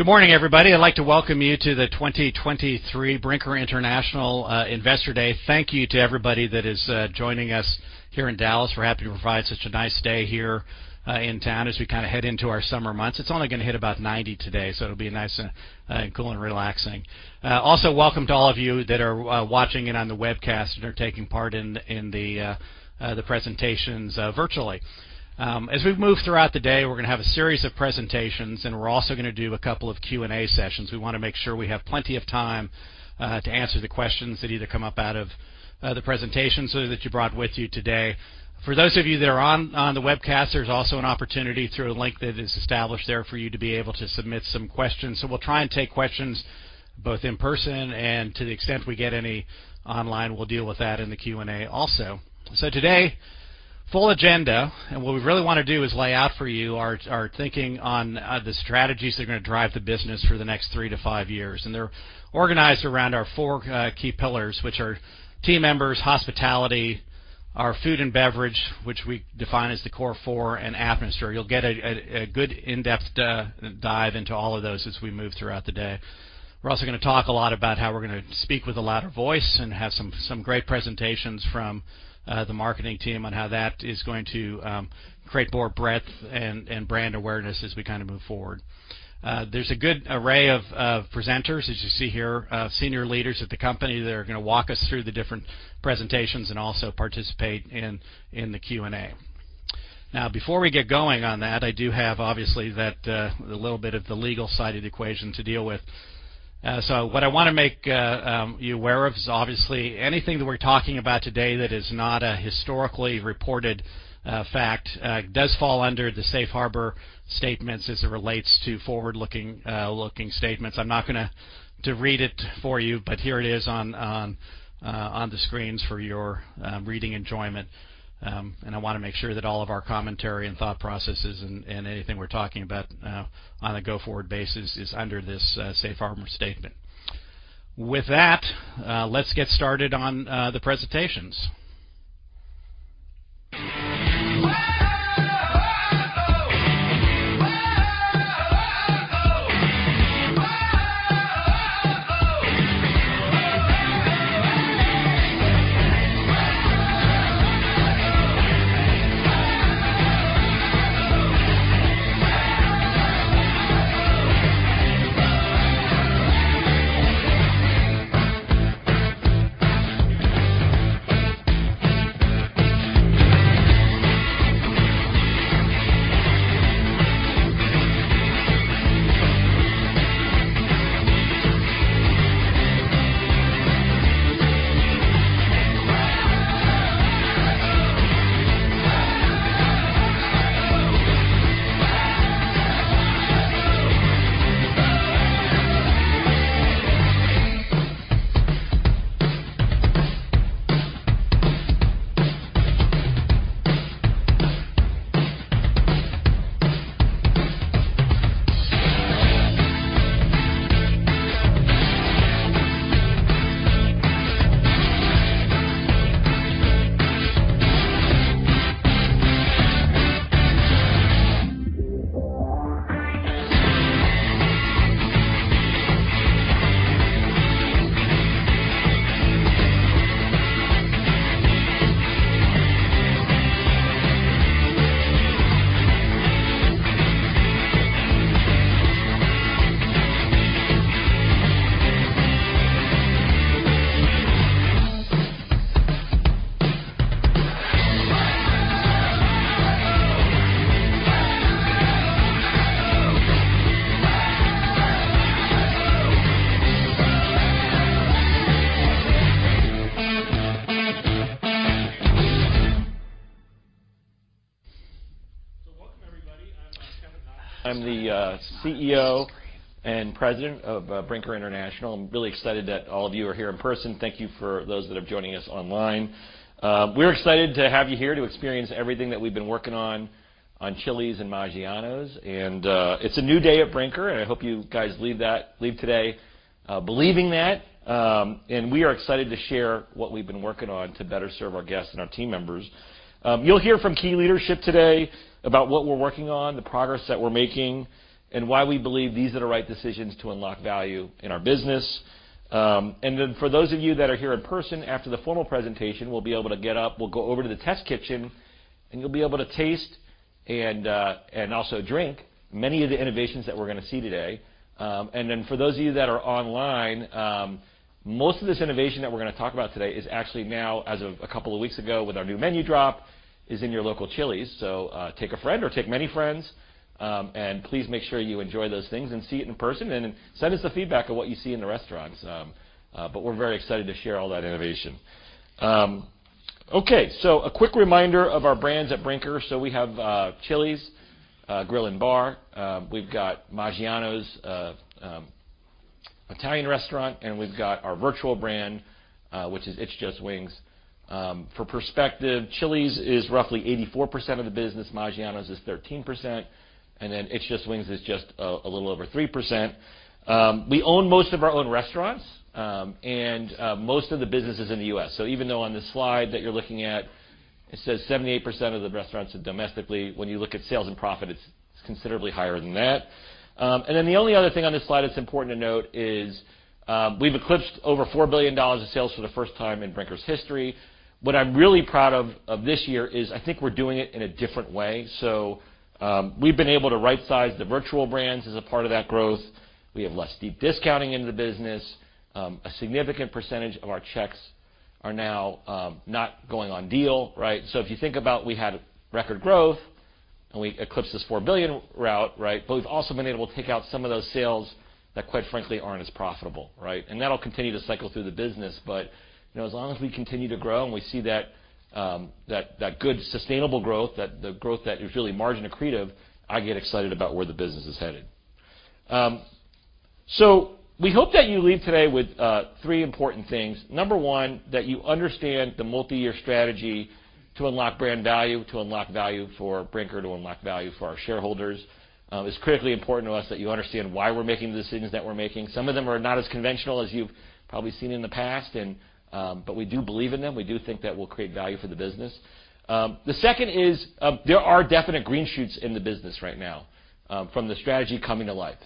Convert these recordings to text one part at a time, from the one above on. Good morning, everybody. I'd like to welcome you to the 2023 Brinker International Investor Day. Thank you to everybody that is joining us here in Dallas. We're happy to provide such a nice day here in town as we kind of head into our summer months. It's only going to hit about 90 today, so it'll be nice, cool and relaxing. Also, welcome to all of you that are watching it on the webcast and are taking part in the presentations virtually. As we've moved throughout the day, we're gonna have a series of presentations, and we're also gonna do a couple of Q&A sessions. We wanna make sure we have plenty of time to answer the questions that either come up out of the presentations or that you brought with you today. For those of you that are on the webcast, there's also an opportunity through a link that is established there for you to be able to submit some questions. We'll try and take questions both in person and to the extent we get any online, we'll deal with that in the Q&A also. Today, full agenda, and what we really wanna do is lay out for you our thinking on the strategies that are gonna drive the business for the next three to five years. They're organized around our four key pillars, which are team members, hospitality, our food and beverage, which we define as the Core Four, and atmosphere. You'll get a good in-depth dive into all of those as we move throughout the day. We're also gonna talk a lot about how we're gonna speak with a louder voice and have some great presentations from the marketing team on how that is going to create more breadth and brand awareness as we kind of move forward. There's a good array of presenters, as you see here, senior leaders at the company that are gonna walk us through the different presentations and also participate in the Q&A. Now, before we get going on that, I do have, obviously, that the little bit of the legal side of the equation to deal with. What I wanna make you aware of is, obviously, anything that we're talking about today that is not a historically reported fact, does fall under the safe harbor statements as it relates to forward-looking statements. I'm not gonna read it for you, but here it is on the screens for your reading enjoyment. And I wanna make sure that all of our commentary and thought processes and anything we're talking about on a go-forward basis is under this safe harbor statement. With that, let's get started on the presentations. Welcome, everybody. I'm Kevin Hochman. I'm the CEO and President of Brinker International. I'm really excited that all of you are here in person. Thank you for those that are joining us online. We're excited to have you here to experience everything that we've been working on on Chili's and Maggiano's, it's a new day at Brinker, and I hope you guys leave today believing that. We are excited to share what we've been working on to better serve our guests and our team members. You'll hear from key leadership today about what we're working on, the progress that we're making, and why we believe these are the right decisions to unlock value in our business. For those of you that are here in person, after the formal presentation, we'll be able to get up, we'll go over to the test kitchen, and you'll be able to taste and also drink many of the innovations that we're gonna see today. For those of you that are online, most of this innovation that we're gonna talk about today is actually now, as of a couple of weeks ago, with our new menu drop, is in your local Chili's. Take a friend or take many friends, and please make sure you enjoy those things and see it in person, and send us the feedback of what you see in the restaurants. We're very excited to share all that innovation. Okay, a quick reminder of our brands at Brinker. We have Chili's Grill & Bar, we've got Maggiano's Italian restaurant, we've got our virtual brand, which is It's Just Wings. For perspective, Chili's is roughly 84% of the business, Maggiano's is 13%, It's Just Wings is just a little over 3%. We own most of our own restaurants, most of the business is in the U.S. Even though on the slide that you're looking at, it says 78% of the restaurants are domestically, when you look at sales and profit, it's considerably higher than that. The only other thing on this slide that's important to note is, we've eclipsed over $4 billion in sales for the first time in Brinker's history. What I'm really proud of this year is I think we're doing it in a different way. We've been able to right-size the virtual brands as a part of that growth. We have less deep discounting in the business. A significant percentage of our checks are now, not going on deal, right? If you think about we had record growth, and we eclipsed this $4 billion route, right? We've also been able to take out some of those sales that, quite frankly, aren't as profitable, right? That'll continue to cycle through the business. You know, as long as we continue to grow and we see that good, sustainable growth, that the growth that is really margin accretive, I get excited about where the business is headed. We hope that you leave today with three important things. Number one, that you understand the multi-year strategy to unlock brand value, to unlock value for Brinker, to unlock value for our shareholders. It's critically important to us that you understand why we're making the decisions that we're making. Some of them are not as conventional as you've probably seen in the past, but we do believe in them. We do think that we'll create value for the business. The second is, there are definite green shoots in the business right now, from the strategy coming to light.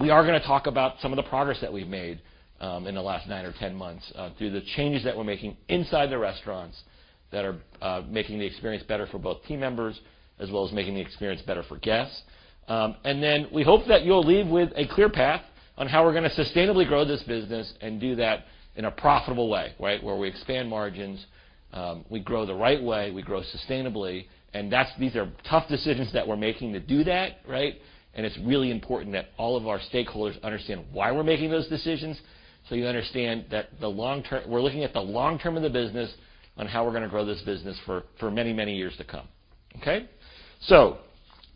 We are gonna talk about some of the progress that we've made in the last 9 or 10 months through the changes that we're making inside the restaurants that are making the experience better for both team members, as well as making the experience better for guests. We hope that you'll leave with a clear path on how we're gonna sustainably grow this business and do that in a profitable way, right? Where we expand margins, we grow the right way, we grow sustainably, and these are tough decisions that we're making to do that, right? It's really important that all of our stakeholders understand why we're making those decisions, so you understand that we're looking at the long term of the business on how we're gonna grow this business for many, many years to come. Okay?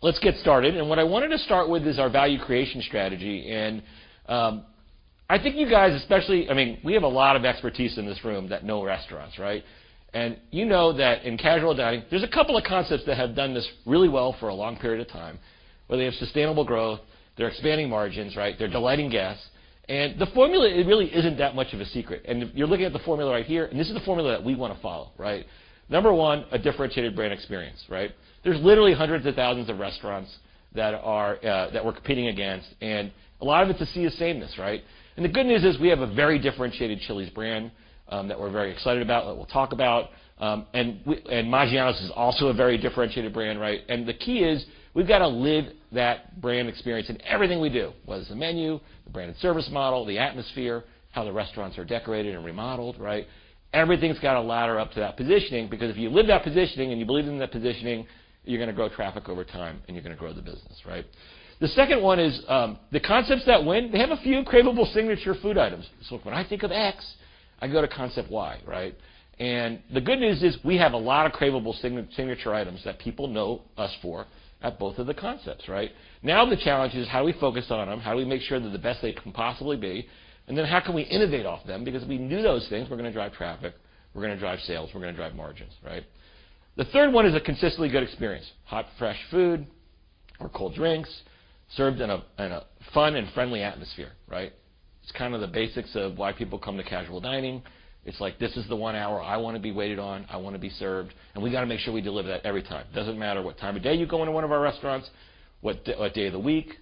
Let's get started. What I wanted to start with is our value creation strategy, I mean, I think you guys, we have a lot of expertise in this room that know restaurants, right? You know that in casual dining, there's a couple of concepts that have done this really well for a long period of time, where they have sustainable growth, they're expanding margins, right, they're delighting guests. The formula, it really isn't that much of a secret. You're looking at the formula right here, and this is the formula that we want to follow, right? Number one, a differentiated brand experience, right? There's literally hundreds of thousands of restaurants that are, that we're competing against, and a lot of it's a sea of sameness, right? The good news is, we have a very differentiated Chili's brand, that we're very excited about, that we'll talk about. Maggiano's is also a very differentiated brand, right? The key is we've got to live that brand experience in everything we do, whether it's the menu, the brand and service model, the atmosphere, how the restaurants are decorated and remodeled, right? Everything's got to ladder up to that positioning, because if you live that positioning and you believe in that positioning, you're gonna grow traffic over time, and you're gonna grow the business, right? The second one is, the concepts that win, they have a few cravable, signature food items. When I think of X, I can go to concept Y, right? The good news is, we have a lot of cravable signature items that people know us for at both of the concepts, right? The challenge is how we focus on them, how do we make sure they're the best they can possibly be, and then how can we innovate off them? If we do those things, we're gonna drive traffic, we're gonna drive sales, we're gonna drive margins, right? The third one is a consistently good experience: hot, fresh food or cold drinks, served in a fun and friendly atmosphere, right? It's kind of the basics of why people come to casual dining. It's like, this is the one hour I want to be waited on, I want to be served, and we got to make sure we deliver that every time. Doesn't matter what time of day you go into one of our restaurants, what day of the week,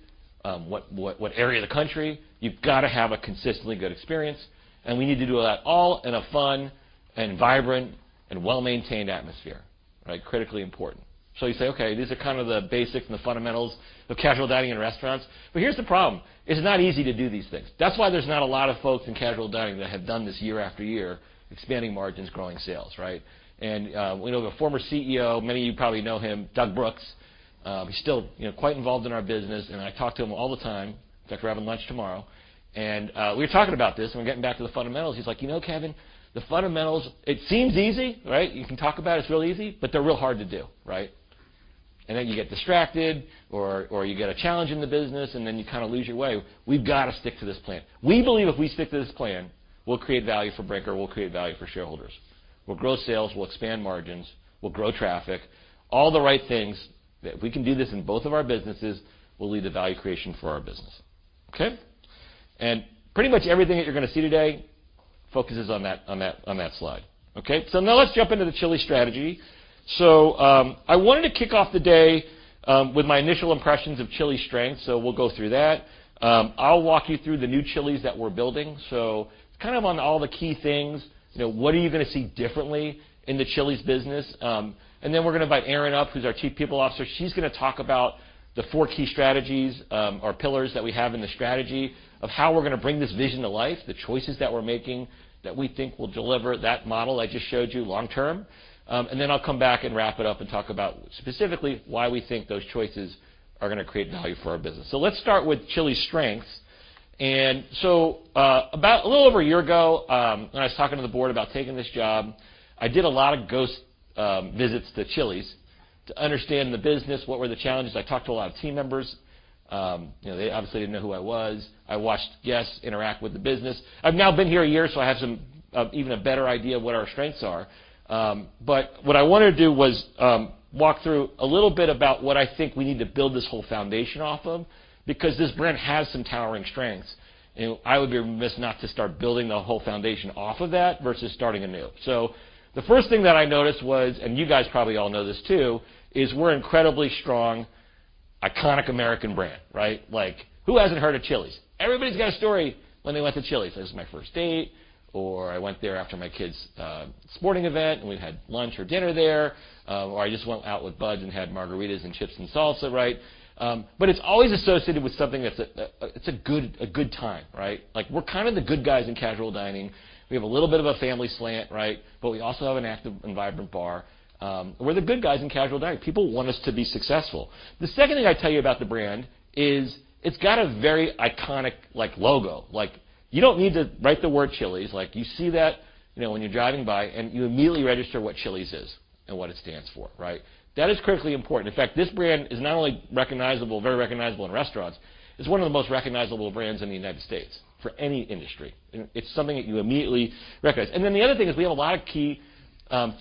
what area of the country, you've got to have a consistently good experience, and we need to do that all in a fun and vibrant and well-maintained atmosphere, right? Critically important. You say, "Okay, these are kind of the basics and the fundamentals of casual dining in restaurants." Here's the problem: It's not easy to do these things. That's why there's not a lot of folks in casual dining that have done this year after year, expanding margins, growing sales, right? We know the former CEO, many of you probably know him, Doug Brooks. He's still, you know, quite involved in our business, and I talk to him all the time. In fact, we're having lunch tomorrow. We were talking about this, and we're getting back to the fundamentals. He's like, "You know, Kevin, the fundamentals, it seems easy, right? You can talk about it's real easy, but they're real hard to do, right? And then you get distracted or you get a challenge in the business, and then you kind of lose your way. We've got to stick to this plan." We believe if we stick to this plan, we'll create value for Brinker, we'll create value for shareholders. We'll grow sales, we'll expand margins, we'll grow traffic, all the right things. If we can do this in both of our businesses, we'll lead to value creation for our business, okay? Pretty much everything that you're gonna see today focuses on that, on that, on that slide. Now let's jump into the Chili's strategy. I wanted to kick off the day with my initial impressions of Chili's strengths, we'll go through that. I'll walk you through the new Chili's that we're building. It's kind of on all the key things. You know, what are you gonna see differently in the Chili's business? We're gonna invite Erin up, who's our Chief People Officer. She's gonna talk about the four key strategies, or pillars that we have in the strategy of how we're gonna bring this vision to life, the choices that we're making that we think will deliver that model I just showed you long term. I'll come back and wrap it up and talk about specifically why we think those choices are gonna create value for our business. Let's start with Chili's strengths. About a little over one year ago, when I was talking to the board about taking this job, I did a lot of ghost visits to Chili's. To understand the business, what were the challenges? I talked to a lot of team members. They obviously didn't know who I was. I watched guests interact with the business. I've now been here one year, so I have some even a better idea of what our strengths are. What I wanted to do was walk through a little bit about what I think we need to build this whole foundation off of, because this brand has some towering strengths, and I would be remiss not to start building the whole foundation off of that versus starting anew. The first thing that I noticed was, and you guys probably all know this, too, is we're incredibly strong, iconic American brand, right? Like, who hasn't heard of Chili's? Everybody's got a story when they went to Chili's. This is my first date, or I went there after my kid's sporting event, and we had lunch or dinner there, or I just went out with buds and had margaritas and chips and salsa, right? It's always associated with something that's a good time, right? Like, we're kind of the good guys in casual dining. We have a little bit of a family slant, right? We also have an active and vibrant bar. We're the good guys in casual dining. People want us to be successful. The second thing I tell you about the brand is it's got a very iconic logo. You don't need to write the word Chili's. You see that, you know, when you're driving by, and you immediately register what Chili's is and what it stands for, right? That is critically important. In fact, this brand is not only recognizable, very recognizable in restaurants, it's one of the most recognizable brands in the United States for any industry. It's something that you immediately recognize. The other thing is, we have a lot of key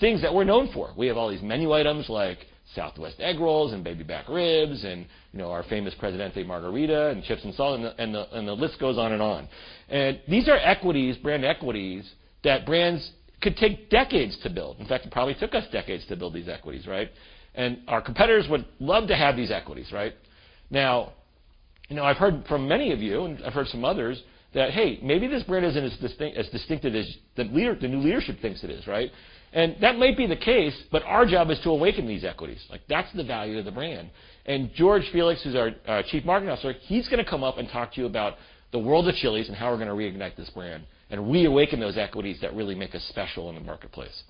things that we're known for. We have all these menu items like Southwest Egg Rolls and Baby Back Ribs, and, you know, our famous Presidente Margarita and chips and salsa, and the list goes on and on. These are equities, brand equities, that brands could take decades to build. In fact, it probably took us decades to build these equities, right? And our competitors would love to have these equities, right? Now, you know, I've heard from many of you, and I've heard some others, that, "Hey, maybe this brand isn't as distinct, as distinctive as the new leadership thinks it is," right? And that may be the case, but our job is to awaken these equities. Like, that's the value of the brand. And George Felix, who's our Chief Marketing Officer, he's going to come up and talk to you about the world of Chili's and how we're going to reignite this brand and reawaken those equities that really make us special in the marketplace.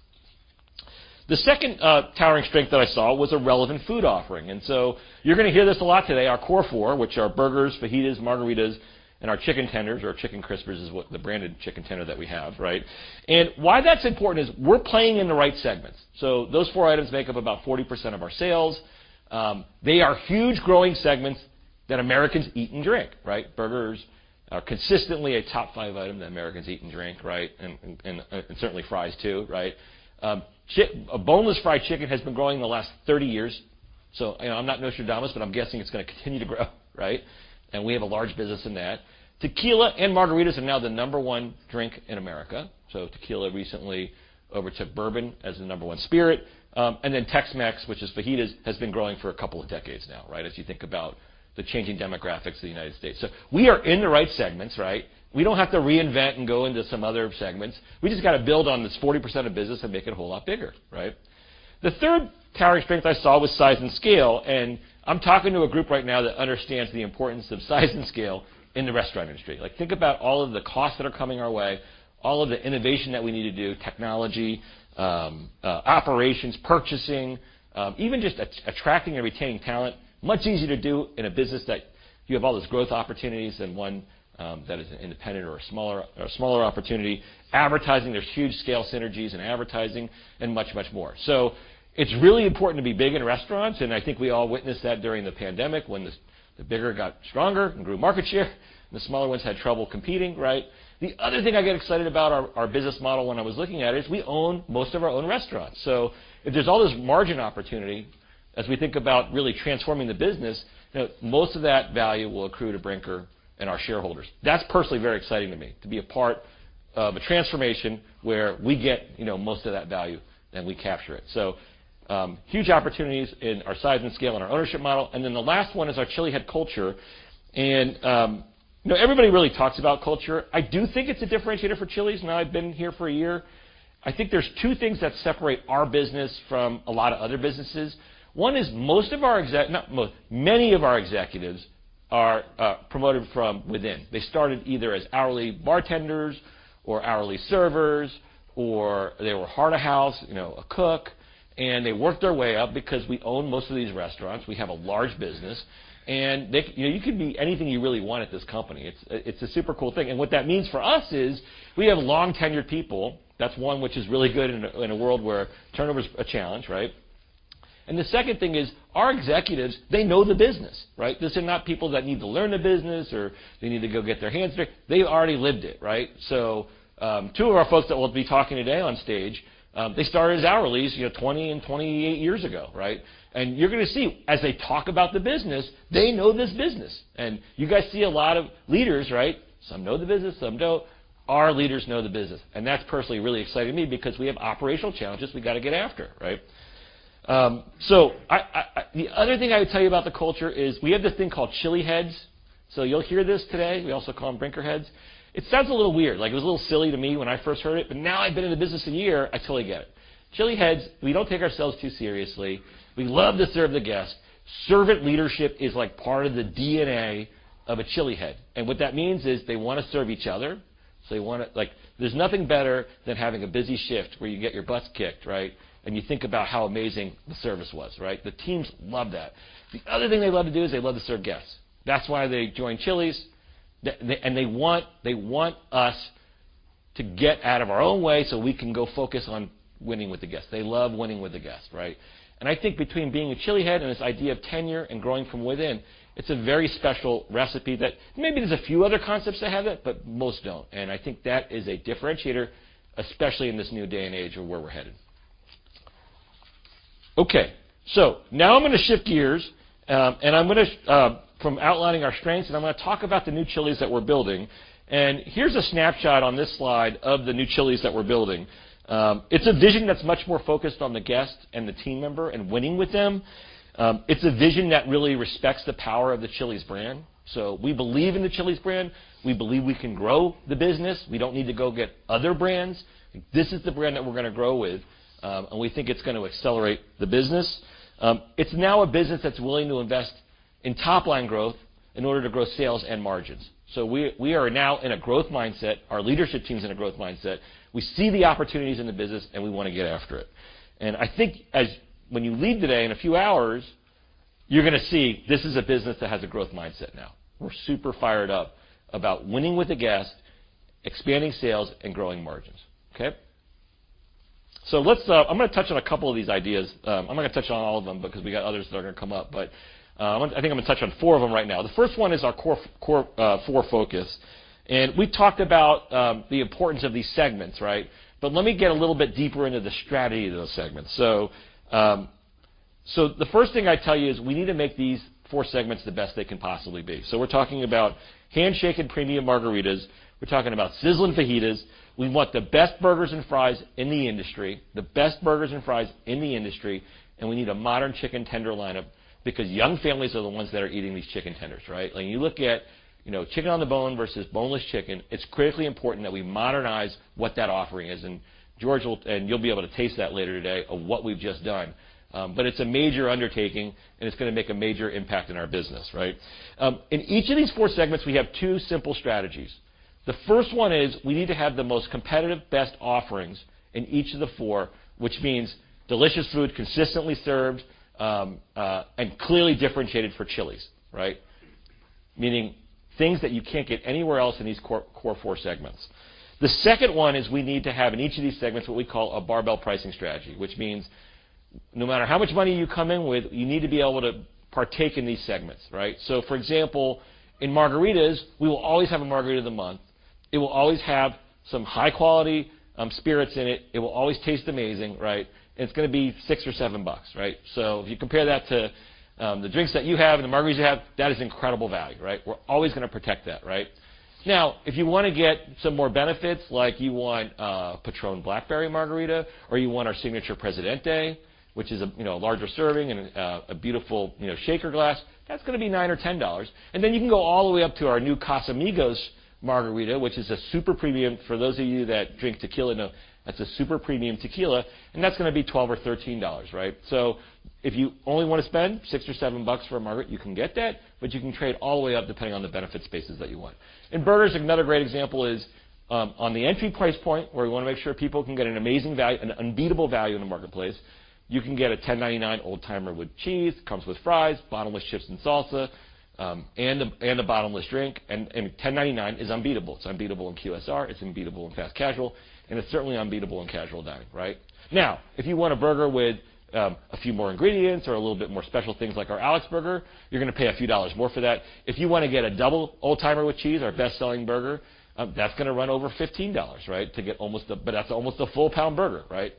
The second, towering strength that I saw was a relevant food offering. You're going to hear this a lot today, our Core Four, which are burgers, fajitas, margaritas, and our chicken tenders, or Chicken Crispers, is what the branded chicken tender that we have, right? Why that's important is we're playing in the right segments. Those four items make up about 40% of our sales. They are huge, growing segments that Americans eat and drink, right? Burgers are consistently a top five item that Americans eat and drink, right? Certainly fries, too, right? Boneless fried chicken has been growing in the last 30 years, so I'm not Nostradamus, but I'm guessing it's going to continue to grow, right? We have a large business in that. Tequila and margaritas are now the number one drink in America. Tequila recently overtook bourbon as the number one spirit. Tex-Mex, which is fajitas, has been growing for a couple of decades now, right? As you think about the changing demographics of the United States. We are in the right segments, right? We don't have to reinvent and go into some other segments. We just got to build on this 40% of business and make it a whole lot bigger, right? The third towering strength I saw was size and scale, and I'm talking to a group right now that understands the importance of size and scale in the restaurant industry. Like, think about all of the costs that are coming our way, all of the innovation that we need to do, technology, operations, purchasing, even just attracting and retaining talent. Much easier to do in a business that you have all those growth opportunities than one that is independent or a smaller opportunity. Advertising, there's huge scale synergies in advertising and much, much more. It's really important to be big in restaurants, and I think we all witnessed that during the pandemic when the bigger got stronger and grew market share, the smaller ones had trouble competing, right? The other thing I get excited about our business model when I was looking at it is we own most of our own restaurants. If there's all this margin opportunity, as we think about really transforming the business, most of that value will accrue to Brinker and our shareholders. That's personally very exciting to me, to be a part of a transformation where we get, you know, most of that value, and we capture it. Huge opportunities in our size and scale and our ownership model. The last one is our ChiliHead culture. You know, everybody really talks about culture. I do think it's a differentiator for Chili's now I've been here for a year. I think there's two things that separate our business from a lot of other businesses. One is most of our not most, many of our executives are promoted from within. They started either as hourly bartenders or hourly servers, or they were heart of house, you know, a cook, and they worked their way up because we own most of these restaurants. We have a large business. You know, you can be anything you really want at this company. It's a super cool thing, and what that means for us is we have long-tenured people. That's one which is really good in a, in a world where turnover is a challenge, right? The second thing is, our executives, they know the business, right? These are not people that need to learn the business, or they need to go get their hands dirty. They've already lived it, right? Two of our folks that will be talking today on stage, they started as hourlies, you know, 20 and 28 years ago, right? You're gonna see, as they talk about the business, they know this business. You guys see a lot of leaders, right? Some know the business, some don't. Our leaders know the business, and that's personally really exciting to me because we have operational challenges we've got to get after, right? The other thing I would tell you about the culture is we have this thing called ChiliHeads, you'll hear this today. We also call them BrinkerHeads. It sounds a little weird, like it was a little silly to me when I first heard it, but now I've been in the business a year, I totally get it. ChiliHeads, we don't take ourselves too seriously. We love to serve the guests. Servant leadership is like part of the DNA of a ChiliHead, and what that means is they want to serve each other. They want to. Like, there's nothing better than having a busy shift where you get your butt kicked, right? You think about how amazing the service was, right? The teams love that. The other thing they love to do is they love to serve guests. That's why they joined Chili's, they want to get out of our own way so we can go focus on winning with the guests. They love winning with the guests, right? I think between being a ChiliHead and this idea of tenure and growing from within, it's a very special recipe that maybe there's a few other concepts that have it, but most don't. I think that is a differentiator, especially in this new day and age of where we're headed. Now I'm going to shift gears, from outlining our strengths, I'm going to talk about the new Chili's that we're building. Here's a snapshot on this slide of the new Chili's that we're building. It's a vision that's much more focused on the guest and the team member and winning with them. It's a vision that really respects the power of the Chili's brand. We believe in the Chili's brand. We believe we can grow the business. We don't need to go get other brands. This is the brand that we're going to grow with, and we think it's going to accelerate the business. It's now a business that's willing to invest in top-line growth in order to grow sales and margins. We, we are now in a growth mindset. Our leadership team is in a growth mindset. We see the opportunities in the business, and we want to get after it. I think when you leave today, in a few hours, you're going to see this is a business that has a growth mindset now. We're super fired up about winning with the guest, expanding sales, and growing margins, okay? I'm going to touch on a couple of these ideas. I'm not going to touch on all of them because we got others that are going to come up, but I think I'm going to touch on four of them right now. The first one is our Core Four focus, and we talked about the importance of these segments, right? Let me get a little bit deeper into the strategy of those segments. The first thing I tell you is we need to make these four segments the best they can possibly be. We're talking about hand-shaken premium margaritas, we're talking about Sizzlin' Fajitas, we want the best burgers and fries in the industry, and we need a modern chicken tender lineup because young families are the ones that are eating these chicken tenders, right? When you look at, you know, chicken on the bone versus boneless chicken, it's critically important that we modernize what that offering is, and George, you'll be able to taste that later today of what we've just done. It's a major undertaking, and it's going to make a major impact in our business, right? In each of these 4 segments, we have two simple strategies. The first one is we need to have the most competitive, best offerings in each of the Core Four, which means delicious food, consistently served, and clearly differentiated for Chili's, right? Meaning, things that you can't get anywhere else in these Core Four segments. The second one is we need to have, in each of these segments, what we call a barbell pricing strategy, which means no matter how much money you come in with, you need to be able to partake in these segments, right? For example, in margaritas, we will always have a Margarita of the Month. It will always have some high-quality spirits in it. It will always taste amazing, right? It's going to be $6 or $7, right? If you compare that to the drinks that you have and the margaritas you have, that is incredible value, right? We're always going to protect that, right? If you want to get some more benefits, like you want a Patrón Blackberry Margarita, or you want our signature Presidente Margarita, which is a, you know, a larger serving and a beautiful, you know, shaker glass, that's going to be $9 or $10. You can go all the way up to our new Casamigos Margarita, which is a super premium. For those of you that drink tequila, know that's a super premium tequila, and that's going to be $12 or $13, right? If you only want to spend $6 or $7 for a margarita, you can get that, but you can trade all the way up, depending on the benefit spaces that you want. In burgers, another great example is on the entry price point, where we want to make sure people can get an amazing value, an unbeatable value in the marketplace, you can get a $10.99 Oldtimer with cheese, comes with fries, bottomless chips and salsa, and a bottomless drink. $10.99 is unbeatable. It's unbeatable in QSR, it's unbeatable in fast casual, and it's certainly unbeatable in casual dining, right? Now, if you want a burger with a few more ingredients or a little bit more special things like our Alex Burger, you're going to pay a few dollars more for that. If you want to get a double Oldtimer with cheese, our best-selling burger, that's going to run over $15, right? That's almost a full-pound burger, right?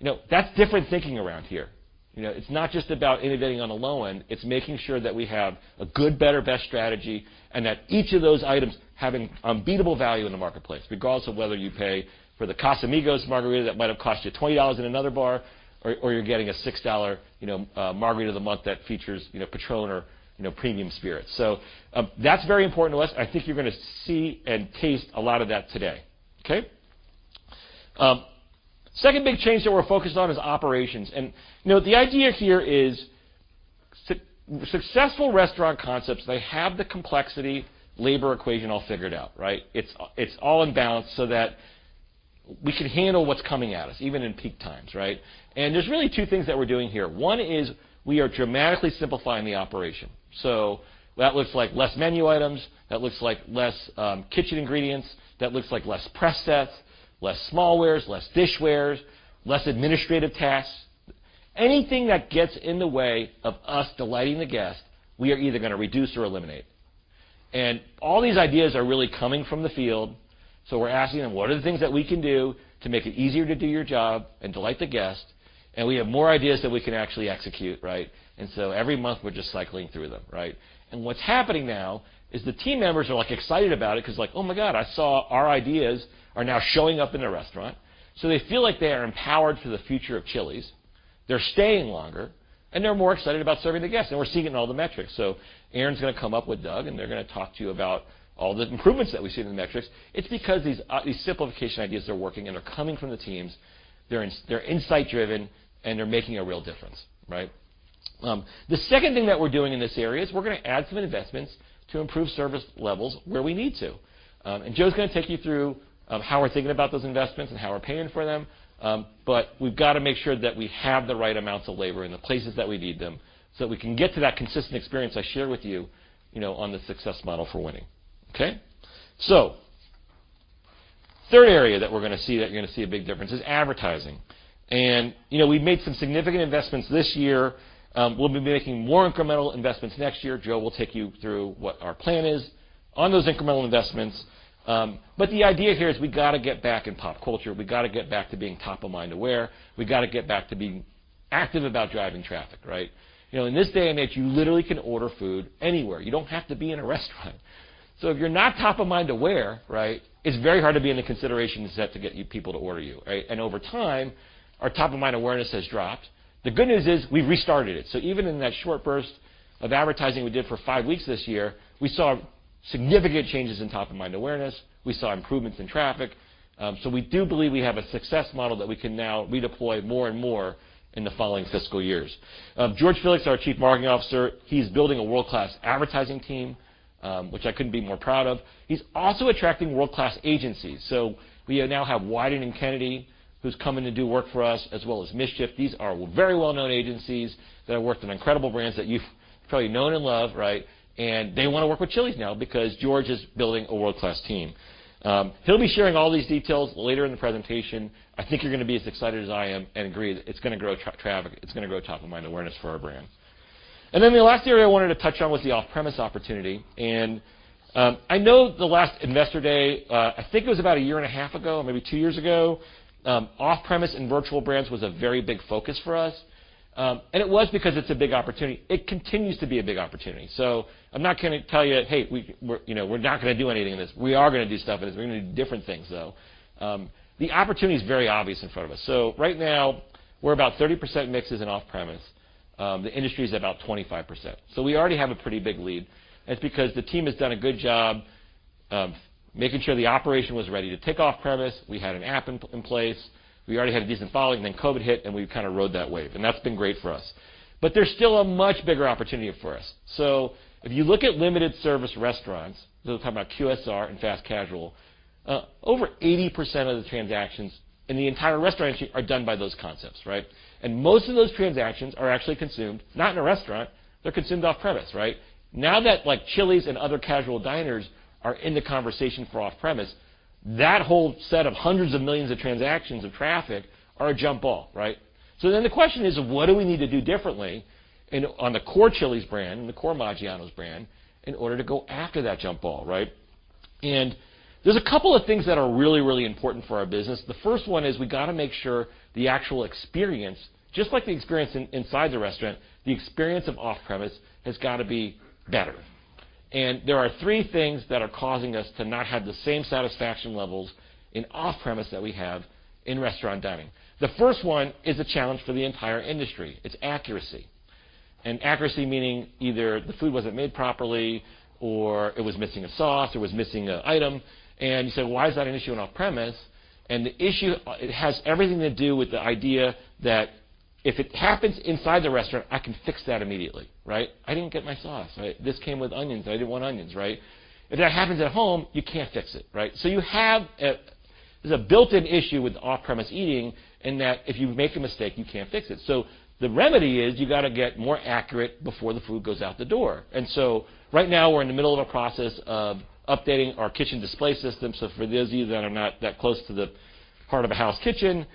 You know, that's different thinking around here. You know, it's not just about innovating on the low end, it's making sure that we have a good, better, best strategy and that each of those items having unbeatable value in the marketplace, regardless of whether you pay for the Casamigos margarita that might have cost you $20 in another bar, or you're getting a $6, you know, Margarita of the Month that features, you know, Patrón or, you know, premium spirits. That's very important to us. I think you're going to see and taste a lot of that today, okay? Second big change that we're focused on is operations, and, you know, the idea here is successful restaurant concepts, they have the complexity, labor equation all figured out, right? It's all in balance so that we can handle what's coming at us, even in peak times, right? There's really 2 things that we're doing here. 1 is we are dramatically simplifying the operation. That looks like less menu items, that looks like less kitchen ingredients, that looks like less prep sets, less smallwares, less dishwares, less administrative tasks. Anything that gets in the way of us delighting the guest, we are either going to reduce or eliminate. All these ideas are really coming from the field, so we're asking them: "What are the things that we can do to make it easier to do your job and delight the guest?" We have more ideas that we can actually execute, right? Every month, we're just cycling through them, right? What's happening now is the team members are, like, excited about it because like, "Oh my God, I saw our ideas are now showing up in the restaurant." They feel like they are empowered for the future of Chili's, they're staying longer, and they're more excited about serving the guests, and we're seeing it in all the metrics. Aaron's going to come up with Doug, and they're going to talk to you about all the improvements that we see in the metrics. It's because these simplification ideas are working and are coming from the teams, they're insight driven, and they're making a real difference, right? The second thing that we're doing in this area is we're going to add some investments to improve service levels where we need to. Joe's going to take you through, how we're thinking about those investments and how we're paying for them. We've got to make sure that we have the right amounts of labor in the places that we need them, so that we can get to that consistent experience I shared with you know, on the success model for winning. Okay? Third area that we're going to see, that you're going to see a big difference is advertising. You know, we've made some significant investments this year. We'll be making more incremental investments next year. Joe will take you through what our plan is on those incremental investments. The idea here is we got to get back in pop culture. We got to get back to being top-of-mind aware. We got to get back to being active about driving traffic, right? You know, in this day and age, you literally can order food anywhere. You don't have to be in a restaurant. If you're not top-of-mind aware, right, it's very hard to be in the consideration set to get you people to order you, right? Over time, our top-of-mind awareness has dropped. The good news is, we restarted it. Even in that short burst of advertising we did for 5 weeks this year, we saw significant changes in top-of-mind awareness. We saw improvements in traffic. We do believe we have a success model that we can now redeploy more and more in the following fiscal years. George Felix, our Chief Marketing Officer, he's building a world-class advertising team, which I couldn't be more proud of. He's also attracting world-class agencies. We now have Wieden+Kennedy, who's coming to do work for us, as well as Mischief. These are very well-known agencies that have worked on incredible brands that you've probably known and love, right? They want to work with Chili's now because George is building a world-class team. He'll be sharing all these details later in the presentation. I think you're going to be as excited as I am and agree that it's going to grow traffic. It's going to grow top-of-mind awareness for our brand. The last area I wanted to touch on was the off-premise opportunity. I know the last Investor Day, I think it was about a year and a half ago, maybe 2 years ago, off-premise and virtual brands was a very big focus for us. It was because it's a big opportunity. It continues to be a big opportunity. I'm not going to tell you, "Hey, we're, you know, we're not going to do anything in this." We are going to do stuff, and we're going to do different things, though. The opportunity is very obvious in front of us. Right now, we're about 30% mixes in off-premise. The industry is about 25%, so we already have a pretty big lead. That's because the team has done a good job of making sure the operation was ready to take off-premise. We had an app in place. We already had a decent following, then COVID hit, and we kind of rode that wave, and that's been great for us. There's still a much bigger opportunity for us. If you look at limited service restaurants, so we're talking about QSR and fast casual, over 80% of the transactions in the entire restaurant industry are done by those concepts, right? Most of those transactions are actually consumed, not in a restaurant, they're consumed off-premise, right? Now that, like, Chili's and other casual diners are in the conversation for off-premise, that whole set of hundreds of millions of transactions of traffic are a jump ball, right? The question is, what do we need to do differently and on the core Chili's brand, and the core Maggiano's brand, in order to go after that jump ball, right? There's a couple of things that are really, really important for our business. The first one is we got to make sure the actual experience, just like the experience inside the restaurant, the experience of off-premise has got to be better. There are three things that are causing us to not have the same satisfaction levels in off-premise that we have in restaurant dining. The first one is a challenge for the entire industry. It's accuracy. Accuracy, meaning either the food wasn't made properly or it was missing a sauce, or it was missing an item. You say, "Why is that an issue on off-premise?" The issue, it has everything to do with the idea that if it happens inside the restaurant, I can fix that immediately, right? I didn't get my sauce, right? This came with onions. I didn't want onions, right? If that happens at home, you can't fix it, right? There's a built-in issue with off-premise eating, in that if you make a mistake, you can't fix it. The remedy is you got to get more accurate before the food goes out the door. Right now, we're in the middle of a process of updating our kitchen display system. For those of you that are not that close to the part of a house kitchen,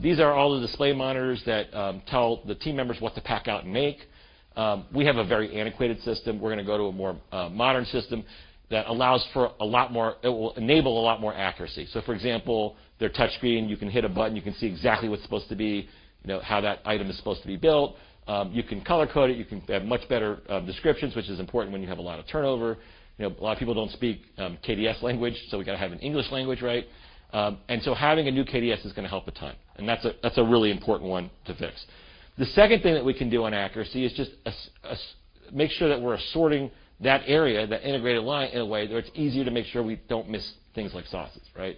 these are all the display monitors that tell the team members what to pack out and make. We have a very antiquated system. We're going to go to a more modern system. It will enable a lot more accuracy. For example, they're touchscreen, you can hit a button, you can see exactly what's supposed to be, you know, how that item is supposed to be built. You can color code it, you can have much better descriptions, which is important when you have a lot of turnover. You know, a lot of people don't speak KDS language, so we got to have an English language, right? Having a new KDS is going to help a ton, and that's a, that's a really important one to fix. The second thing that we can do on accuracy is just make sure that we're sorting that area, that integrated line, in a way that it's easier to make sure we don't miss things like sauces, right?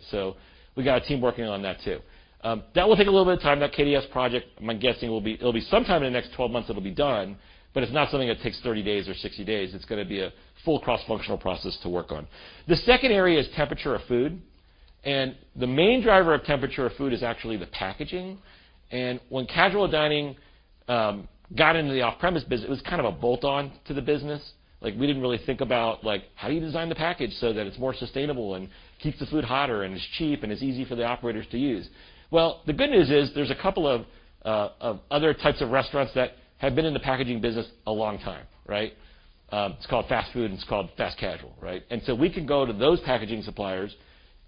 We got a team working on that, too. That will take a little bit of time. That KDS project, it'll be sometime in the next 12 months, it'll be done, but it's not something that takes 30 days or 60 days. It's going to be a full cross-functional process to work on. The second area is temperature of food, the main driver of temperature of food is actually the packaging. When casual dining got into the off-premise business, it was kind of a bolt-on to the business. We didn't really think about, like, how do you design the package so that it's more sustainable and keeps the food hotter, and it's cheap, and it's easy for the operators to use? The good news is, there's a couple of other types of restaurants that have been in the packaging business a long time, right? It's called fast food, and it's called fast casual, right? We can go to those packaging suppliers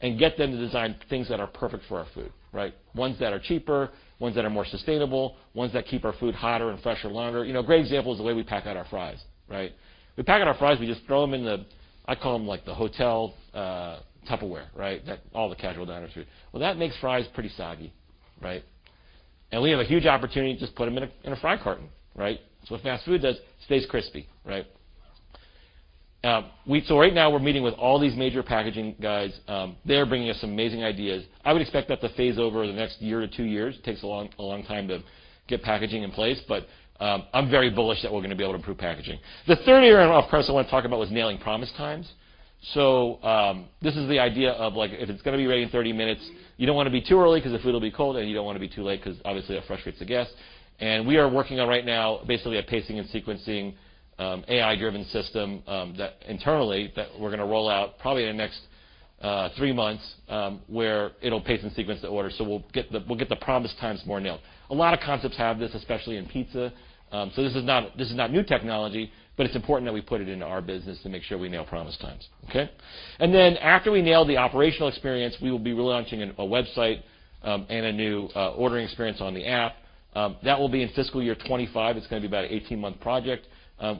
and get them to design things that are perfect for our food, right? Ones that are cheaper, ones that are more sustainable, ones that keep our food hotter and fresher longer. You know, a great example is the way we pack out our fries, right? We pack out our fries, we just throw them in the I call them like the hotel, Tupperware, right, that all the casual diners use. Well, that makes fries pretty soggy, right? We have a huge opportunity to just put them in a, in a fry carton, right? That's what fast food does. Stays crispy, right? Right now we're meeting with all these major packaging guys. They're bringing us some amazing ideas. I would expect that to phase over the next year to 2 years. It takes a long time to get packaging in place, but I'm very bullish that we're going to be able to improve packaging. The third area of progress I want to talk about was nailing promise times. This is the idea of, like, if it's going to be ready in 30 minutes, you don't want to be too early because the food will be cold, and you don't want to be too late because obviously that frustrates the guests. We are working on right now, basically, a pacing and sequencing, AI-driven system, that internally, that we're going to roll out probably in the next 3 months, where it'll pace and sequence the order. We'll get the promise times more nailed. A lot of concepts have this, especially in pizza. This is not new technology, but it's important that we put it into our business to make sure we nail promise times. Okay? After we nail the operational experience, we will be relaunching a website and a new ordering experience on the app. That will be in fiscal year 25. It's going to be about an 18-month project,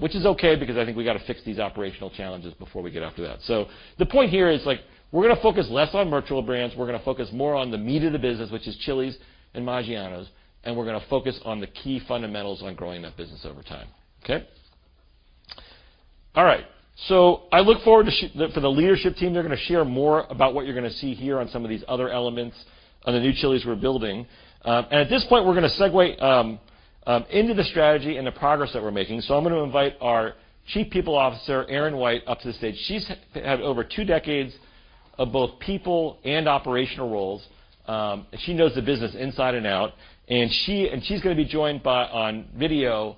which is okay because I think we got to fix these operational challenges before we get after that. The point here is, like, we're going to focus less on virtual brands. We're going to focus more on the meat of the business, which is Chili's and Maggiano's, and we're going to focus on the key fundamentals on growing that business over time. Okay? All right. I look forward to for the leadership team. They're going to share more about what you're going to see here on some of these other elements on the new Chili's we're building. At this point, we're going to segue into the strategy and the progress that we're making. I'm going to invite our Chief People Officer, Aaron White, up to the stage. She's had over 2 decades of both people and operational roles. She knows the business inside and out, and she's going to be joined by on video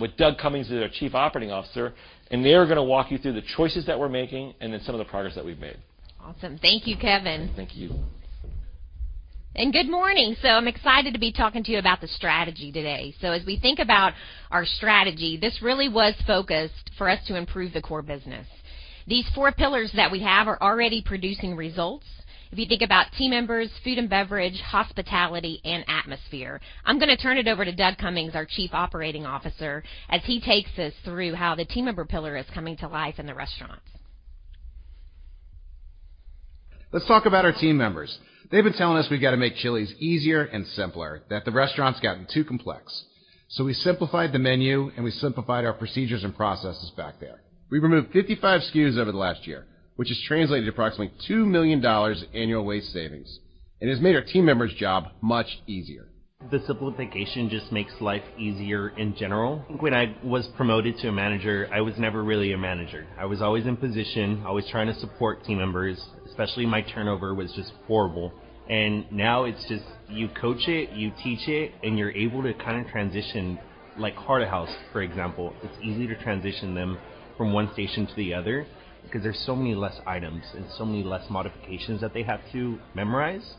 with Doug Comings, who's our Chief Operating Officer. They are going to walk you through the choices that we're making and then some of the progress that we've made. Awesome. Thank you, Kevin. Thank you. Good morning. I'm excited to be talking to you about the strategy today. As we think about our strategy, this really was focused for us to improve the core business. These four pillars that we have are already producing results. If you think about team members, food and beverage, hospitality, and atmosphere. I'm going to turn it over to Doug Comings, our Chief Operating Officer, as he takes us through how the team member pillar is coming to life in the restaurants. Let's talk about our team members. They've been telling us we've got to make Chili's easier and simpler, that the restaurant's gotten too complex. We simplified the menu, we simplified our procedures and processes back there. We removed 55 SKUs over the last year, which has translated to approximately $2 million annual waste savings and has made our team members' job much easier. The simplification just makes life easier in general. When I was promoted to a manager, I was never really a manager. I was always in position, always trying to support team members, especially my turnover was just horrible. Now it's just you coach it, you teach it, and you're able to kind of transition. Like heart of house, for example, it's easier to transition them from one station to the other because there's so many less items and so many less modifications that they have to memorize.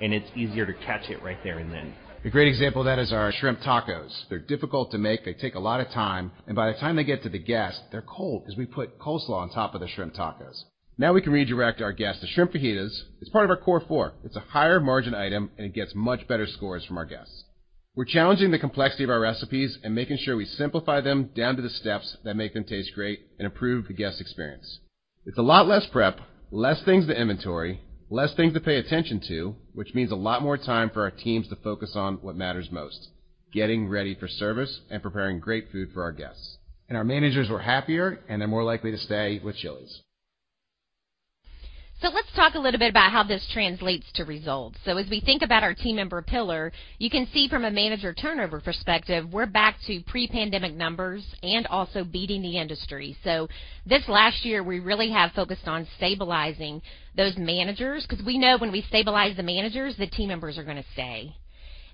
It's easier to catch it right there and then. A great example of that is our shrimp tacos. They're difficult to make, they take a lot of time, and by the time they get to the guest, they're cold because we put coleslaw on top of the shrimp tacos. Now we can redirect our guests to shrimp fajitas. It's part of our Core Four. It's a higher margin item, and it gets much better scores from our guests. We're challenging the complexity of our recipes and making sure we simplify them down to the steps that make them taste great and improve the guest experience. It's a lot less prep, less things to inventory, less things to pay attention to, which means a lot more time for our teams to focus on what matters most: getting ready for service and preparing great food for our guests. Our managers are happier, and they're more likely to stay with Chili's. Let's talk a little bit about how this translates to results. As we think about our team member pillar, you can see from a manager turnover perspective, we're back to pre-pandemic numbers and also beating the industry. This last year, we really have focused on stabilizing those managers because we know when we stabilize the managers, the team members are going to stay.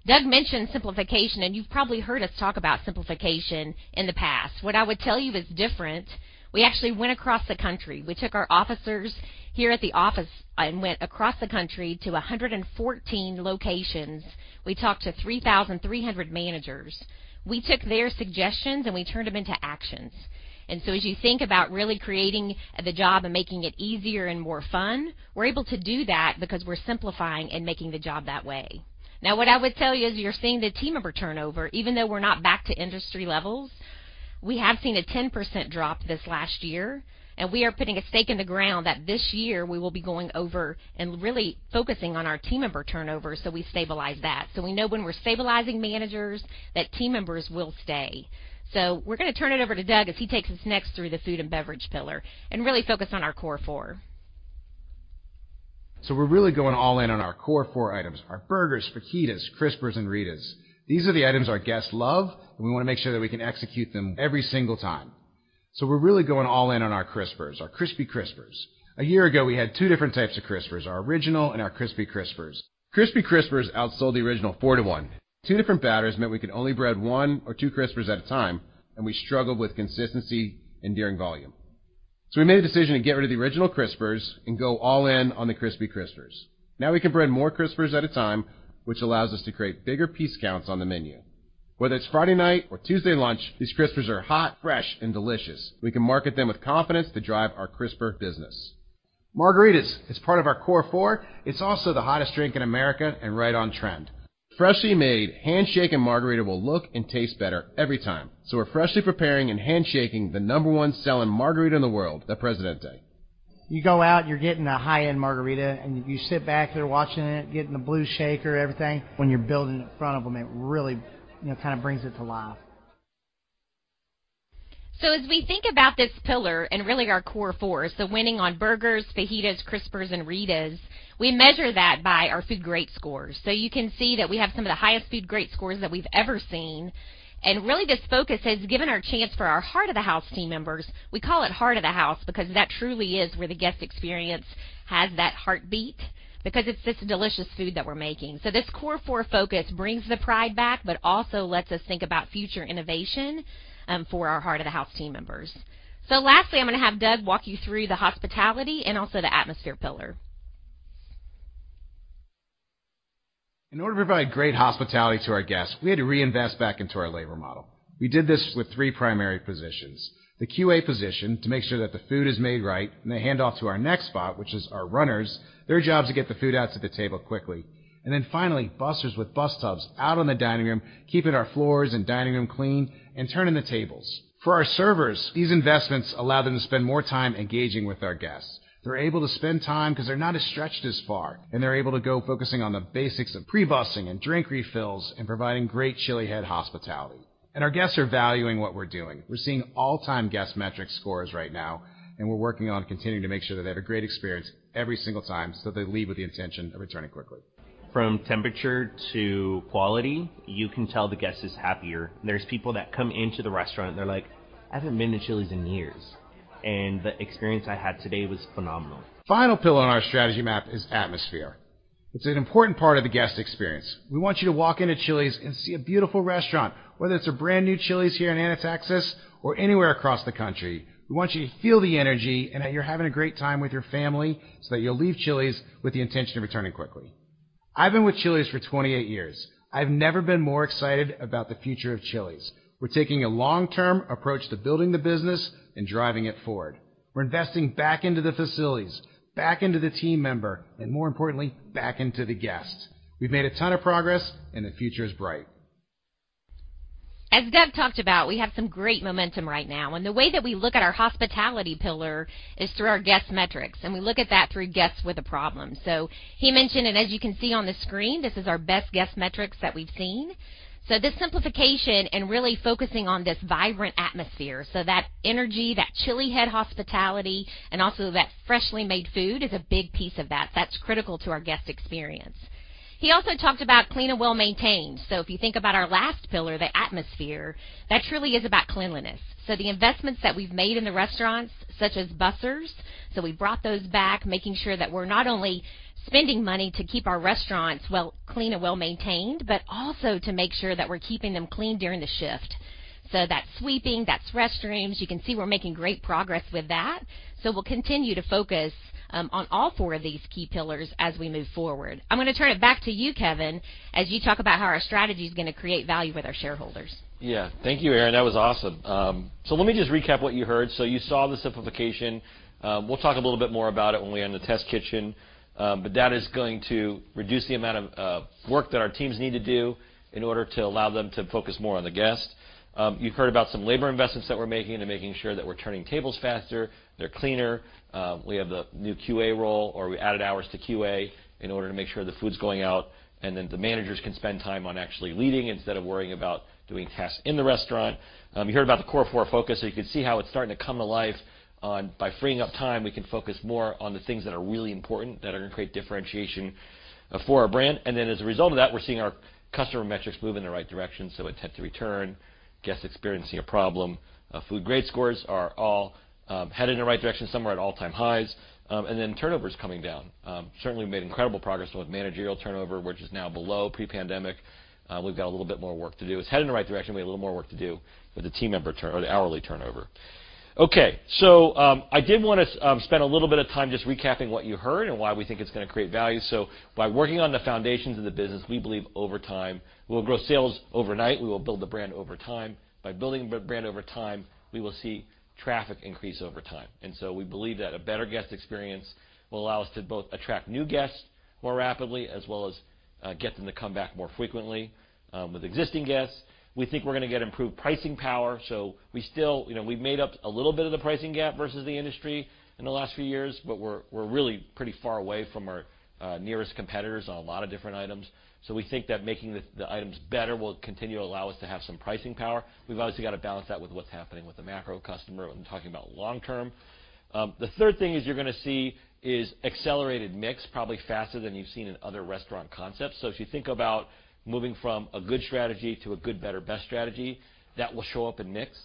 Doug mentioned simplification, you've probably heard us talk about simplification in the past. What I would tell you that's different, we actually went across the country. We took our officers here at the office, went across the country to 114 locations. We talked to 3,300 managers. We took their suggestions, we turned them into actions. As you think about really creating the job and making it easier and more fun, we're able to do that because we're simplifying and making the job that way. What I would tell you is you're seeing the team member turnover, even though we're not back to industry levels, we have seen a 10% drop this last year, and we are putting a stake in the ground that this year we will be going over and really focusing on our team member turnover, so we stabilize that. We know when we're stabilizing managers, that team members will stay. We're going to turn it over to Doug as he takes us next through the food and beverage pillar and really focus on our Core Four. We're really going all in on our Core Four items, our burgers, fajitas, Crispers, and Ritas. These are the items our guests love, and we want to make sure that we can execute them every single time. We're really going all in on our Crispers, our Crispy Crispers. A year ago, we had two different types of Crispers, our Original and our Crispy Crispers. Crispy Crispers outsold the Original 4 to 1. Two different batters meant we could only bread one or two Crispers at a time, and we struggled with consistency and during volume. We made a decision to get rid of the Original Crispers and go all in on the Crispy Crispers. We can bread more Crispers at a time, which allows us to create bigger piece counts on the menu. Whether it's Friday night or Tuesday lunch, these Crispers are hot, fresh, and delicious. We can market them with confidence to drive our Crisper business. Margaritas is part of our Core Four. It's also the hottest drink in America and right on trend. Freshly made, handshaken margarita will look and taste better every time. We're freshly preparing and handshaking the number 1 selling margarita in the world, the Presidente. You go out, you're getting a high-end margarita, and you sit back there watching it, getting the blue shaker, everything. When you're building in front of them, it really, you know, kind of brings it to life. As we think about this pillar and really our Core Four, winning on burgers, fajitas, Crispers, and Ritas, we measure that by our food grade scores. You can see that we have some of the highest food grade scores that we've ever seen. Really, this focus has given our chance for our heart of house team members. We call it heart of house because that truly is where the guest experience has that heartbeat, because it's this delicious food that we're making. This Core Four focus brings the pride back, but also lets us think about future innovation for our heart of house team members. Lastly, I'm going to have Doug walk you through the hospitality and also the atmosphere pillar. In order to provide great hospitality to our guests, we had to reinvest back into our labor model. We did this with 3 primary positions: the QA position, to make sure that the food is made right, and they hand off to our next spot, which is our runners. Their job is to get the food out to the table quickly. And then finally, bussers with bus tubs out on the dining room, keeping our floors and dining room clean and turning the tables. For our servers, these investments allow them to spend more time engaging with our guests. They're able to spend time because they're not as stretched as far, and they're able to go focusing on the basics of pre-bussing and drink refills and providing great ChiliHead hospitality. And our guests are valuing what we're doing. We're seeing all-time guest metric scores right now, and we're working on continuing to make sure that they have a great experience every single time, so they leave with the intention of returning quickly. From temperature to quality, you can tell the guest is happier. There's people that come into the restaurant, and they're like, "I haven't been to Chili's in years, and the experience I had today was phenomenal. Final pillar on our strategy map is atmosphere. It's an important part of the guest experience. We want you to walk into Chili's and see a beautiful restaurant. Whether it's a brand-new Chili's here in Anna, Texas, or anywhere across the country, we want you to feel the energy and that you're having a great time with your family, so that you'll leave Chili's with the intention of returning quickly. I've been with Chili's for 28 years. I've never been more excited about the future of Chili's. We're taking a long-term approach to building the business and driving it forward. We're investing back into the facilities, back into the team member, and more importantly, back into the guest. We've made a ton of progress. The future is bright. As Doug talked about, we have some great momentum right now. The way that we look at our hospitality pillar is through our guest metrics. We look at that through guests with a problem. He mentioned, as you can see on the screen, this is our best guest metrics that we've seen. This simplification and really focusing on this vibrant atmosphere, that energy, that ChiliHead hospitality, also that freshly made food, is a big piece of that. That's critical to our guest experience. He also talked about clean and well-maintained. If you think about our last pillar, the atmosphere, that truly is about cleanliness. The investments that we've made in the restaurants, such as bussers, so we brought those back, making sure that we're not only spending money to keep our restaurants clean and well-maintained, but also to make sure that we're keeping them clean during the shift. That's sweeping, that's restrooms. You can see we're making great progress with that. We'll continue to focus on all four of these key pillars as we move forward. I'm going to turn it back to you, Kevin, as you talk about how our strategy is going to create value with our shareholders. Yeah. Thank you, Erin. That was awesome. Let me just recap what you heard. You saw the simplification. We'll talk a little bit more about it when we're in the test kitchen. That is going to reduce the amount of work that our teams need to do in order to allow them to focus more on the guest. You've heard about some labor investments that we're making and making sure that we're turning tables faster, they're cleaner. We have the new QA role, or we added hours to QA in order to make sure the food's going out, and the managers can spend time on actually leading instead of worrying about doing tasks in the restaurant. You heard about the Core 4 focus, you can see how it's starting to come to life. By freeing up time, we can focus more on the things that are really important, that are going to create differentiation for our brand. As a result of that, we're seeing our customer metrics move in the right direction. Intent to return, guests experiencing a problem, food grade scores are all headed in the right direction. Some are at all-time highs. Turnover is coming down. Certainly, we've made incredible progress with managerial turnover, which is now below pre-pandemic. We've got a little bit more work to do. It's headed in the right direction. We have a little more work to do with the team member or the hourly turnover. I did want to spend a little bit of time just recapping what you heard and why we think it's going to create value. By working on the foundations of the business, we believe over time, we'll grow sales overnight, we will build the brand over time. By building the brand over time, we will see traffic increase over time. We believe that a better guest experience will allow us to both attract new guests more rapidly, as well as get them to come back more frequently. With existing guests, we think we're going to get improved pricing power, so you know, we've made up a little bit of the pricing gap versus the industry in the last few years, but we're really pretty far away from our nearest competitors on a lot of different items. We think that making the items better will continue to allow us to have some pricing power. We've obviously got to balance that with what's happening with the macro customer when talking about long term. The third thing is you're going to see is accelerated mix, probably faster than you've seen in other restaurant concepts. If you think about moving from a good strategy to a good, better, best strategy, that will show up in mix.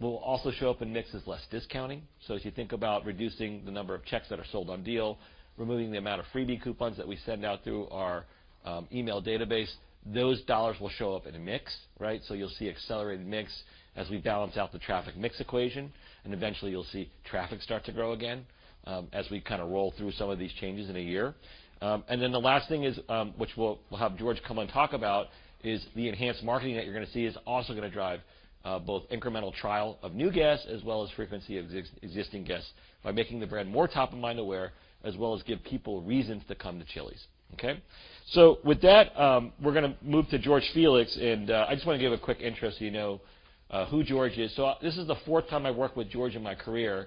Will also show up in mix is less discounting. As you think about reducing the number of checks that are sold on deal, removing the amount of freebie coupons that we send out through our email database, those dollars will show up in a mix, right? You'll see accelerated mix as we balance out the traffic mix equation, and eventually, you'll see traffic start to grow again as we kind of roll through some of these changes in a year. The last thing is, which we'll have George come and talk about, is the enhanced marketing that you're going to see is also going to drive both incremental trial of new guests, as well as frequency of existing guests by making the brand more top-of-mind aware, as well as give people reasons to come to Chili's. Okay? With that, we're going to move to George Felix, I just want to give a quick intro so you know who George is. This is the fourth time I've worked with George in my career.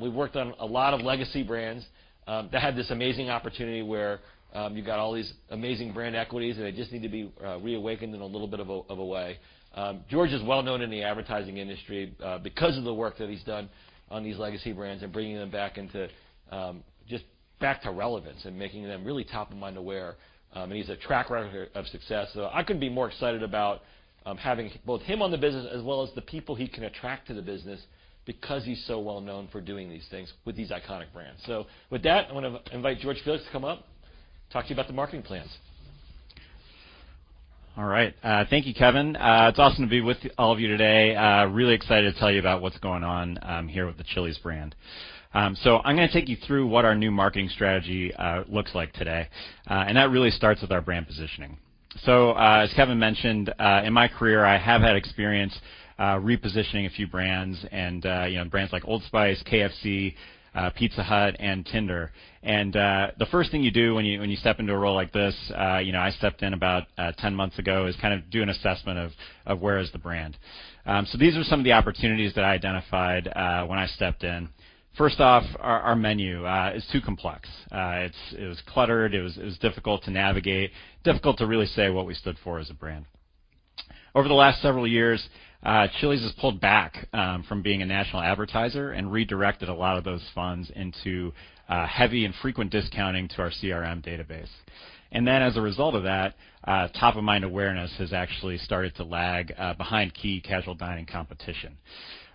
We've worked on a lot of legacy brands that had this amazing opportunity where you've got all these amazing brand equities, they just need to be reawakened in a little bit of a way. George is well known in the advertising industry, because of the work that he's done on these legacy brands and bringing them back into, just back to relevance and making them really top-of-mind aware. He's a track record of success. I couldn't be more excited about, having both him on the business as well as the people he can attract to the business because he's so well known for doing these things with these iconic brands. With that, I want to invite George Felix to come up, talk to you about the marketing plans. All right. Thank you, Kevin. It's awesome to be with all of you today. Really excited to tell you about what's going on here with the Chili's brand. I'm going to take you through what our new marketing strategy looks like today. That really starts with our brand positioning. As Kevin mentioned, in my career, I have had experience repositioning a few brands and, you know, brands like Old Spice, KFC, Pizza Hut, and Tinder. The first thing you do when you step into a role like this, you know, I stepped in about 10 months ago, is kind of do an assessment of where is the brand. These are some of the opportunities that I identified when I stepped in. First off, our menu is too complex. It was cluttered, it was difficult to navigate, difficult to really say what we stood for as a brand. Over the last several years, Chili's has pulled back from being a national advertiser and redirected a lot of those funds into heavy and frequent discounting to our CRM database. As a result of that, top-of-mind awareness has actually started to lag behind key casual dining competition.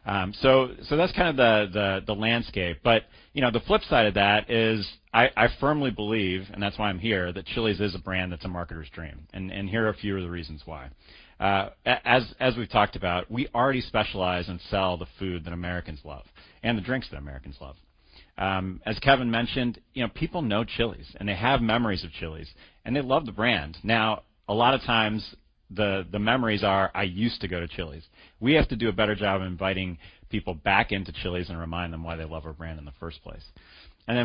That's kind of the landscape but, you know, the flip side of that is I firmly believe, and that's why I'm here, that Chili's is a brand that's a marketer's dream, and here are a few of the reasons why. As we've talked about, we already specialize and sell the food that Americans love and the drinks that Americans love. As Kevin mentioned, you know, people know Chili's, and they have memories of Chili's, and they love the brand. Now, a lot of times the memories are, "I used to go to Chili's." We have to do a better job of inviting people back into Chili's and remind them why they love our brand in the first place.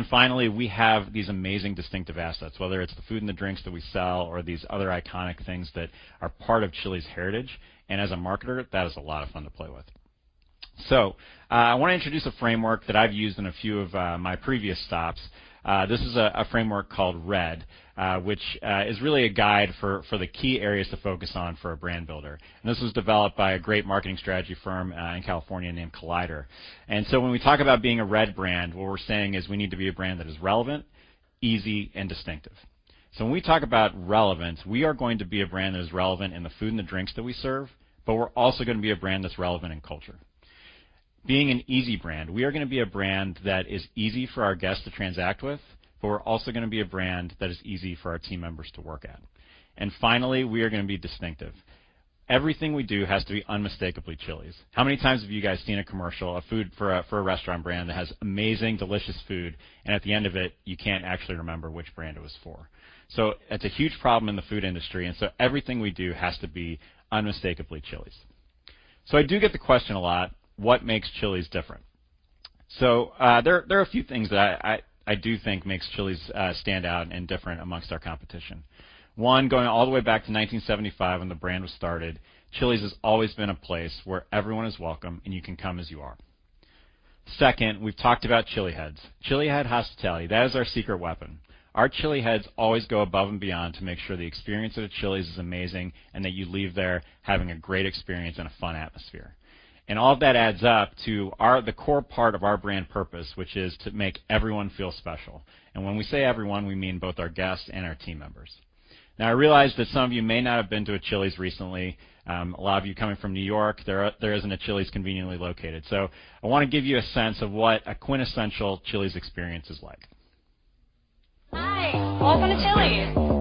Finally, we have these amazing distinctive assets, whether it's the food and the drinks that we sell or these other iconic things that are part of Chili's heritage, and as a marketer, that is a lot of fun to play with. I want to introduce a framework that I've used in a few of my previous stops. This is a framework called RED, which is really a guide for the key areas to focus on for a brand builder. This was developed by a great marketing strategy firm in California named Collider. When we talk about being a RED brand, what we're saying is we need to be a brand that is relevant, easy, and distinctive. When we talk about relevance, we are going to be a brand that is relevant in the food and the drinks that we serve, but we're also going to be a brand that's relevant in culture. Being an easy brand, we are going to be a brand that is easy for our guests to transact with, but we're also going to be a brand that is easy for our team members to work at. Finally, we are going to be distinctive. Everything we do has to be unmistakably Chili's. How many times have you guys seen a commercial, a food for a restaurant brand that has amazing, delicious food, and at the end of it, you can't actually remember which brand it was for? It's a huge problem in the food industry, everything we do has to be unmistakably Chili's. I do get the question a lot: What makes Chili's different? There are a few things that I do think makes Chili's stand out and different amongst our competition. One, going all the way back to 1975, when the brand was started, Chili's has always been a place where everyone is welcome, and you can come as you are. Second, we've talked about ChiliHeads. ChiliHead hospitality, that is our secret weapon. Our ChiliHeads always go above and beyond to make sure the experience at a Chili's is amazing and that you leave there having a great experience and a fun atmosphere. All of that adds up to the core part of our brand purpose, which is to make everyone feel special. When we say everyone, we mean both our guests and our team members. Now, I realize that some of you may not have been to a Chili's recently. A lot of you coming from New York, there isn't a Chili's conveniently located. I want to give you a sense of what a quintessential Chili's experience is like. All right.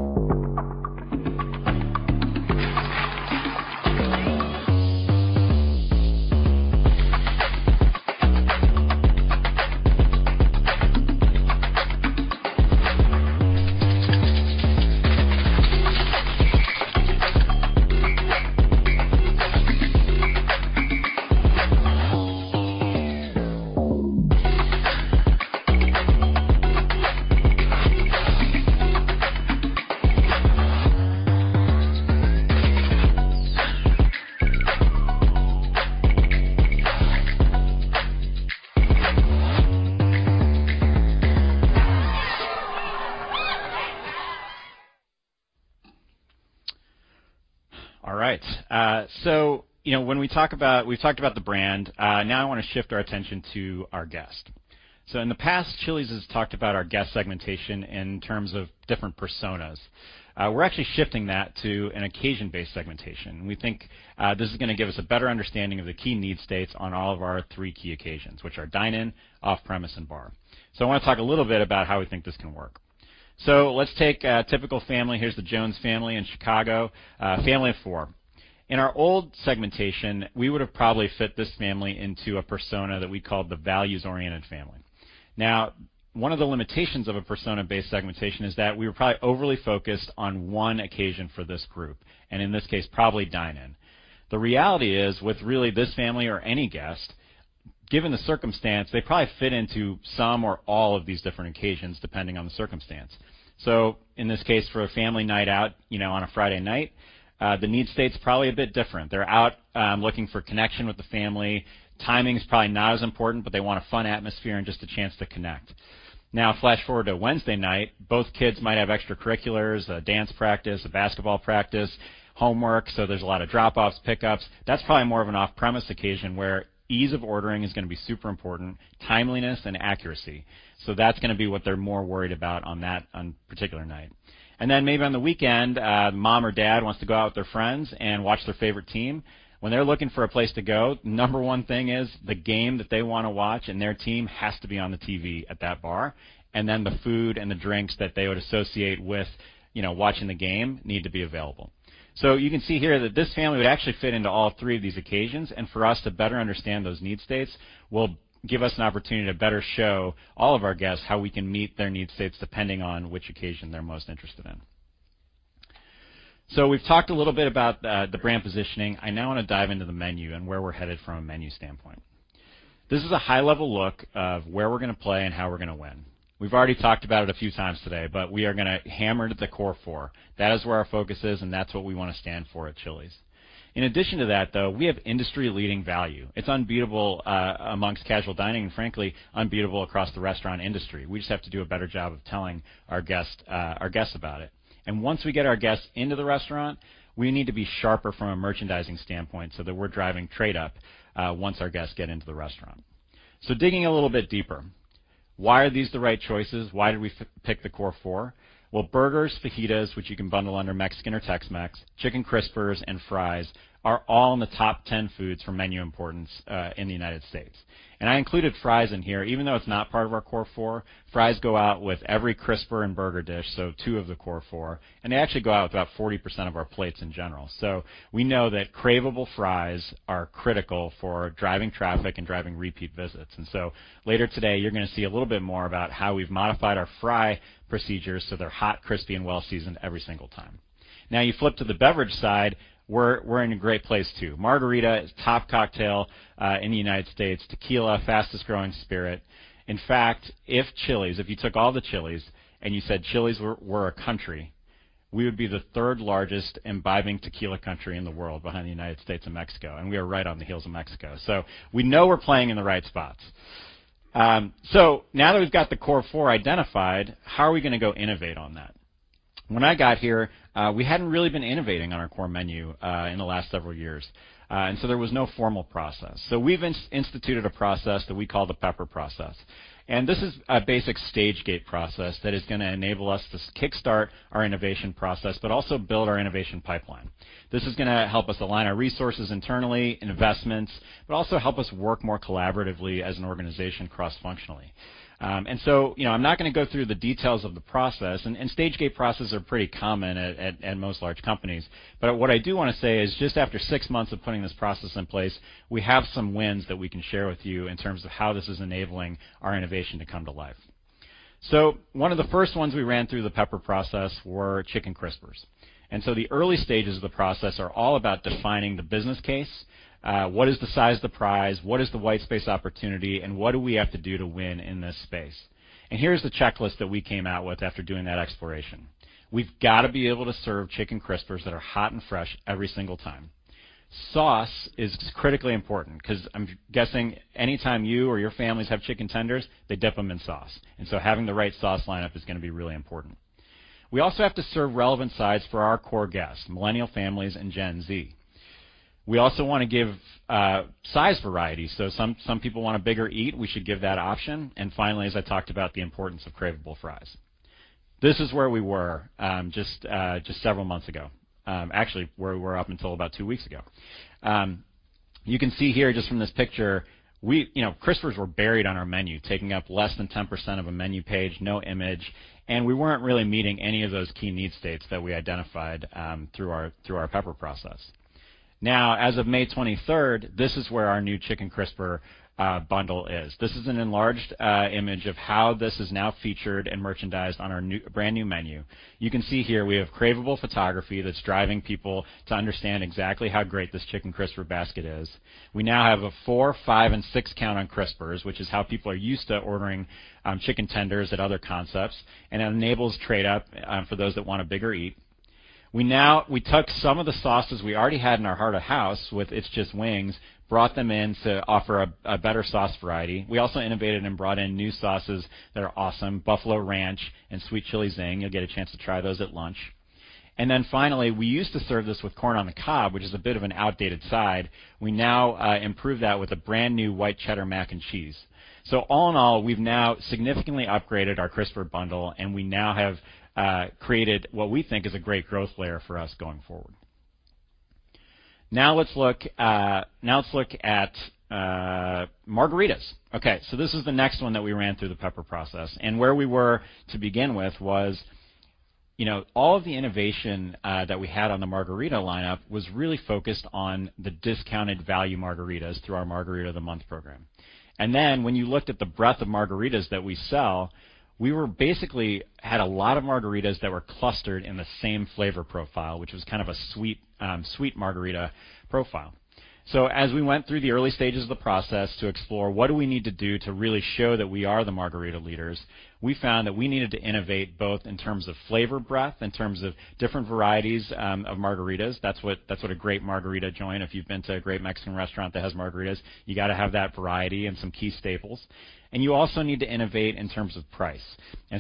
You know, when we talk about... We've talked about the brand, now I want to shift our attention to our guest. In the past, Chili's has talked about our guest segmentation in terms of different personas. We're actually shifting that to an occasion-based segmentation. We think this is going to give us a better understanding of the key need states on all of our three key occasions, which are dine-in, off-premise, and bar. I want to talk a little bit about how we think this can work. Let's take a typical family. Here's the Jones family in Chicago, a family of four. In our old segmentation, we would have probably fit this family into a persona that we called the values-oriented family. One of the limitations of a persona-based segmentation is that we were probably overly focused on one occasion for this group, and in this case, probably dine-in. The reality is, with really this family or any guest, given the circumstance, they probably fit into some or all of these different occasions, depending on the circumstance. In this case, for a family night out, you know, on a Friday night, the need state's probably a bit different. They're out, looking for connection with the family. Timing is probably not as important, but they want a fun atmosphere and just a chance to connect. Flash forward to Wednesday night, both kids might have extracurriculars, a dance practice, a basketball practice, homework, so there's a lot of drop-offs, pickups. That's probably more of an off-premise occasion where ease of ordering is going to be super important, timeliness, and accuracy. That's going to be what they're more worried about on that particular night. Maybe on the weekend, mom or dad wants to go out with their friends and watch their favorite team. When they're looking for a place to go, number 1 thing is the game that they want to watch, and their team has to be on the TV at that bar, and then the food and the drinks that they would associate with, you know, watching the game, need to be available. You can see here that this family would actually fit into all three of these occasions, and for us to better understand those need states will give us an opportunity to better show all of our guests how we can meet their need states, depending on which occasion they're most interested in. We've talked a little bit about the brand positioning. I now want to dive into the menu and where we're headed from a menu standpoint. This is a high-level look of where we're going to play and how we're going to win. We've already talked about it a few times today, but we are going to hammer to the Core Four. That is where our focus is, and that's what we want to stand for at Chili's. In addition to that, though, we have industry-leading value. It's unbeatable amongst casual dining and frankly, unbeatable across the restaurant industry. We just have to do a better job of telling our guests about it. Once we get our guests into the restaurant, we need to be sharper from a merchandising standpoint so that we're driving trade up once our guests get into the restaurant. Digging a little bit deeper, why are these the right choices? Why did we pick the Core Four? Burgers, fajitas, which you can bundle under Mexican or Tex-Mex, Chicken Crispers, and fries are all in the top 10 foods for menu importance in the United States. I included fries in here, even though it's not part of our Core Four. Fries go out with every Crisper and burger dish, two of the Core Four, and they actually go out with about 40% of our plates in general. We know that cravable fries are critical for driving traffic and driving repeat visits. Later today, you're going to see a little bit more about how we've modified our fry procedures, so they're hot, crispy, and well-seasoned every single time. Now, you flip to the beverage side, we're in a great place, too. Margarita is top cocktail in the United States. Tequila, fastest-growing spirit. In fact, if you took all the Chili's and you said Chili's were a country, we would be the third largest imbibing tequila country in the world behind the United States and Mexico, and we are right on the heels of Mexico. We know we're playing in the right spots. Now that we've got the Core Four identified, how are we going to go innovate on that? When I got here, we hadn't really been innovating on our core menu in the last several years, there was no formal process. We've instituted a process that we call the PEPPER process, this is a basic stage gate process that is going to enable us to kickstart our innovation process, but also build our innovation pipeline. This is going to help us align our resources internally in investments, but also help us work more collaboratively as an organization, cross-functionally. You know, I'm not going to go through the details of the process, and stage gate processes are pretty common at most large companies. What I do want to say is just after six months of putting this process in place, we have some wins that we can share with you in terms of how this is enabling our innovation to come to life. One of the first ones we ran through the PEPPER process were Chicken Crispers, the early stages of the process are all about defining the business case. What is the size of the prize? What is the white space opportunity, what do we have to do to win in this space? Here's the checklist that we came out with after doing that exploration. We've got to be able to serve Chicken Crispers that are hot and fresh every single time. Sauce is critically important because I'm guessing anytime you or your families have chicken tenders, they dip them in sauce, and so having the right sauce lineup is going to be really important. We also have to serve relevant sides for our core guests, Millennial families and Gen Z. We also want to give size variety, so some people want a bigger eat, we should give that option. Finally, as I talked about, the importance of cravable fries. This is where we were, just several months ago, actually, where we were up until about two weeks ago. You can see here, just from this picture, we. You know, crispers were buried on our menu, taking up less than 10% of a menu page, no image, and we weren't really meeting any of those key need states that we identified through our, through our PEPPER process. As of May 23rd, this is where our new chicken crisper bundle is. This is an enlarged image of how this is now featured and merchandised on our brand new menu. You can see here we have cravable photography that's driving people to understand exactly how great this chicken crisper basket is. We now have a four, five, and six count on crispers, which is how people are used to ordering chicken tenders at other concepts, and it enables trade up for those that want a bigger eat. We took some of the sauces we already had in our Heart of House with It's Just Wings, brought them in to offer a better sauce variety. We also innovated and brought in new sauces that are awesome: Buffalo Ranch and Sweet Chili Zing. You'll get a chance to try those at lunch. Finally, we used to serve this with corn on the cob, which is a bit of an outdated side. We now improve that with a brand-new White Cheddar Mac & Cheese. All in all, we've now significantly upgraded our Crisper bundle, and we now have created what we think is a great growth layer for us going forward. Now let's look at margaritas. Okay, this is the next one that we ran through the PEPPER process, and where we were to begin with was, you know, all of the innovation that we had on the margarita lineup was really focused on the discounted value margaritas through our Margarita of the Month program. When you looked at the breadth of margaritas that we sell, we were basically had a lot of margaritas that were clustered in the same flavor profile, which was kind of a sweet margarita profile. As we went through the early stages of the process to explore what do we need to do to really show that we are the margarita leaders, we found that we needed to innovate both in terms of flavor breadth, in terms of different varieties of margaritas. That's what a great margarita joint, if you've been to a great Mexican restaurant that has margaritas, you got to have that variety and some key staples. We also need to innovate in terms of price.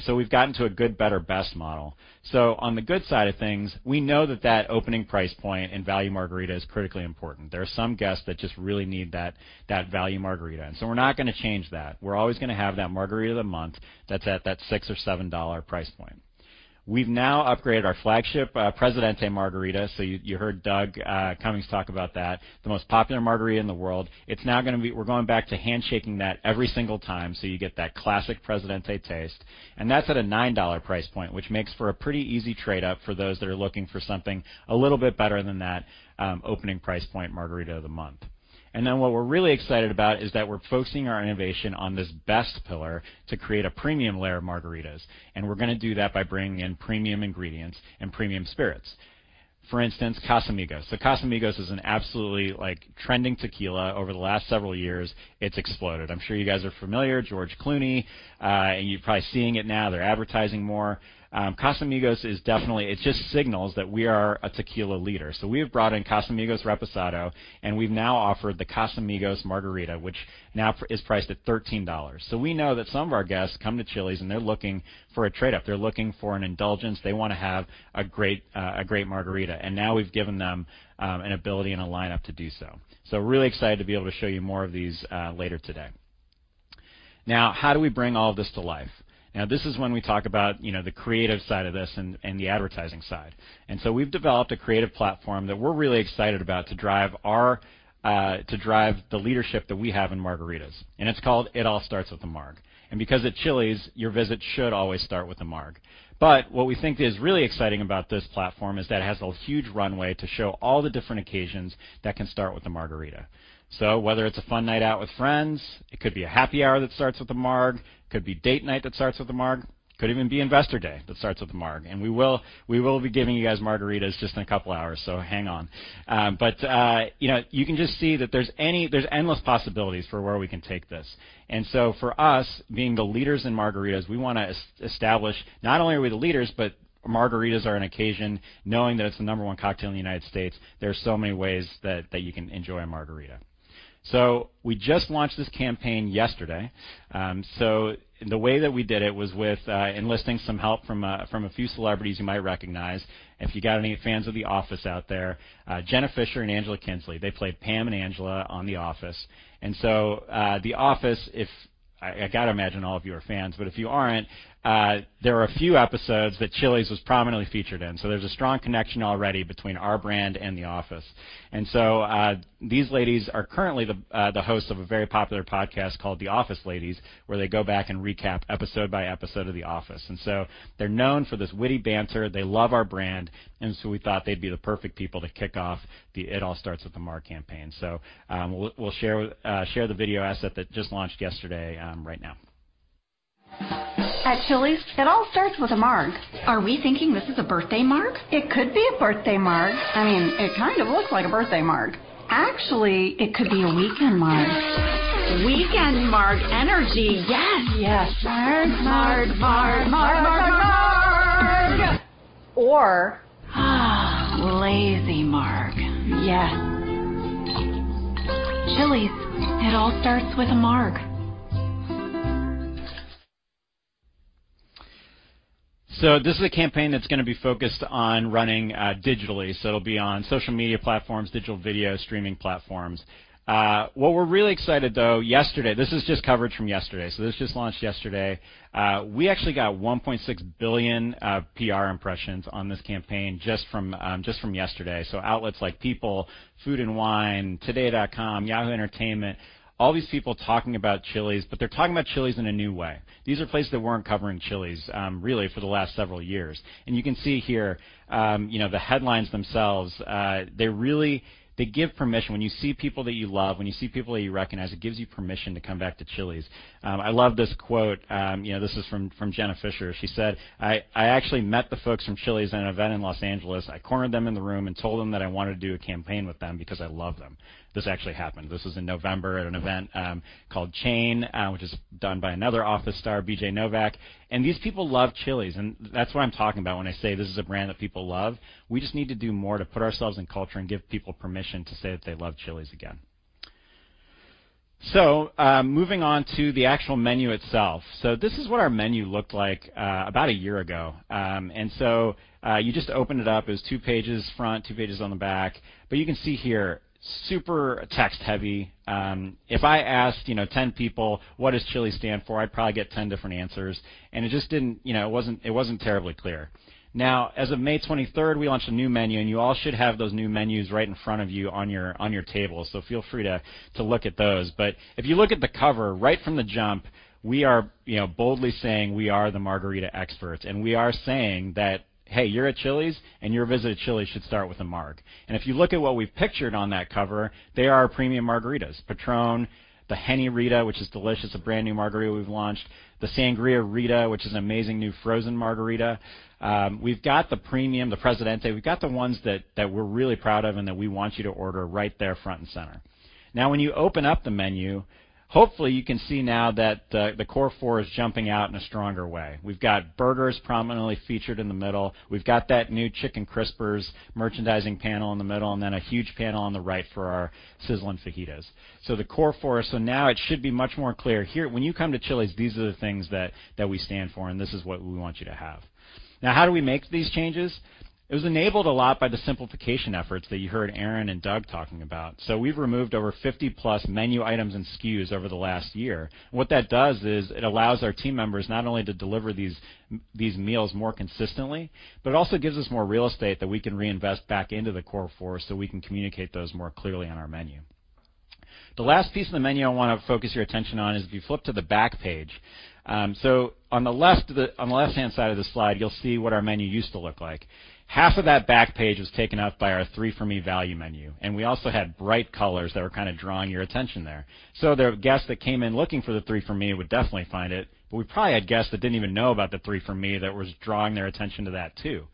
So we've gotten to a good, better, best model. So on the good side of things, we know that that opening price point in value margarita is critically important. There are some guests that just really need that value margarita, and so we're not going to change that. We're always going to have that Margarita of the Month that's at that $6 or $7 price point. We've now upgraded our flagship Presidente Margarita, so you heard Doug Cumings talk about that, the most popular margarita in the world. We're going back to handshaking that every single time, so you get that classic Presidente taste, and that's at a $9 price point, which makes for a pretty easy trade up for those that are looking for something a little bit better than that, opening price point Margarita of the Month. What we're really excited about is that we're focusing our innovation on this best pillar to create a premium layer of margaritas. We're going to do that by bringing in premium ingredients and premium spirits. For instance, Casamigos. Casamigos is an absolutely, like, trending tequila over the last several years, it's exploded. I'm sure you guys are familiar, George Clooney, and you're probably seeing it now. They're advertising more. Casamigos is definitely. It just signals that we are a tequila leader. We have brought in Casamigos Reposado, and we've now offered the Casamigos Margarita, which now is priced at $13. We know that some of our guests come to Chili's, and they're looking for a trade up. They're looking for an indulgence. They want to have a great, a great Margarita, and now we've given them an ability and a lineup to do so. Really excited to be able to show you more of these later today. How do we bring all this to life? This is when we talk about, you know, the creative side of this and the advertising side. We've developed a creative platform that we're really excited about to drive our to drive the leadership that we have in Margaritas, and it's called It All Starts with a Marg. Because at Chili's, your visit should always start with a marg. What we think is really exciting about this platform is that it has a huge runway to show all the different occasions that can start with a margarita. Whether it's a fun night out with friends, it could be a happy hour that starts with a marg, it could be date night that starts with a marg, could even be Investor Day that starts with a marg. We will be giving you guys margaritas just in a couple of hours, so hang on. You know, you can just see that there's endless possibilities for where we can take this. For us, being the leaders in margaritas, we wanna establish not only are we the leaders, but margaritas are an occasion, knowing that it's the number one cocktail in the United States. There are so many ways that you can enjoy a margarita. We just launched this campaign yesterday. The way that we did it was with enlisting some help from a few celebrities you might recognize. If you got any fans of The Office out there, Jenna Fischer and Angela Kinsey, they played Pam and Angela on The Office. The Office, if I gotta imagine all of you are fans, but if you aren't, there are a few episodes that Chili's was prominently featured in, so there's a strong connection already between our brand and The These ladies are currently the hosts of a very popular podcast called Office Ladies, where they go back and recap episode by episode of The Office. They're known for this witty banter. They love our brand, we thought they'd be the perfect people to kick off the It All Starts with a Marg campaign. We'll share the video asset that just launched yesterday, right now. This is a campaign that's going to be focused on running digitally. It'll be on social media platforms, digital video streaming platforms. What we're really excited though, this is just coverage from yesterday, this just launched yesterday. We actually got $1.6 billion PR impressions on this campaign just from yesterday. Outlets like People, Food & Wine, Today.com, Yahoo Entertainment, all these people talking about Chili's, but they're talking about Chili's in a new way. These are places that weren't covering Chili's really for the last several years. You can see here, you know, the headlines themselves, they give permission. When you see people that you love, when you see people that you recognize, it gives you permission to come back to Chili's. I love this quote, you know, this is from Jenna Fischer. She said, "I actually met the folks from Chili's at an event in Los Angeles. I cornered them in the room and told them that I wanted to do a campaign with them because I love them." This actually happened. This was in November at an event called Chain, which is done by another Office star, B.J. Novak. These people love Chili's, and that's what I'm talking about when I say this is a brand that people love. We just need to do more to put ourselves in culture and give people permission to say that they love Chili's again. Moving on to the actual menu itself. This is what our menu looked like about a year ago. You just opened it up. It was two pages front, two pages on the back. You can see here, super text-heavy. If I asked, you know, 10 people, "What does Chili's stand for?" I'd probably get 10 different answers. It just didn't, you know, it wasn't terribly clear. Now, as of May 23rd, we launched a new menu. You all should have those new menus right in front of you on your table. Feel free to look at those. If you look at the cover, right from the jump, we are, you know, boldly saying, we are the margarita experts. We are saying that, "Hey, you're at Chili's, and your visit at Chili's should start with a marg." If you look at what we've pictured on that cover, they are our premium margaritas. Patrón, the Henny 'Rita, which is delicious, a brand-new margarita we've launched. The Sangria 'Rita, which is an amazing new frozen margarita. We've got the premium, the Presidente. We've got the ones that we're really proud of and that we want you to order right there front and center. When you open up the menu, hopefully, you can see now that the Core Four is jumping out in a stronger way. We've got burgers prominently featured in the middle. We've got that new Chicken Crispers merchandising panel in the middle, and then a huge panel on the right for our Sizzlin' Fajitas. The Core Four, now it should be much more clear. Here, when you come to Chili's, these are the things that we stand for, and this is what we want you to have. How do we make these changes? It was enabled a lot by the simplification efforts that you heard Erin and Doug talking about. We've removed over 50-plus menu items and SKUs over the last year. What that does is it allows our team members not only to deliver these meals more consistently, but it also gives us more real estate that we can reinvest back into the Core Four, so we can communicate those more clearly on our menu. The last piece of the menu I want to focus your attention on is if you flip to the back page. On the left-hand side of the slide, you'll see what our menu used to look like. Half of that back page was taken up by our 3 for Me value menu, and we also had bright colors that were kind of drawing your attention there. The guests that came in looking for the Three for Me would definitely find it, but we probably had guests that didn't even know about the Three for Me that was drawing their attention to that, too.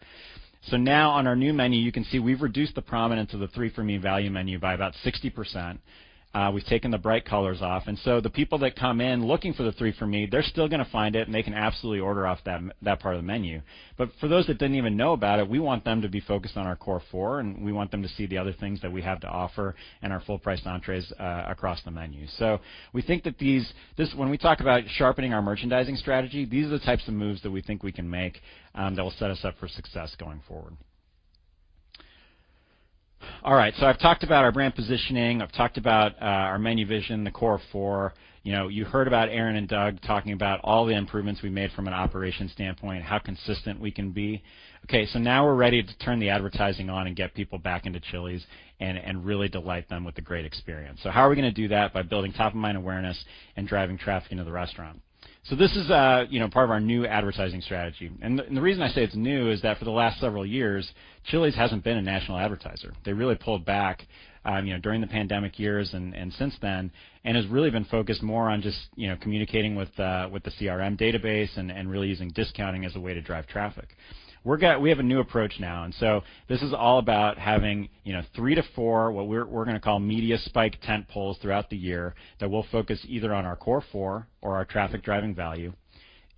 Now on our new menu, you can see we've reduced the prominence of the Three for Me value menu by about 60%. We've taken the bright colors off, the people that come in looking for the Three for Me, they're still going to find it, and they can absolutely order off that part of the menu. For those that didn't even know about it, we want them to be focused on our core four, and we want them to see the other things that we have to offer and our full-priced entrees across the menu. We think that when we talk about sharpening our merchandising strategy, these are the types of moves that we think we can make, that will set us up for success going forward. All right, I've talked about our brand positioning. I've talked about our menu vision, the Core Four. You know, you heard about Erin and Doug talking about all the improvements we made from an operations standpoint, how consistent we can be. Okay, now we're ready to turn the advertising on and get people back into Chili's and really delight them with a great experience. How are we going to do that? By building top-of-mind awareness and driving traffic into the restaurant. This is, you know, part of our new advertising strategy, and the reason I say it's new is that for the last several years, Chili's hasn't been a national advertiser. They really pulled back, you know, during the pandemic years and since then, and has really been focused more on just, you know, communicating with the CRM database and really using discounting as a way to drive traffic. We have a new approach now. This is all about having, you know, three to four, what we're gonna call media spike tent poles throughout the year that will focus either on our Core Four or our traffic-driving value.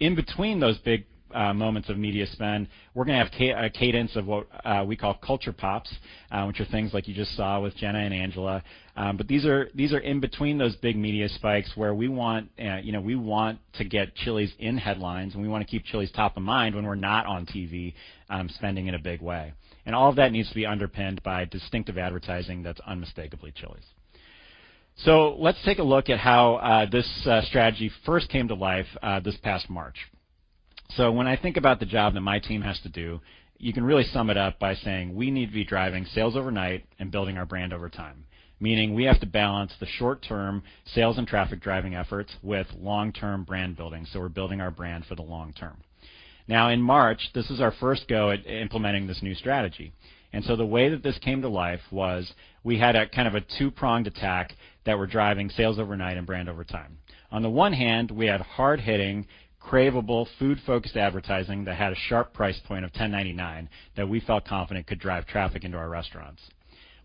In between those big moments of media spend, we're gonna have a cadence of what we call culture pops, which are things like you just saw with Jenna and Angela. These are in between those big media spikes where we want, you know, we want to get Chili's in headlines, and we want to keep Chili's top of mind when we're not on TV, spending in a big way. All of that needs to be underpinned by distinctive advertising that's unmistakably Chili's. Let's take a look at how this strategy first came to life this past March. When I think about the job that my team has to do, you can really sum it up by saying: We need to be driving sales overnight and building our brand over time. Meaning, we have to balance the short-term sales and traffic-driving efforts with long-term brand building, so we're building our brand for the long term. In March, this is our first go at implementing this new strategy. The way that this came to life was we had a kind of a two-pronged attack that we're driving sales overnight and brand over time. On the one hand, we had hard-hitting, cravable, food-focused advertising that had a sharp price point of $10.99 that we felt confident could drive traffic into our restaurants.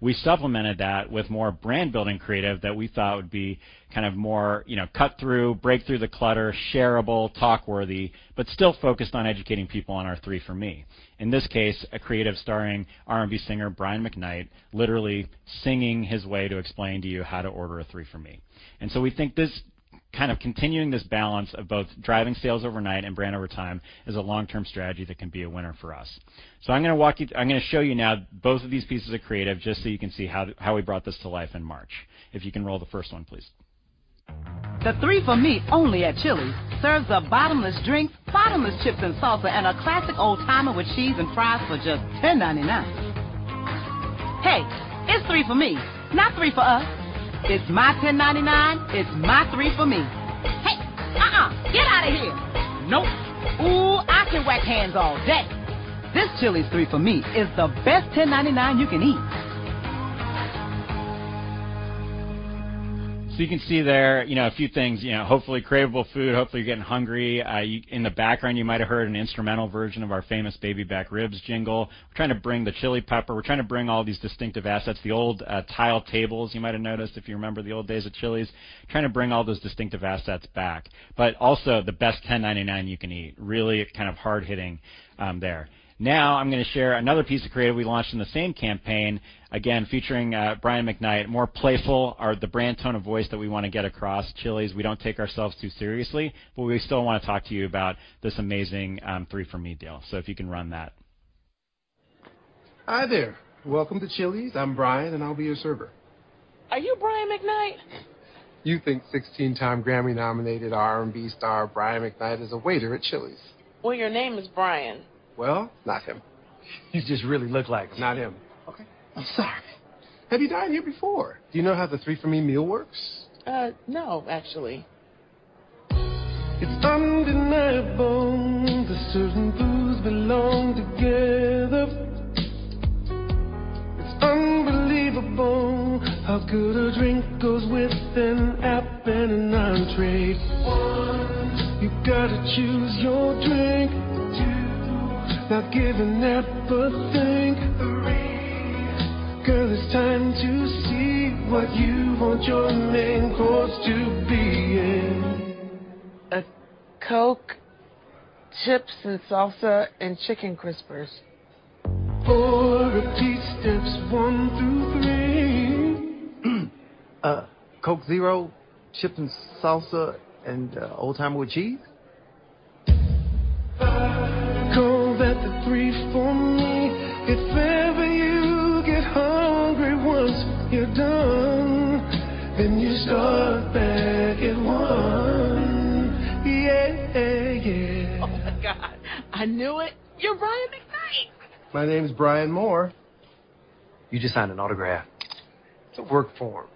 We supplemented that with more brand-building creative that we thought would be kind of more, you know, cut through, break through the clutter, shareable, talk-worthy, but still focused on educating people on our 3 for Me. In this case, a creative starring R&B singer Brian McKnight, literally singing his way to explain to you how to order a 3 for Me. We think this kind of continuing this balance of both driving sales overnight and brand over time is a long-term strategy that can be a winner for us. I'm going to show you now both of these pieces of creative, just so you can see how we brought this to life in March. If you can roll the first one, please. You can see there, you know, a few things. You know, hopefully, cravable food. Hopefully, you're getting hungry. In the background, you might have heard an instrumental version of our famous Baby Back Ribs jingle. We're trying to bring the chili pepper. We're trying to bring all these distinctive assets. The old tile tables, you might have noticed if you remember the old days of Chili's. Trying to bring all those distinctive assets back. Also the best $10.99 you can eat. Really kind of hard-hitting there. I'm going to share another piece of creative we launched in the same campaign, again, featuring Brian McKnight, more playful, the brand tone of voice that we want to get across. Chili's, we don't take ourselves too seriously, but we still want to talk to you about this amazing 3 for Me deal. If you can run that. Hi there! Welcome to Chili's. I'm Brian, and I'll be your server. Are you Brian McKnight? You think 16-time GRAMMY-nominated R&B star Brian McKnight is a waiter at Chili's? Well, your name is Brian. Well, not him. You just really look like him. Not him. Okay. I'm sorry. Have you dined here before? Do you know how the 3 for Me meal works? No, actually. A Coke, chips and salsa, and Chicken Crispers. Coke Zero, chips and salsa, and, Oldtimer with cheese? Oh, my God. I knew it. You're Brian McKnight! My name is Brian Moore. You just signed an autograph. It's a work form.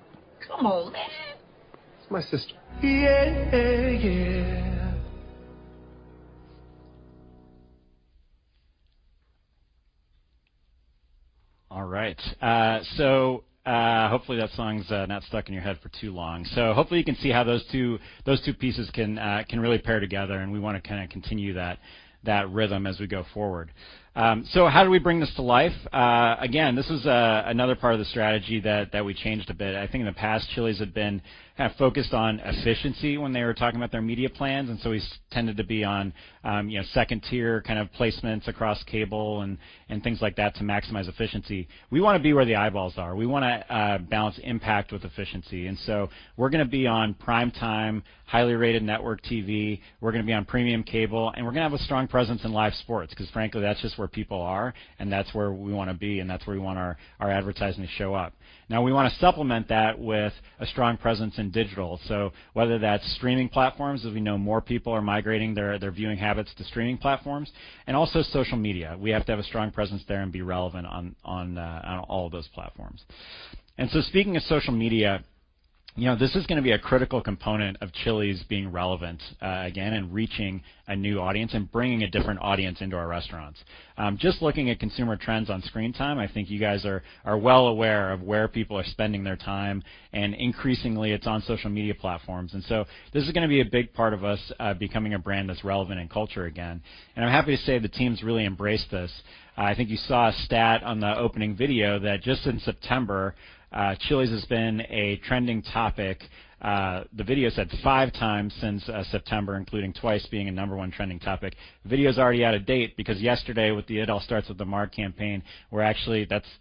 Come on, man. It's my sister. All right, hopefully that song's not stuck in your head for too long. Hopefully you can see how those two pieces can really pair together, and we want to kind of continue that rhythm as we go forward. How do we bring this to life? Again, this is another part of the strategy that we changed a bit. I think in the past, Chili's had been kind of focused on efficiency when they were talking about their media plans, we tended to be on, you know, second-tier kind of placements across cable and things like that to maximize efficiency. We want to be where the eyeballs are. We want to balance impact with efficiency, we're gonna be on prime time, highly rated network TV, we're gonna be on premium cable, and we're gonna have a strong presence in live sports, because frankly, that's just where people are, and that's where we want to be, and that's where we want our advertising to show up. We want to supplement that with a strong presence in digital. Whether that's streaming platforms, as we know, more people are migrating their viewing habits to streaming platforms and also social media. We have to have a strong presence there and be relevant on all of those platforms. Speaking of social media, you know, this is going to be a critical component of Chili's being relevant again, and reaching a new audience and bringing a different audience into our restaurants. Just looking at consumer trends on screen time, I think you guys are well aware of where people are spending their time, and increasingly it's on social media platforms. This is going to be a big part of us becoming a brand that's relevant in culture again. I'm happy to say the team's really embraced this. I think you saw a stat on the opening video that just in September, Chili's has been a trending topic, the video said 5 times since September, including twice being a number 1 trending topic. The video is already out of date because yesterday, with the It All Starts with a Marg campaign, that's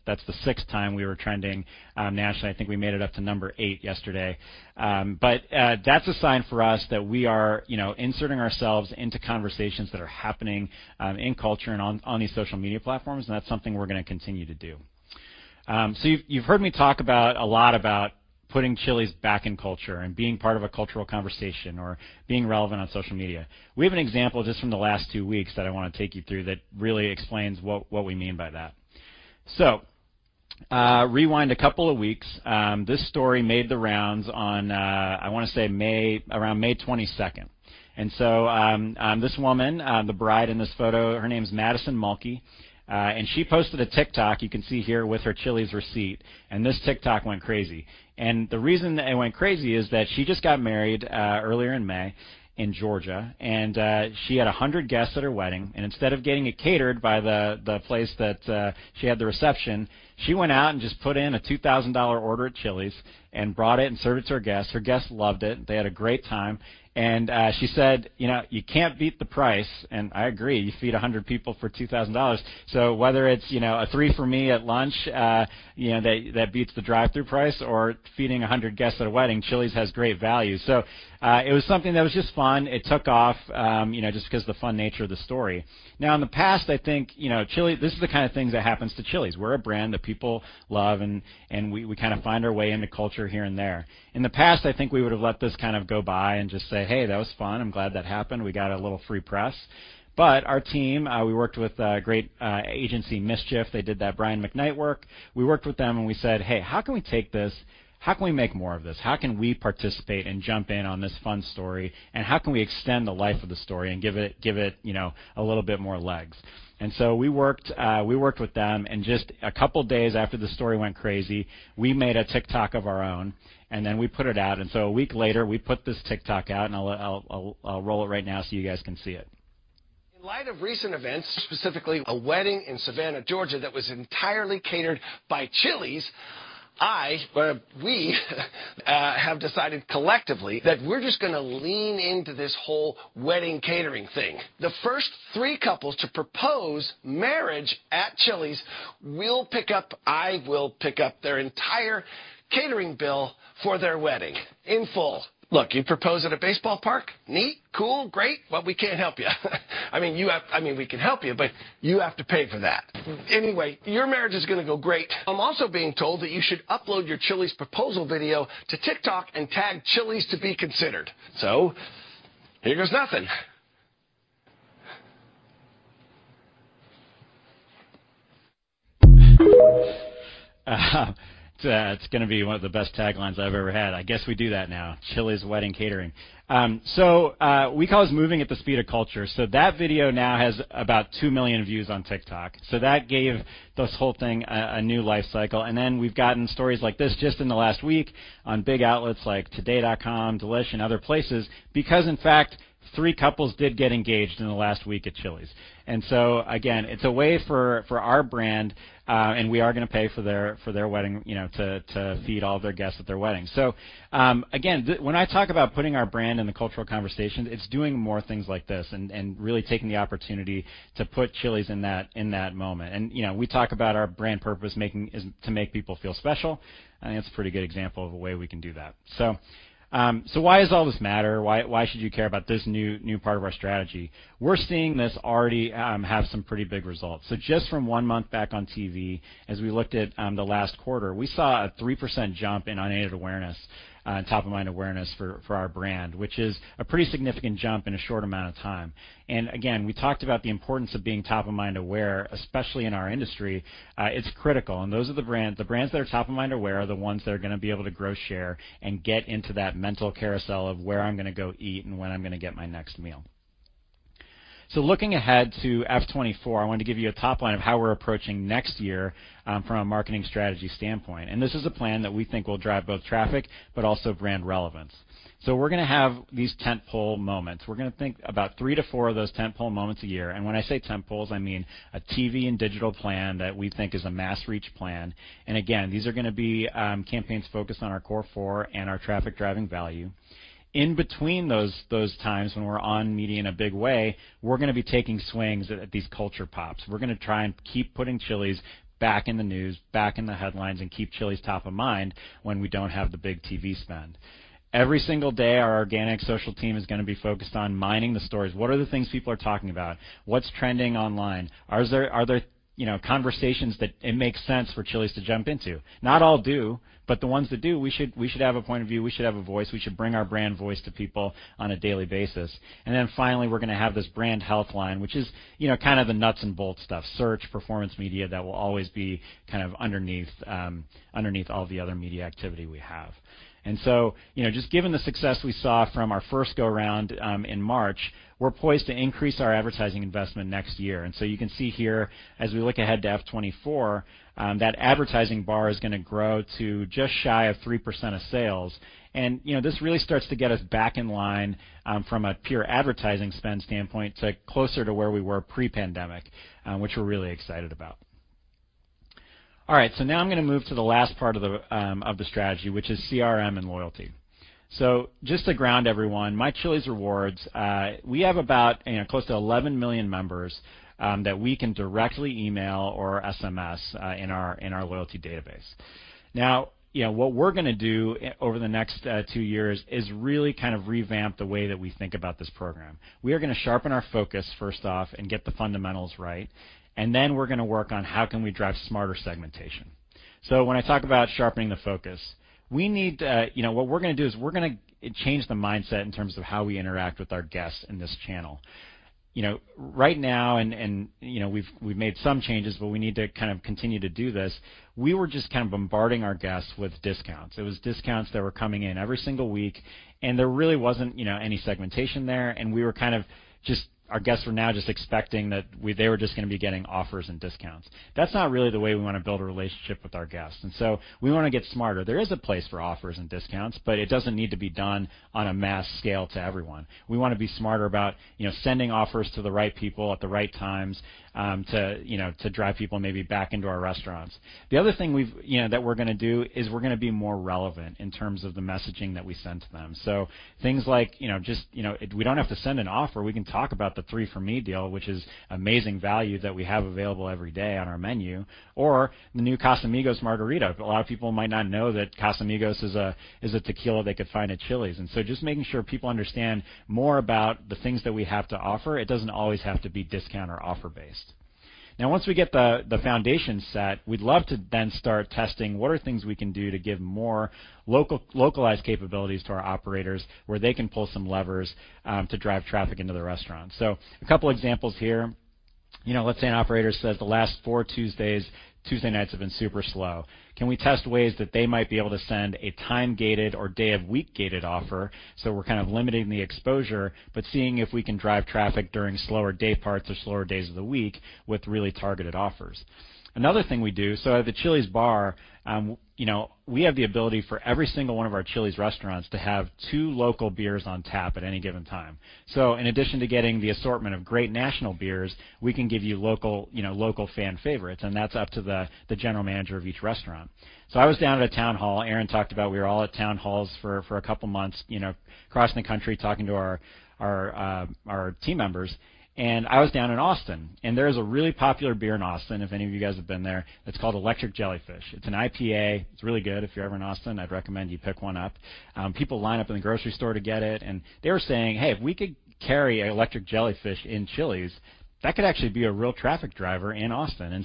the 6th time we were trending nationally. I think we made it up to number 8 yesterday. That's a sign for us that we are, you know, inserting ourselves into conversations that are happening in culture and on these social media platforms, and that's something we're going to continue to do. You've heard me talk a lot about putting Chili's back in culture and being part of a cultural conversation or being relevant on social media. We have an example just from the last two weeks that I want to take you through that really explains what we mean by that. Rewind a couple of weeks. This story made the rounds on, I want to say around May 22nd. This woman, the bride in this photo, her name is Madison Mulkey, and she posted a TikTok, you can see here, with her Chili's receipt, and this TikTok went crazy. The reason it went crazy is that she just got married earlier in May in Georgia, and she had 100 guests at her wedding, and instead of getting it catered by the place that she had the reception, she went out and just put in a $2,000 order at Chili's and brought it and served it to her guests. Her guests loved it. They had a great time, and she said, "You know, you can't beat the price." I agree, you feed 100 people for $2,000. Whether it's, you know, a 3 for Me at lunch, you know, that beats the drive-through price or feeding 100 guests at a wedding, Chili's has great value. It was something that was just fun. It took off, you know, just because the fun nature of the story. In the past, I think, you know, this is the kind of things that happens to Chili's. We're a brand that people love, and we kind of find our way into culture here and there. In the past, I think we would have let this kind of go by and just say, "Hey, that was fun. I'm glad that happened. We got a little free press." Our team, we worked with a great agency, Mischief. They did that Brian McNight work. We worked with them. We said: Hey, how can we make more of this? How can we participate and jump in on this fun story? How can we extend the life of the story and give it, you know, a little bit more legs? We worked with them, and just 2 days after the story went crazy, we made a TikTok of our own, and then we put it out. 1 week later, we put this TikTok out, and I'll roll it right now so you guys can see it. That's going to be one of the best taglines I've ever had. I guess we do that now, Chili's wedding catering. We call this moving at the speed of culture. That video now has about 2 million views on TikTok, so that gave this whole thing a new life cycle. We've gotten stories like this just in the last week on big outlets like Today.com, Delish, and other places, because, in fact, 3 couples did get engaged in the last week at Chili's. Again, it's a way for our brand, and we are going to pay for their wedding, you know, to feed all of their guests at their wedding. Again, when I talk about putting our brand in the cultural conversation, it's doing more things like this and really taking the opportunity to put Chili's in that moment. You know, we talk about our brand purpose making is, to make people feel special, and I think that's a pretty good example of a way we can do that. Why does all this matter? Why should you care about this new part of our strategy? We're seeing this already have some pretty big results. Just from 1 month back on TV, as we looked at the last quarter, we saw a 3% jump in unaided awareness, top-of-mind awareness for our brand, which is a pretty significant jump in a short amount of time. Again, we talked about the importance of being top-of-mind aware, especially in our industry. It's critical, and those are the brands. The brands that are top-of-mind aware are the ones that are going to be able to grow share and get into that mental carousel of where I'm going to go eat and when I'm going to get my next meal. Looking ahead to F'24, I want to give you a top line of how we're approaching next year from a marketing strategy standpoint. This is a plan that we think will drive both traffic but also brand relevance. We're going to have these tent-pole moments. We're going to think about three to four of those tent-pole moments a year. When I say tent poles, I mean a TV and digital plan that we think is a mass reach plan. Again, these are going to be campaigns focused on our Core Four and our traffic-driving value. In between those times when we're on media in a big way, we're going to be taking swings at these culture pops. We're going to try and keep putting Chili's back in the news, back in the headlines, and keep Chili's top of mind when we don't have the big TV spend. Every single day, our organic social team is going to be focused on mining the stories. What are the things people are talking about? What's trending online? Are there, you know, conversations that it makes sense for Chili's to jump into? Not all do, but the ones that do, we should have a point of view, we should have a voice, we should bring our brand voice to people on a daily basis. Finally, we're going to have this brand health line, which is, you know, kind of the nuts and bolts stuff, search, performance media that will always be kind of underneath all the other media activity we have. You know, just given the success we saw from our first go-round in March, we're poised to increase our advertising investment next year. You can see here, as we look ahead to F'24, that advertising bar is going to grow to just shy of 3% of sales. You know, this really starts to get us back in line from a pure advertising spend standpoint to closer to where we were pre-pandemic, which we're really excited about. All right, now I'm going to move to the last part of the strategy, which is CRM and loyalty. Just to ground everyone, My Chili's Rewards, we have about, you know, close to 11 million members that we can directly email or SMS in our loyalty database. You know, what we're going to do over the next 2 years is really kind of revamp the way that we think about this program. We are going to sharpen our focus, first off, and get the fundamentals right, and then we're going to work on how can we drive smarter segmentation. When I talk about sharpening the focus, you know, what we're going to do is we're going to change the mindset in terms of how we interact with our guests in this channel. You know, right now, and, you know, we've made some changes, but we need to kind of continue to do this. We were just kind of bombarding our guests with discounts. It was discounts that were coming in every single week, and there really wasn't, you know, any segmentation there, and we were kind of just. Our guests were now just expecting that they were just going to be getting offers and discounts. That's not really the way we want to build a relationship with our guests. We want to get smarter. There is a place for offers and discounts. It doesn't need to be done on a mass scale to everyone. We want to be smarter about, you know, sending offers to the right people at the right times, you know, to drive people maybe back into our restaurants. The other thing we've, you know, that we're going to do is we're going to be more relevant in terms of the messaging that we send to them. Things like, you know, just, you know, we don't have to send an offer. We can talk about the 3 for Me deal, which is amazing value that we have available every day on our menu, or the new Casamigos margarita. A lot of people might not know that Casamigos is a tequila they could find at Chili's. Just making sure people understand more about the things that we have to offer. It doesn't always have to be discount or offer based. Now, once we get the foundation set, we'd love to then start testing what are things we can do to give more localized capabilities to our operators, where they can pull some levers to drive traffic into the restaurant. A couple of examples here. You know, let's say an operator says the last four Tuesdays, Tuesday nights have been super slow. Can we test ways that they might be able to send a time-gated or day-of-week gated offer? We're kind of limiting the exposure, but seeing if we can drive traffic during slower day parts or slower days of the week with really targeted offers. Another thing we do, so at the Chili's bar, you know, we have the ability for every single one of our Chili's restaurants to have two local beers on tap at any given time. In addition to getting the assortment of great national beers, we can give you local, you know, local fan favorites, and that's up to the general manager of each restaurant. I was down at a town hall. Erin talked about we were all at town halls for a couple of months, you know, across the country, talking to our team members. I was down in Austin, and there is a really popular beer in Austin, if any of you guys have been there. It's called Electric Jellyfish. It's an IPA. It's really good. If you're ever in Austin, I'd recommend you pick one up. People line up in the grocery store to get it. They were saying, "Hey, if we could carry Electric Jellyfish in Chili's, that could actually be a real traffic driver in Austin."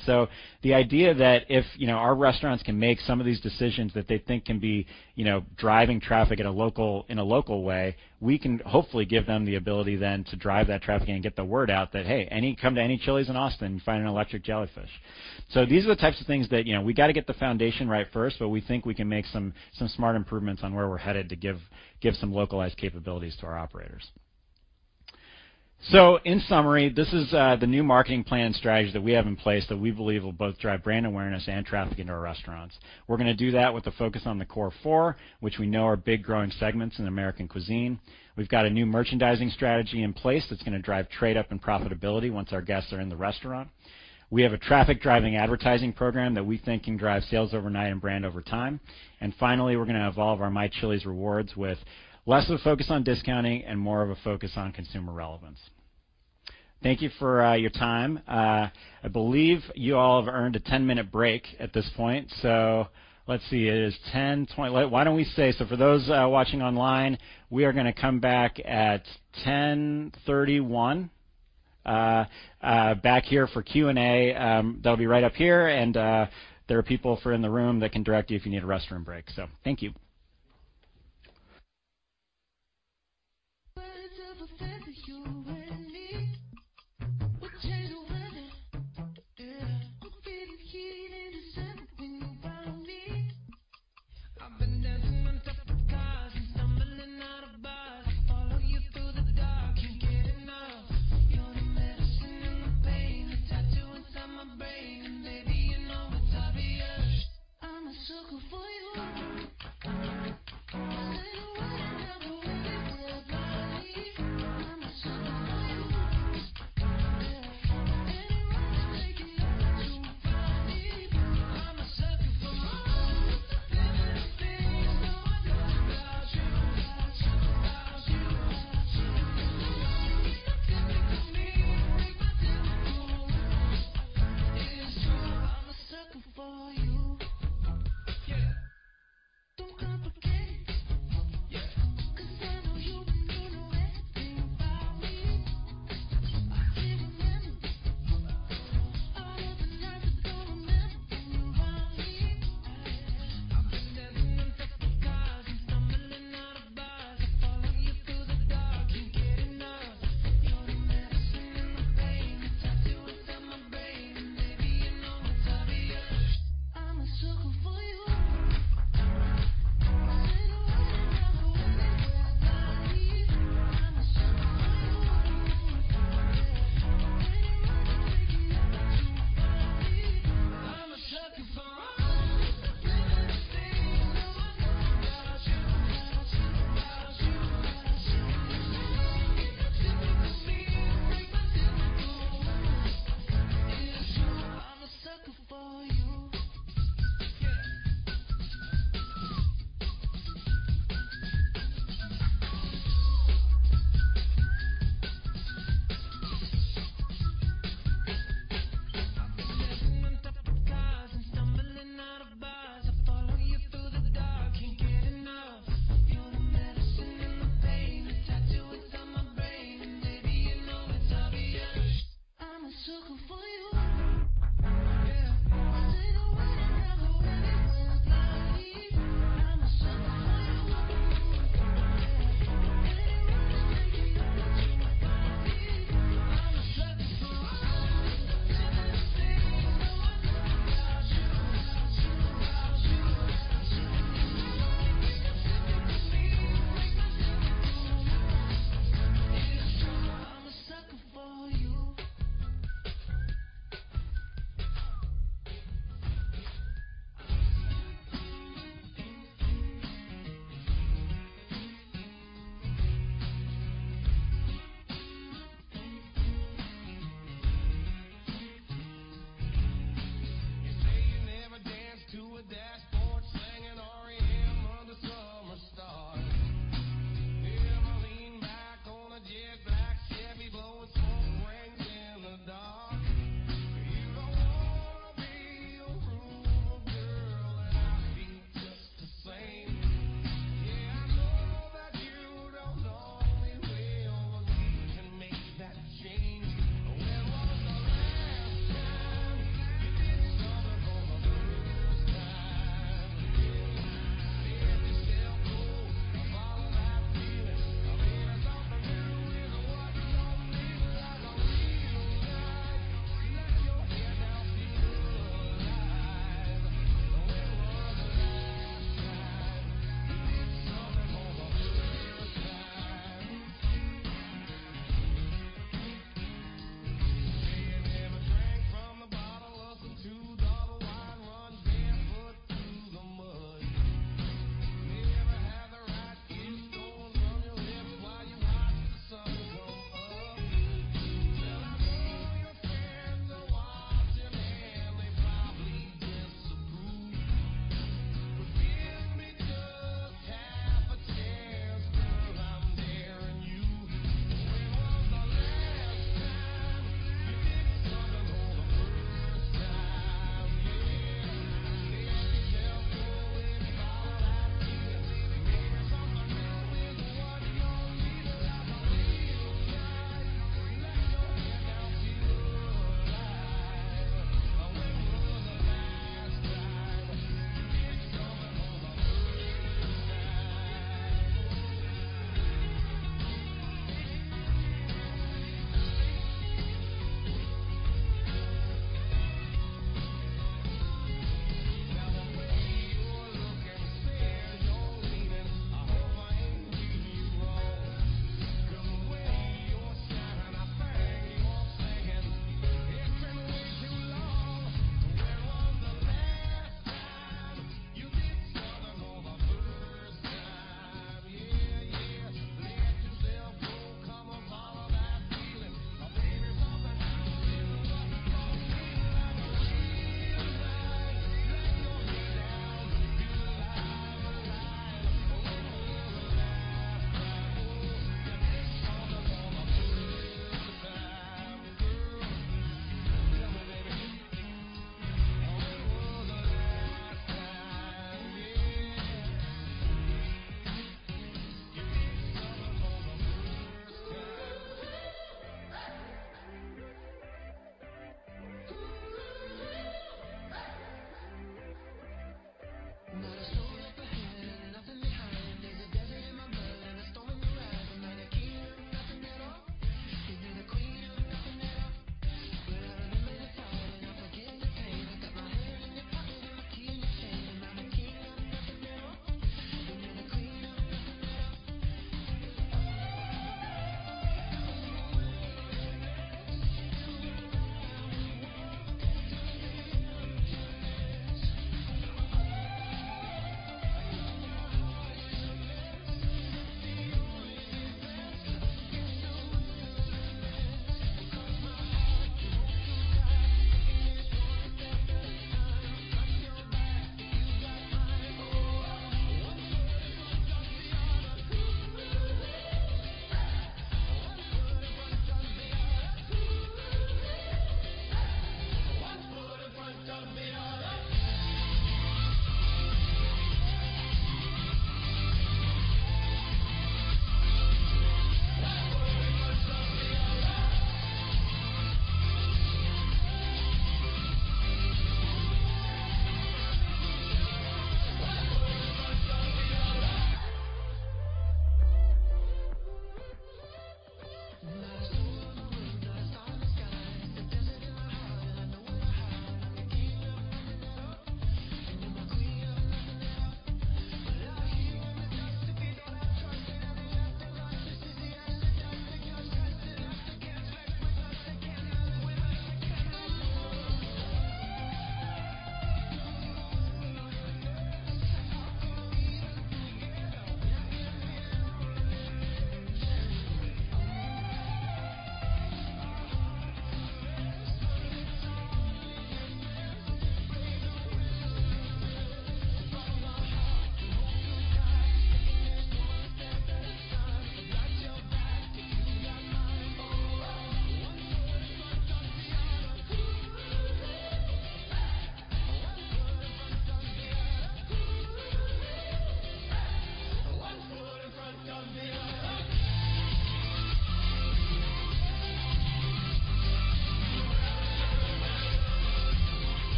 The idea that if, you know, our restaurants can make some of these decisions that they think can be, you know, driving traffic at a local, in a local way, we can hopefully give them the ability then to drive that traffic and get the word out that, "Hey, come to any Chili's in Austin, find an Electric Jellyfish." These are the types of things that, you know, we got to get the foundation right first, but we think we can make some smart improvements on where we're headed to give some localized capabilities to our operators. In summary, this is the new marketing plan strategy that we have in place that we believe will both drive brand awareness and traffic into our restaurants. We're going to do that with a focus on the Core Four, which we know are big, growing segments in American cuisine. We've got a new merchandising strategy in place that's going to drive trade up and profitability once our guests are in the restaurant. We have a traffic-driving advertising program that we think can drive sales overnight and brand over time. Finally, we're going to evolve our My Chili's Rewards with less of a focus on discounting and more of a focus on consumer relevance. Thank you for your time. I believe you all have earned a 10-minute break at this point. Let's see, it is 10:20... For those watching online, we are going to come back at 10:31 back here for Q&A. That'll be right up here, and there are people for in the room that can direct you if you need a restroom break. Thank you.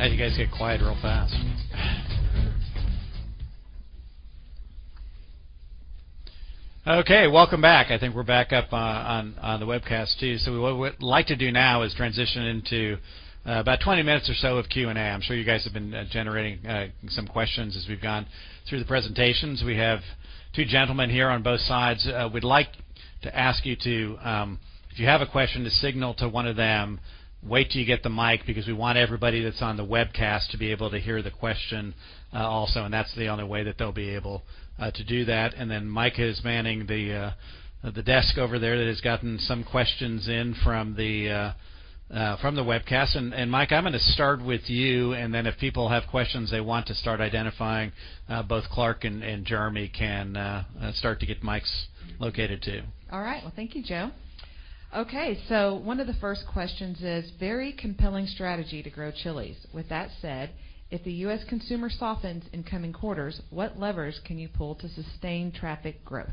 How'd you guys get quiet real fast? Welcome back. I think we're back up on the webcast, too. What we'd like to do now is transition into about 20 minutes or so of Q&A. I'm sure you guys have been generating some questions as we've gone through the presentations. We have 2 gentlemen here on both sides.... to ask you to, if you have a question, to signal to one of them, wait till you get the mic, because we want everybody that's on the webcast to be able to hear the question, also, and that's the only way that they'll be able to do that. Then Mike is manning the desk over there, that has gotten some questions in from the webcast. Mike, I'm gonna start with you, and then if people have questions they want to start identifying, both Clark and Jeremy can start to get mics located, too. All right. Well, thank you, Joe. Okay, one of the first questions is: Very compelling strategy to grow Chili's. With that said, if the U.S. consumer softens in coming quarters, what levers can you pull to sustain traffic growth?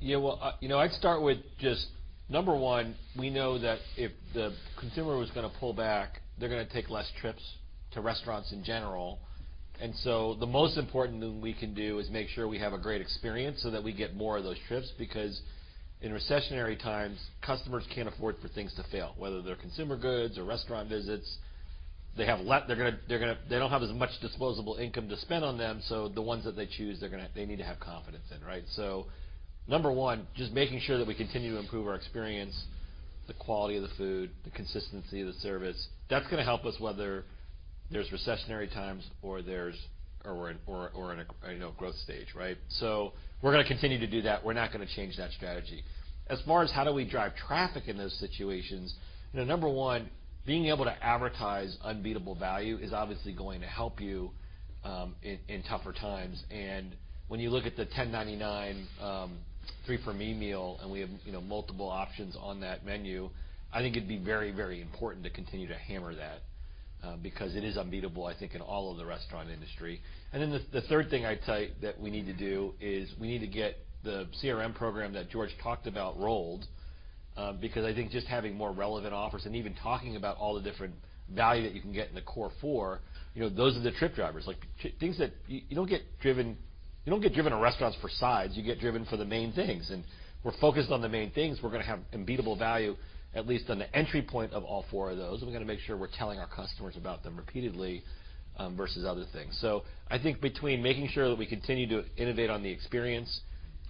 Well, you know, I'd start with just, number 1, we know that if the consumer was gonna pull back, they're gonna take less trips to restaurants in general. The most important thing we can do is make sure we have a great experience so that we get more of those trips, because in recessionary times, customers can't afford for things to fail, whether they're consumer goods or restaurant visits. They don't have as much disposable income to spend on them, so the ones that they choose, they need to have confidence in, right? Number 1, just making sure that we continue to improve our experience, the quality of the food, the consistency of the service. That's gonna help us whether there's recessionary times or we're in a, you know, growth stage, right? We're gonna continue to do that. We're not gonna change that strategy. As far as how do we drive traffic in those situations, you know, number one, being able to advertise unbeatable value is obviously going to help you in tougher times. When you look at the $10.99 3 for Me meal, and we have, you know, multiple options on that menu, I think it'd be very, very important to continue to hammer that, because it is unbeatable, I think, in all of the restaurant industry. The, the third thing I'd say that we need to do is we need to get the CRM program that George talked about rolled, because I think just having more relevant offers and even talking about all the different value that you can get in the Core Four, you know, those are the trip drivers. Like, things that. You don't get driven to restaurants for sides. You get driven for the main things, and we're focused on the main things. We're gonna have unbeatable value, at least on the entry point of all four of those. We're gonna make sure we're telling our customers about them repeatedly, versus other things. I think between making sure that we continue to innovate on the experience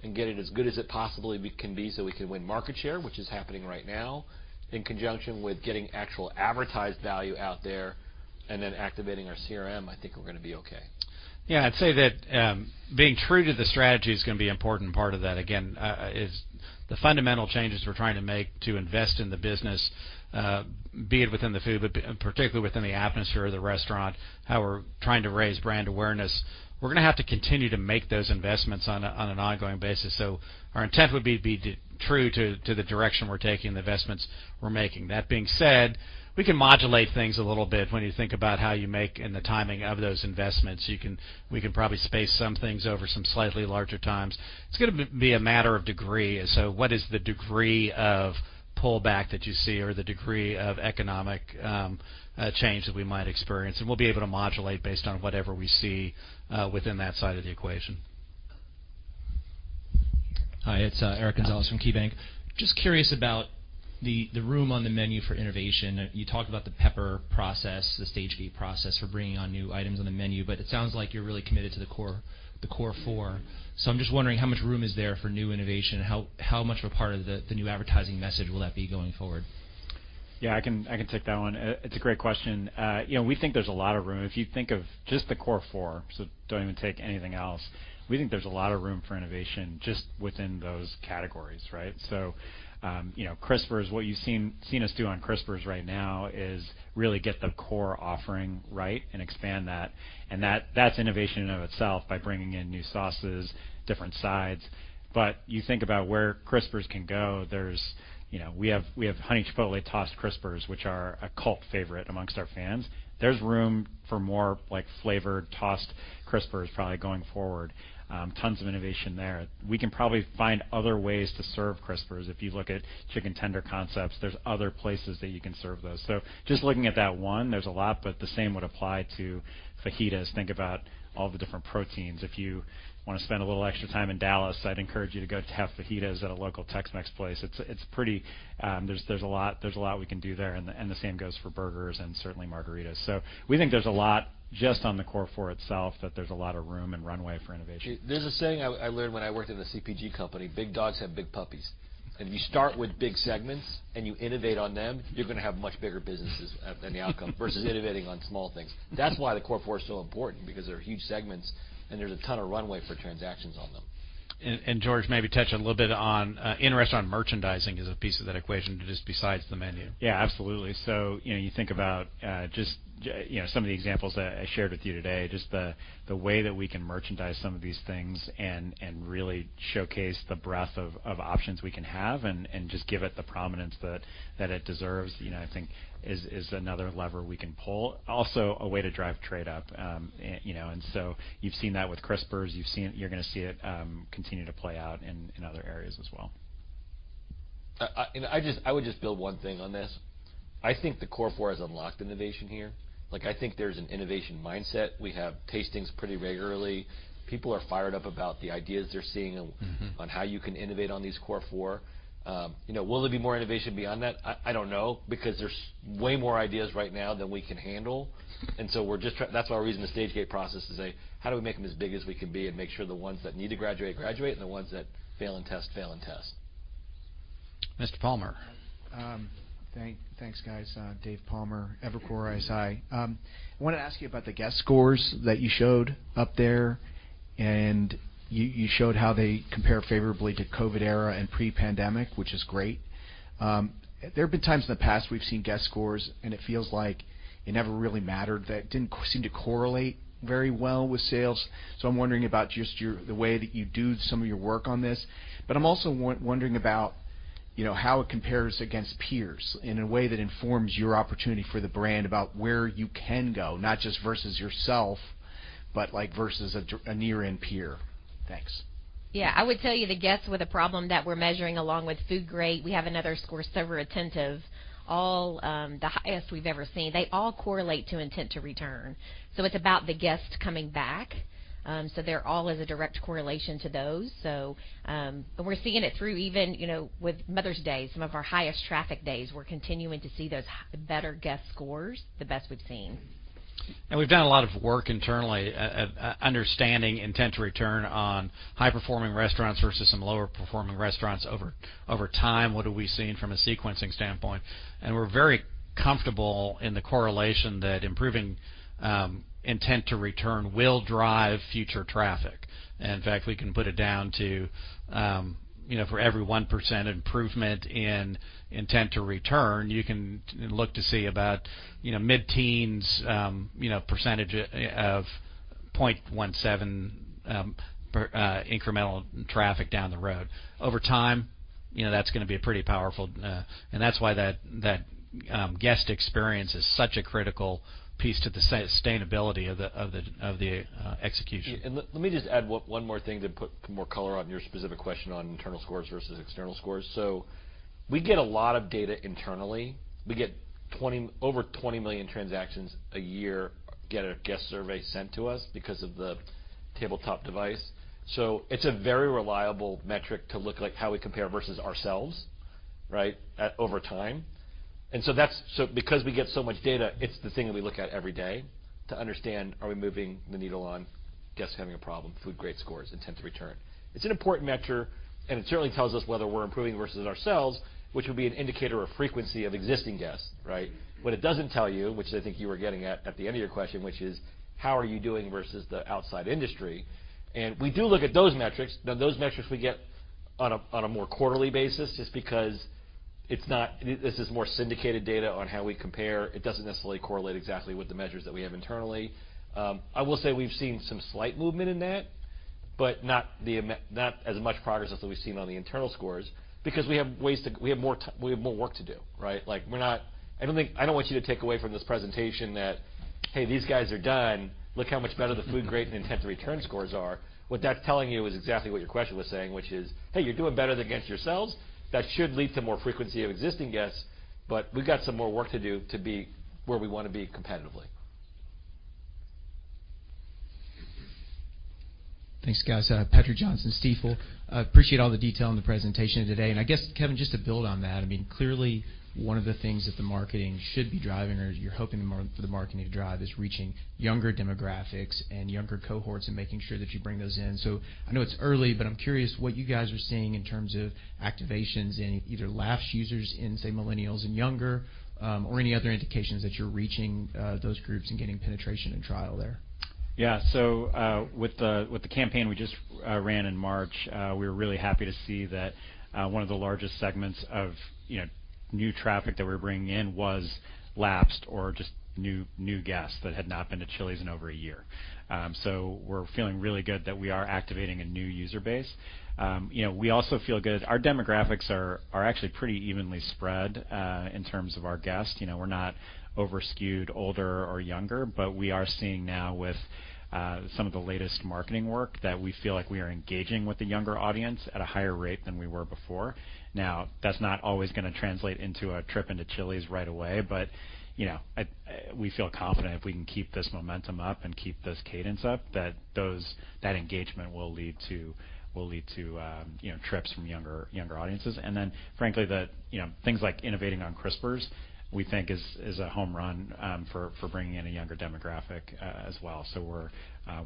and get it as good as it possibly can be, so we can win market share, which is happening right now, in conjunction with getting actual advertised value out there and then activating our CRM, I think we're gonna be okay. Yeah. I'd say that, being true to the strategy is gonna be an important part of that. Again, The fundamental changes we're trying to make to invest in the business, be it within the food, but, particularly within the atmosphere of the restaurant, how we're trying to raise brand awareness, we're gonna have to continue to make those investments on an ongoing basis. Our intent would be true to the direction we're taking and the investments we're making. That being said, we can modulate things a little bit when you think about how you make and the timing of those investments. we can probably space some things over some slightly larger times. It's gonna be a matter of degree. What is the degree of pullback that you see or the degree of economic change that we might experience? We'll be able to modulate based on whatever we see within that side of the equation. Hi, it's Eric Gonzalez from KeyBanc. Just curious about the room on the menu for innovation. You talked about the PEPPER process, the stage gate process for bringing on new items on the menu, but it sounds like you're really committed to the Core Four. I'm just wondering how much room is there for new innovation? How much of a part of the new advertising message will that be going forward? Yeah, I can take that one. It's a great question. You know, we think there's a lot of room. If you think of just the Core Four, so don't even take anything else, we think there's a lot of room for innovation just within those categories, right? You know, Crispers, what you've seen us do on Crispers right now is really get the core offering right and expand that, and that's innovation in and of itself by bringing in new sauces, different sides. You think about where Crispers can go, there's... We have Honey Chipotle Tossed Crispers, which are a cult favorite amongst our fans. There's room for more, like, flavored tossed Crispers, probably going forward. Tons of innovation there. We can probably find other ways to serve Crispers. If you look at chicken tender concepts, there's other places that you can serve those. Just looking at that one, there's a lot, but the same would apply to fajitas. Think about all the different proteins. If you want to spend a little extra time in Dallas, I'd encourage you to go have fajitas at a local Tex-Mex place. It's pretty, there's a lot we can do there, and the same goes for burgers and certainly margaritas. We think there's a lot just on the Core Four itself, that there's a lot of room and runway for innovation. There's a saying I learned when I worked at a CPG company: Big dogs have big puppies. If you start with big segments and you innovate on them, you're gonna have much bigger businesses than the outcome versus innovating on small things. That's why the Core Four is so important, because they're huge segments, and there's a ton of runway for transactions on them. George, maybe touch a little bit on in-restaurant merchandising is a piece of that equation just besides the menu. Absolutely. You know, you think about, just, you know, some of the examples that I shared with you today, just the way that we can merchandise some of these things and really showcase the breadth of options we can have and just give it the prominence that it deserves, you know, I think is another lever we can pull. Also, a way to drive trade up. You've seen that with Crispers. You're gonna see it continue to play out in other areas as well. I would just build one thing on this. I think the Core Four has unlocked innovation here. Like, I think there's an innovation mindset. We have tastings pretty regularly. People are fired up about the ideas they're seeing. Mm-hmm... on how you can innovate on these Core Four. You know, will there be more innovation beyond that? I don't know, because there's way more ideas right now than we can handle, and so we're just That's our reason, the stage gate process, is say: How do we make them as big as we can be and make sure the ones that need to graduate, and the ones that fail in test, fail in test?... Mr. Palmer? Thanks, guys. David Palmer, Evercore ISI. I want to ask you about the guest scores that you showed up there, and you showed how they compare favorably to COVID era and pre-pandemic, which is great. There have been times in the past we've seen guest scores, and it feels like it never really mattered, that didn't seem to correlate very well with sales. I'm wondering about just your the way that you do some of your work on this. I'm also wondering about, you know, how it compares against peers in a way that informs your opportunity for the brand, about where you can go, not just versus yourself, but, like, versus a near-end peer. Thanks. I would tell you, the guests with a problem that we're measuring, along with food grade, we have another score, server attentive, all, the highest we've ever seen. They all correlate to intent to return, it's about the guests coming back. They're all as a direct correlation to those. We're seeing it through even, you know, with Mother's Day, some of our highest traffic days, we're continuing to see those better guest scores, the best we've seen. We've done a lot of work internally understanding intent to return on high-performing restaurants versus some lower-performing restaurants over time. What have we seen from a sequencing standpoint? We're very comfortable in the correlation that improving intent to return will drive future traffic. In fact, we can put it down to, you know, for every 1% improvement in intent to return, you can look to see about, you know, mid-teens, you know, percentage of 0.17 per incremental traffic down the road. Over time, you know, that's going to be a pretty powerful. That's why that guest experience is such a critical piece to the sustainability of the execution. Yeah, and let me just add one more thing to put more color on your specific question on internal scores versus external scores. We get a lot of data internally. We get over 20 million transactions a year, get a guest survey sent to us because of the tabletop device. It's a very reliable metric to look, like, how we compare versus ourselves, right, at over time. That's because we get so much data, it's the thing that we look at every day to understand, are we moving the needle on guests having a problem, food grade scores, intent to return? It's an important measure, and it certainly tells us whether we're improving versus ourselves, which would be an indicator of frequency of existing guests, right? What it doesn't tell you, which I think you were getting at the end of your question, which is: How are you doing versus the outside industry? We do look at those metrics. Now, those metrics we get on a more quarterly basis, just because it's not this is more syndicated data on how we compare. It doesn't necessarily correlate exactly with the measures that we have internally. I will say we've seen some slight movement in that, but not as much progress as what we've seen on the internal scores because we have ways to we have more work to do, right? Like, we're not I don't want you to take away from this presentation that, "Hey, these guys are done. Look how much better the food grade and intent to return scores are. What that's telling you is exactly what your question was saying, which is, "Hey, you're doing better against yourselves. That should lead to more frequency of existing guests, but we've got some more work to do to be where we want to be competitively. Thanks, guys. Chris O'Cull, Stifel. I appreciate all the detail in the presentation today. I guess, Kevin, just to build on that, I mean, clearly one of the things that the marketing should be driving, or you're hoping for the marketing to drive, is reaching younger demographics and younger cohorts and making sure that you bring those in. I know it's early, but I'm curious what you guys are seeing in terms of activations in either lapsed users in, say, millennials and younger, or any other indications that you're reaching those groups and getting penetration and trial there. Yeah. With the campaign we just ran in March, we were really happy to see that one of the largest segments of, you know, new traffic that we're bringing in was lapsed or just new guests that had not been to Chili's in over a year. We're feeling really good that we are activating a new user base. You know, we also feel good. Our demographics are actually pretty evenly spread in terms of our guests. You know, we're not over-skewed, older or younger, we are seeing now with some of the latest marketing work, that we feel like we are engaging with the younger audience at a higher rate than we were before. That's not always going to translate into a trip into Chili's right away, but, you know, we feel confident if we can keep this momentum up and keep this cadence up, that engagement will lead to, you know, trips from younger audiences. Then, frankly, that, you know, things like innovating on Crispers, we think is a home run, for bringing in a younger demographic, as well.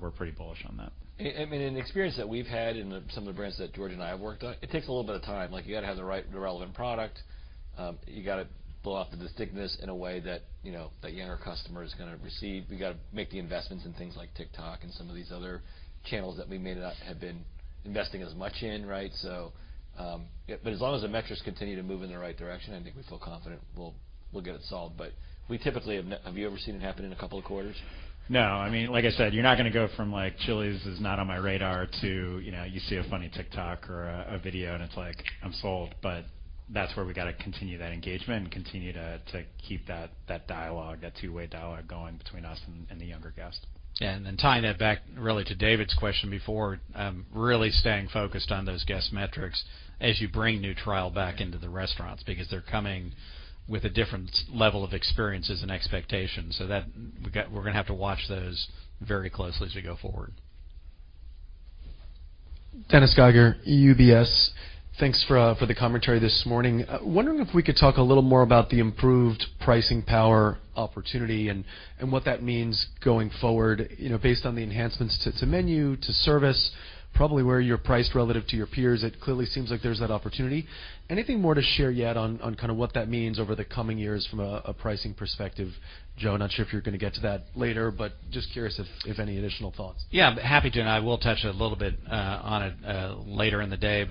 We're pretty bullish on that. I mean, in the experience that we've had in the some of the brands that George and I have worked on, it takes a little bit of time. Like, you got to have the right and relevant product. You got to blow out the distinctness in a way that, you know, that younger customer is going to receive. We got to make the investments in things like TikTok and some of these other channels that we may not have been investing as much in, right? Yeah, but as long as the metrics continue to move in the right direction, I think we feel confident we'll get it solved. We typically have. Have you ever seen it happen in a couple of quarters? No. I mean, like I said, you're not going to go from, like, Chili's is not on my radar to, you know, you see a funny TikTok or a video, and it's like, "I'm sold." That's where we got to continue that engagement and continue to keep that dialogue, that two-way dialogue going between us and the younger guests. Tying that back really to David's question before, really staying focused on those guest metrics as you bring new trial back into the restaurants, because they're coming with a different level of experiences and expectations. We're going to have to watch those very closely as we go forward. Dennis Geiger, UBS. Thanks for the commentary this morning. Wondering if we could talk a little more about the improved pricing power opportunity and what that means going forward, you know, based on the enhancements to menu, to service, probably where you're priced relative to your peers. It clearly seems like there's that opportunity. Anything more to share yet on kind of what that means over the coming years from a pricing perspective, Joe? Not sure if you're gonna get to that later, but just curious if any additional thoughts. Yeah, happy to. I will touch a little bit on it later in the day.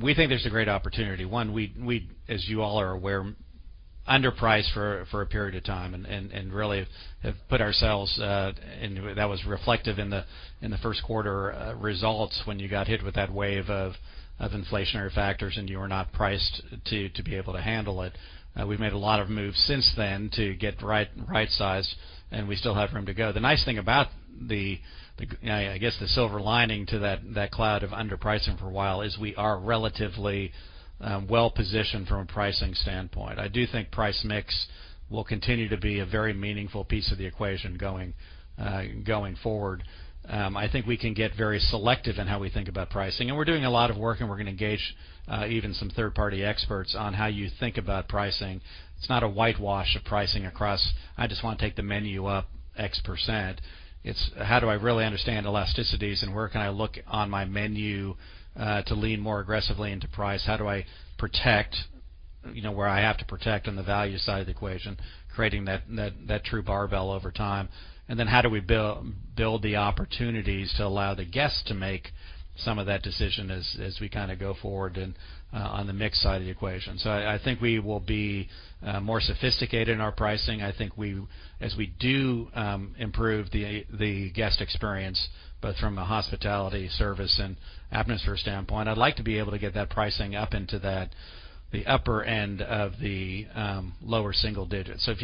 We think there's a great opportunity. One, we, as you all are aware, underpriced for a period of time and really have put ourselves. That was reflective in the first quarter results when you got hit with that wave of inflationary factors. You were not priced to be able to handle it. We've made a lot of moves since then to get the right size. We still have room to go. The nice thing about the I guess, the silver lining to that cloud of underpricing for a while, is we are relatively well-positioned from a pricing standpoint. I do think price mix will continue to be a very meaningful piece of the equation going forward. I think we can get very selective in how we think about pricing, and we're doing a lot of work, and we're gonna engage, even some third-party experts on how you think about pricing. It's not a whitewash of pricing across, "I just want to take the menu up X%." It's: how do I really understand elasticities, and where can I look on my menu, to lean more aggressively into price? How do I protect, you know, where I have to protect on the value side of the equation, creating that true barbell over time? How do we build the opportunities to allow the guests to make some of that decision as we kind of go forward on the mix side of the equation? I think we will be more sophisticated in our pricing. I think we, as we do, improve the guest experience, both from a hospitality, service, and atmosphere standpoint, I'd like to be able to get that pricing up into that, the upper end of the lower single digits. If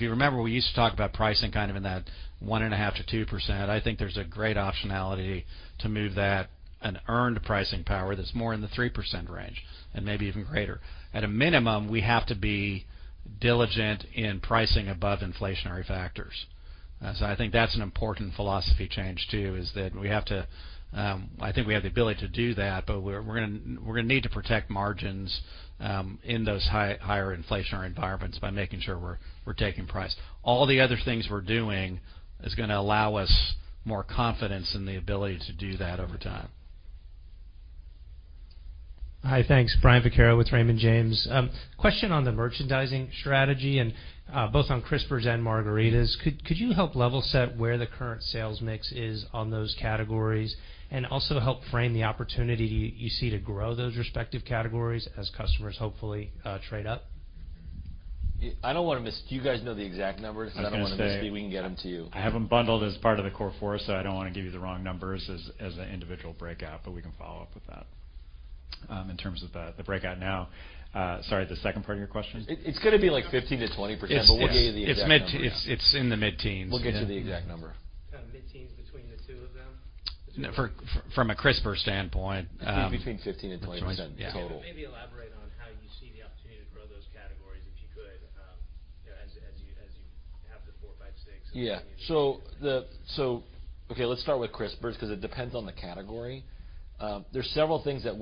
you remember, we used to talk about pricing kind of in that 1.5%-2%. I think there's a great optionality to move that, an earned pricing power that's more in the 3% range and maybe even greater. At a minimum, we have to be diligent in pricing above inflationary factors. I think that's an important philosophy change, too, is that we have to, I think we have the ability to do that, but we're gonna need to protect margins in those higher inflationary environments by making sure we're taking price. All the other things we're doing is gonna allow us more confidence in the ability to do that over time. Hi, thanks. Brian Vaccaro with Raymond James. Question on the merchandising strategy and, both on Crispers and margaritas. Could you help level set where the current sales mix is on those categories and also help frame the opportunity you see to grow those respective categories as customers hopefully, trade up? I don't want to miss... Do you guys know the exact numbers? I don't want to miss it. We can get them to you. I have them bundled as part of the Core Four, so I don't want to give you the wrong numbers as an individual breakout, but we can follow up with that. In terms of the breakout now, Sorry, the second part of your question? It's gonna be, like, 15%-20%. Yes. We'll get you the exact number. It's in the mid-teens. We'll get you the exact number. Kind of mid-teens between the two of them? For, from a Crispers standpoint. Between 15% and 20% total. Maybe elaborate on how you see the opportunity to grow those categories, if you could, you know, as you have the 4, 5, 6... Yeah. Okay, let's start with Crispers, 'cause it depends on the category. There's several things that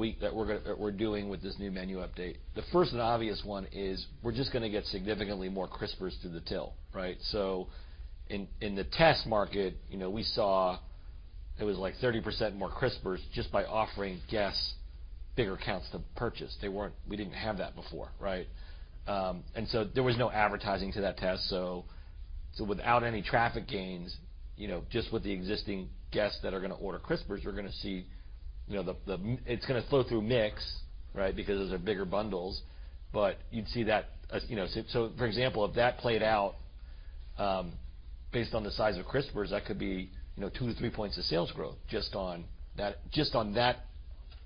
we're doing with this new menu update. The first and obvious one is we're just gonna get significantly more Crispers to the till, right? In the test market, you know, we saw it was, like, 30% more Crispers just by offering guests bigger counts to purchase. We didn't have that before, right? There was no advertising to that test, without any traffic gains, you know, just with the existing guests that are gonna order Crispers, you're gonna see, you know, It's gonna flow through mix, right? Because those are bigger bundles. You'd see that as, you know, for example, if that played out, based on the size of Crispers, that could be, you know, 2-3 points of sales growth, just on that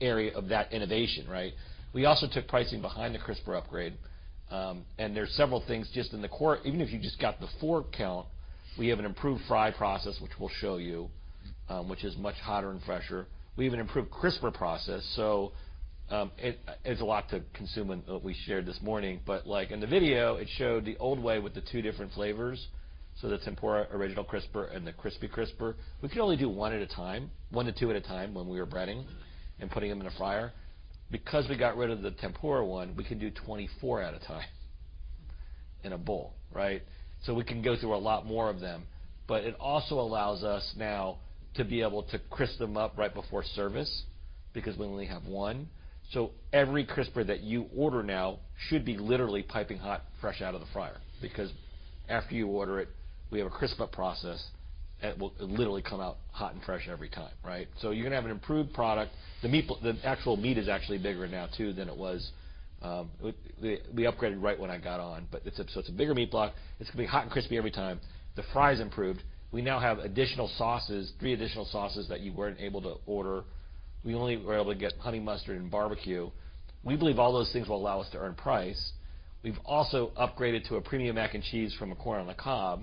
area of that innovation, right? We also took pricing behind the Crisper upgrade. There's several things just in the quarter. Even if you just got the four count, we have an improved fry process, which we'll show you, which is much hotter and fresher. We even improved Crisper process. It's a lot to consume in what we shared this morning, but, like, in the video, it showed the old way with the two different flavors, so the tempura original Crisper and the crispy Crisper. We could only do 1 at a time, 1 to 2 at a time, when we were breading and putting them in the fryer. We got rid of the tempura one, we can do 24 at a time in a bowl, right? We can go through a lot more of them. It also allows us now to be able to crisp them up right before service, because we only have 1. Every Crisper that you order now should be literally piping hot, fresh out of the fryer, because after you order it, we have a crisp-up process, and it will literally come out hot and fresh every time, right? You're gonna have an improved product. The actual meat is actually bigger now, too, than it was. We upgraded right when I got on, it's a bigger meat block. It's gonna be hot and crispy every time. The fries improved. We now have 3 additional sauces that you weren't able to order. We only were able to get honey mustard and barbecue. We believe all those things will allow us to earn price. We've also upgraded to a premium Mac & Cheese from a corn on the cob.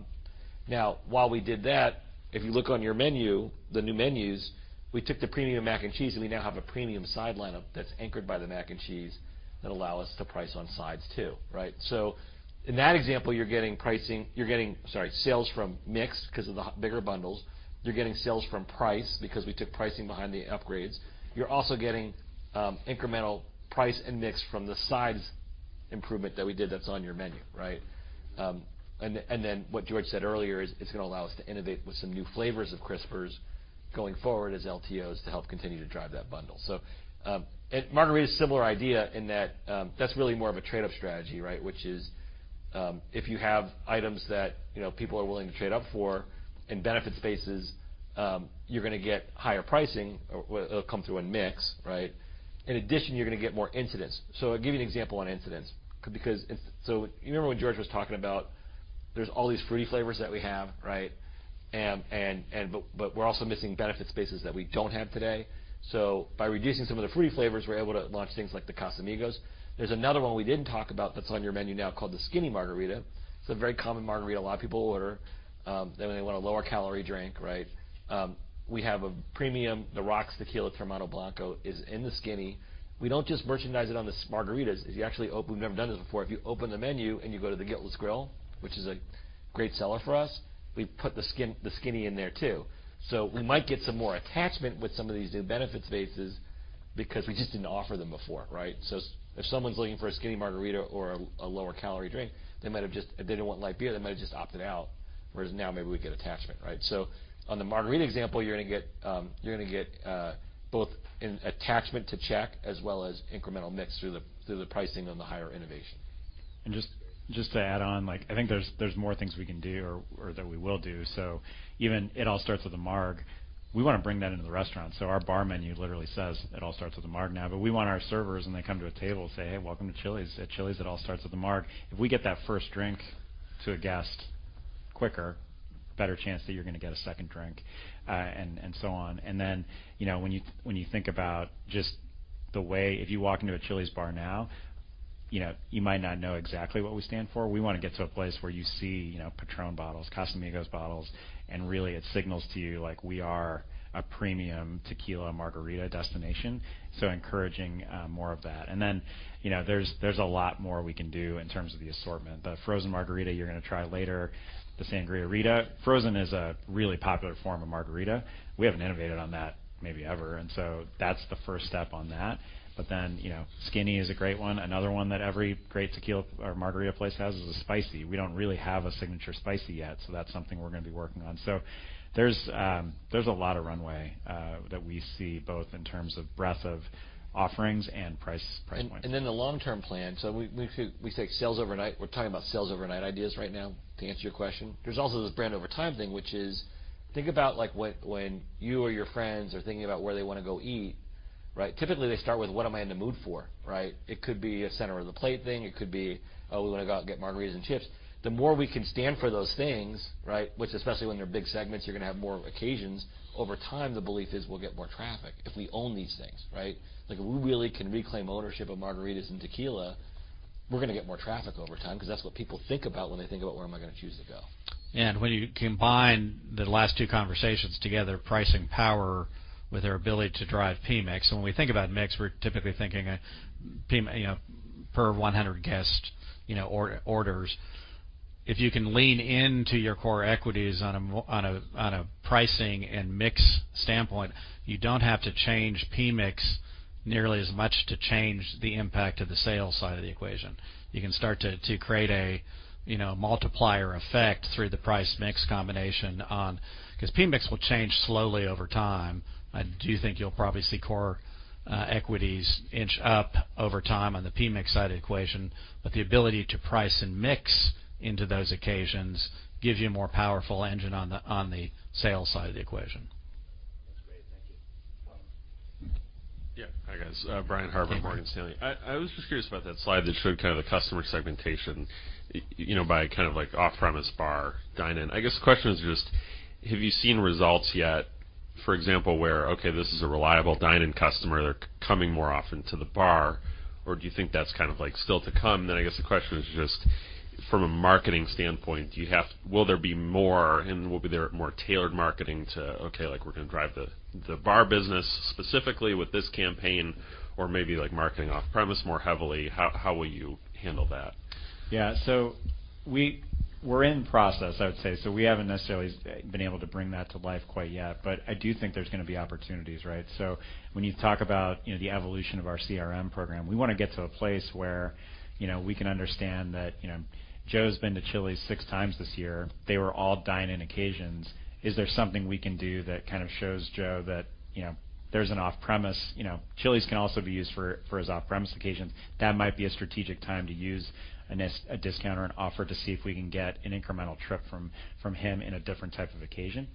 While we did that, if you look on your menu, the new menus, we took the premium Mac & Cheese, and we now have a premium side lineup that's anchored by the Mac & Cheese that allow us to price on sides, too, right? In that example, you're getting pricing. Sorry, sales from mix because of the bigger bundles. You're getting sales from price because we took pricing behind the upgrades. You're also getting incremental price and mix from the sides...... improvement that we did that's on your menu, right? What George said earlier is, it's going to allow us to innovate with some new flavors of Crispers going forward as LTOs to help continue to drive that bundle. Margarita is a similar idea in that that's really more of a trade-up strategy, right? If you have items that, you know, people are willing to trade up for in benefit spaces, you're going to get higher pricing, or it'll come through in mix, right? In addition, you're going to get more incidents. I'll give you an example on incidents, because you remember when George was talking about, there's all these fruity flavors that we have, right? We're also missing benefit spaces that we don't have today. By reducing some of the fruity flavors, we're able to launch things like the Casamigos. There's another one we didn't talk about that's on your menu now called the Skinny Marg. It's a very common margarita a lot of people order when they want a lower-calorie drink, right? We have a premium. The Rocks tequila Teremana Blanco is in the Skinny. We don't just merchandise it on the margaritas. If you actually. We've never done this before. If you open the menu and you go to the Guiltless Grill, which is a great seller for us, we put the Skinny in there, too. We might get some more attachment with some of these new benefit spaces because we just didn't offer them before, right? If someone's looking for a skinny margarita or a lower-calorie drink, they might have just... If they didn't want light beer, they might have just opted out, whereas now maybe we get attachment, right? On the margarita example, you're going to get both an attachment to check as well as incremental mix through the pricing on the higher innovation. Just to add on, like, I think there's more things we can do or that we will do. Even It All Starts with a Marg, we want to bring that into the restaurant. Our bar menu literally says, "It All Starts with a Marg" now, but we want our servers, when they come to a table, say: Hey, welcome to Chili's. At Chili's, it all starts with a marg. If we get that first drink to a guest quicker, better chance that you're going to get a second drink, and so on. You know, when you think about just the way... If you walk into a Chili's bar now, you know, you might not know exactly what we stand for. We want to get to a place where you see, you know, Patrón bottles, Casamigos bottles, really it signals to you like we are a premium tequila margarita destination. Encouraging more of that. You know, there's a lot more we can do in terms of the assortment. The frozen margarita, you're going to try later, the Sangria 'Rita. Frozen is a really popular form of margarita. We haven't innovated on that maybe ever, that's the first step on that. You know, Skinny is a great one. Another one that every great tequila or margarita place has is a spicy. We don't really have a signature spicy yet, that's something we're going to be working on. There's a lot of runway that we see both in terms of breadth of offerings and price points. The long-term plan, we take sales overnight. We're talking about sales overnight ideas right now, to answer your question. There's also this brand over time thing, which is, think about like, when you or your friends are thinking about where they want to go eat, right? Typically, they start with: What am I in the mood for, right? It could be a center of the plate thing. It could be, oh, we want to go out and get margaritas and chips. The more we can stand for those things, right, which especially when they're big segments, you're going to have more occasions, over time, the belief is we'll get more traffic if we own these things, right? Like, if we really can reclaim ownership of margaritas and tequila, we're going to get more traffic over time, because that's what people think about when they think about: Where am I going to choose to go? When you combine the last two conversations together, pricing power with our ability to drive PMIX. When we think about mix, we're typically thinking, you know, per 100 guests, you know, orders. If you can lean into your core equities on a, on a pricing and mix standpoint, you don't have to change PMIX nearly as much to change the impact of the sales side of the equation. You can start to create a, you know, multiplier effect through the price mix combination on. PMIX will change slowly over time. I do think you'll probably see core equities inch up over time on the PMIX side of the equation, but the ability to price and mix into those occasions gives you a more powerful engine on the, on the sales side of the equation. That's great. Thank you. Yeah. Hi, guys. Brian Harbour, Morgan Stanley. I was just curious about that slide that showed kind of the customer segmentation, you know, by kind of like off-premise bar, dine-in. I guess the question is just: Have you seen results yet, for example, where, okay, this is a reliable dine-in customer, they're coming more often to the bar, or do you think that's kind of, like, still to come? I guess the question is just: From a marketing standpoint, will there be more, and will there be more tailored marketing to, okay, like, we're going to drive the bar business specifically with this campaign or maybe like marketing off-premise more heavily? How will you handle that? Yeah. We're in process, I would say. We haven't necessarily been able to bring that to life quite yet, but I do think there's going to be opportunities, right? When you talk about, you know, the evolution of our CRM program, we want to get to a place where, you know, we can understand that, you know, Joe's been to Chili's 6 times this year. They were all dine-in occasions. Is there something we can do that kind of shows Joe that, you know, there's an off-premise, you know, Chili's can also be used for his off-premise occasions? That might be a strategic time to use a discount or an offer to see if we can get an incremental trip from him in a different type of occasion.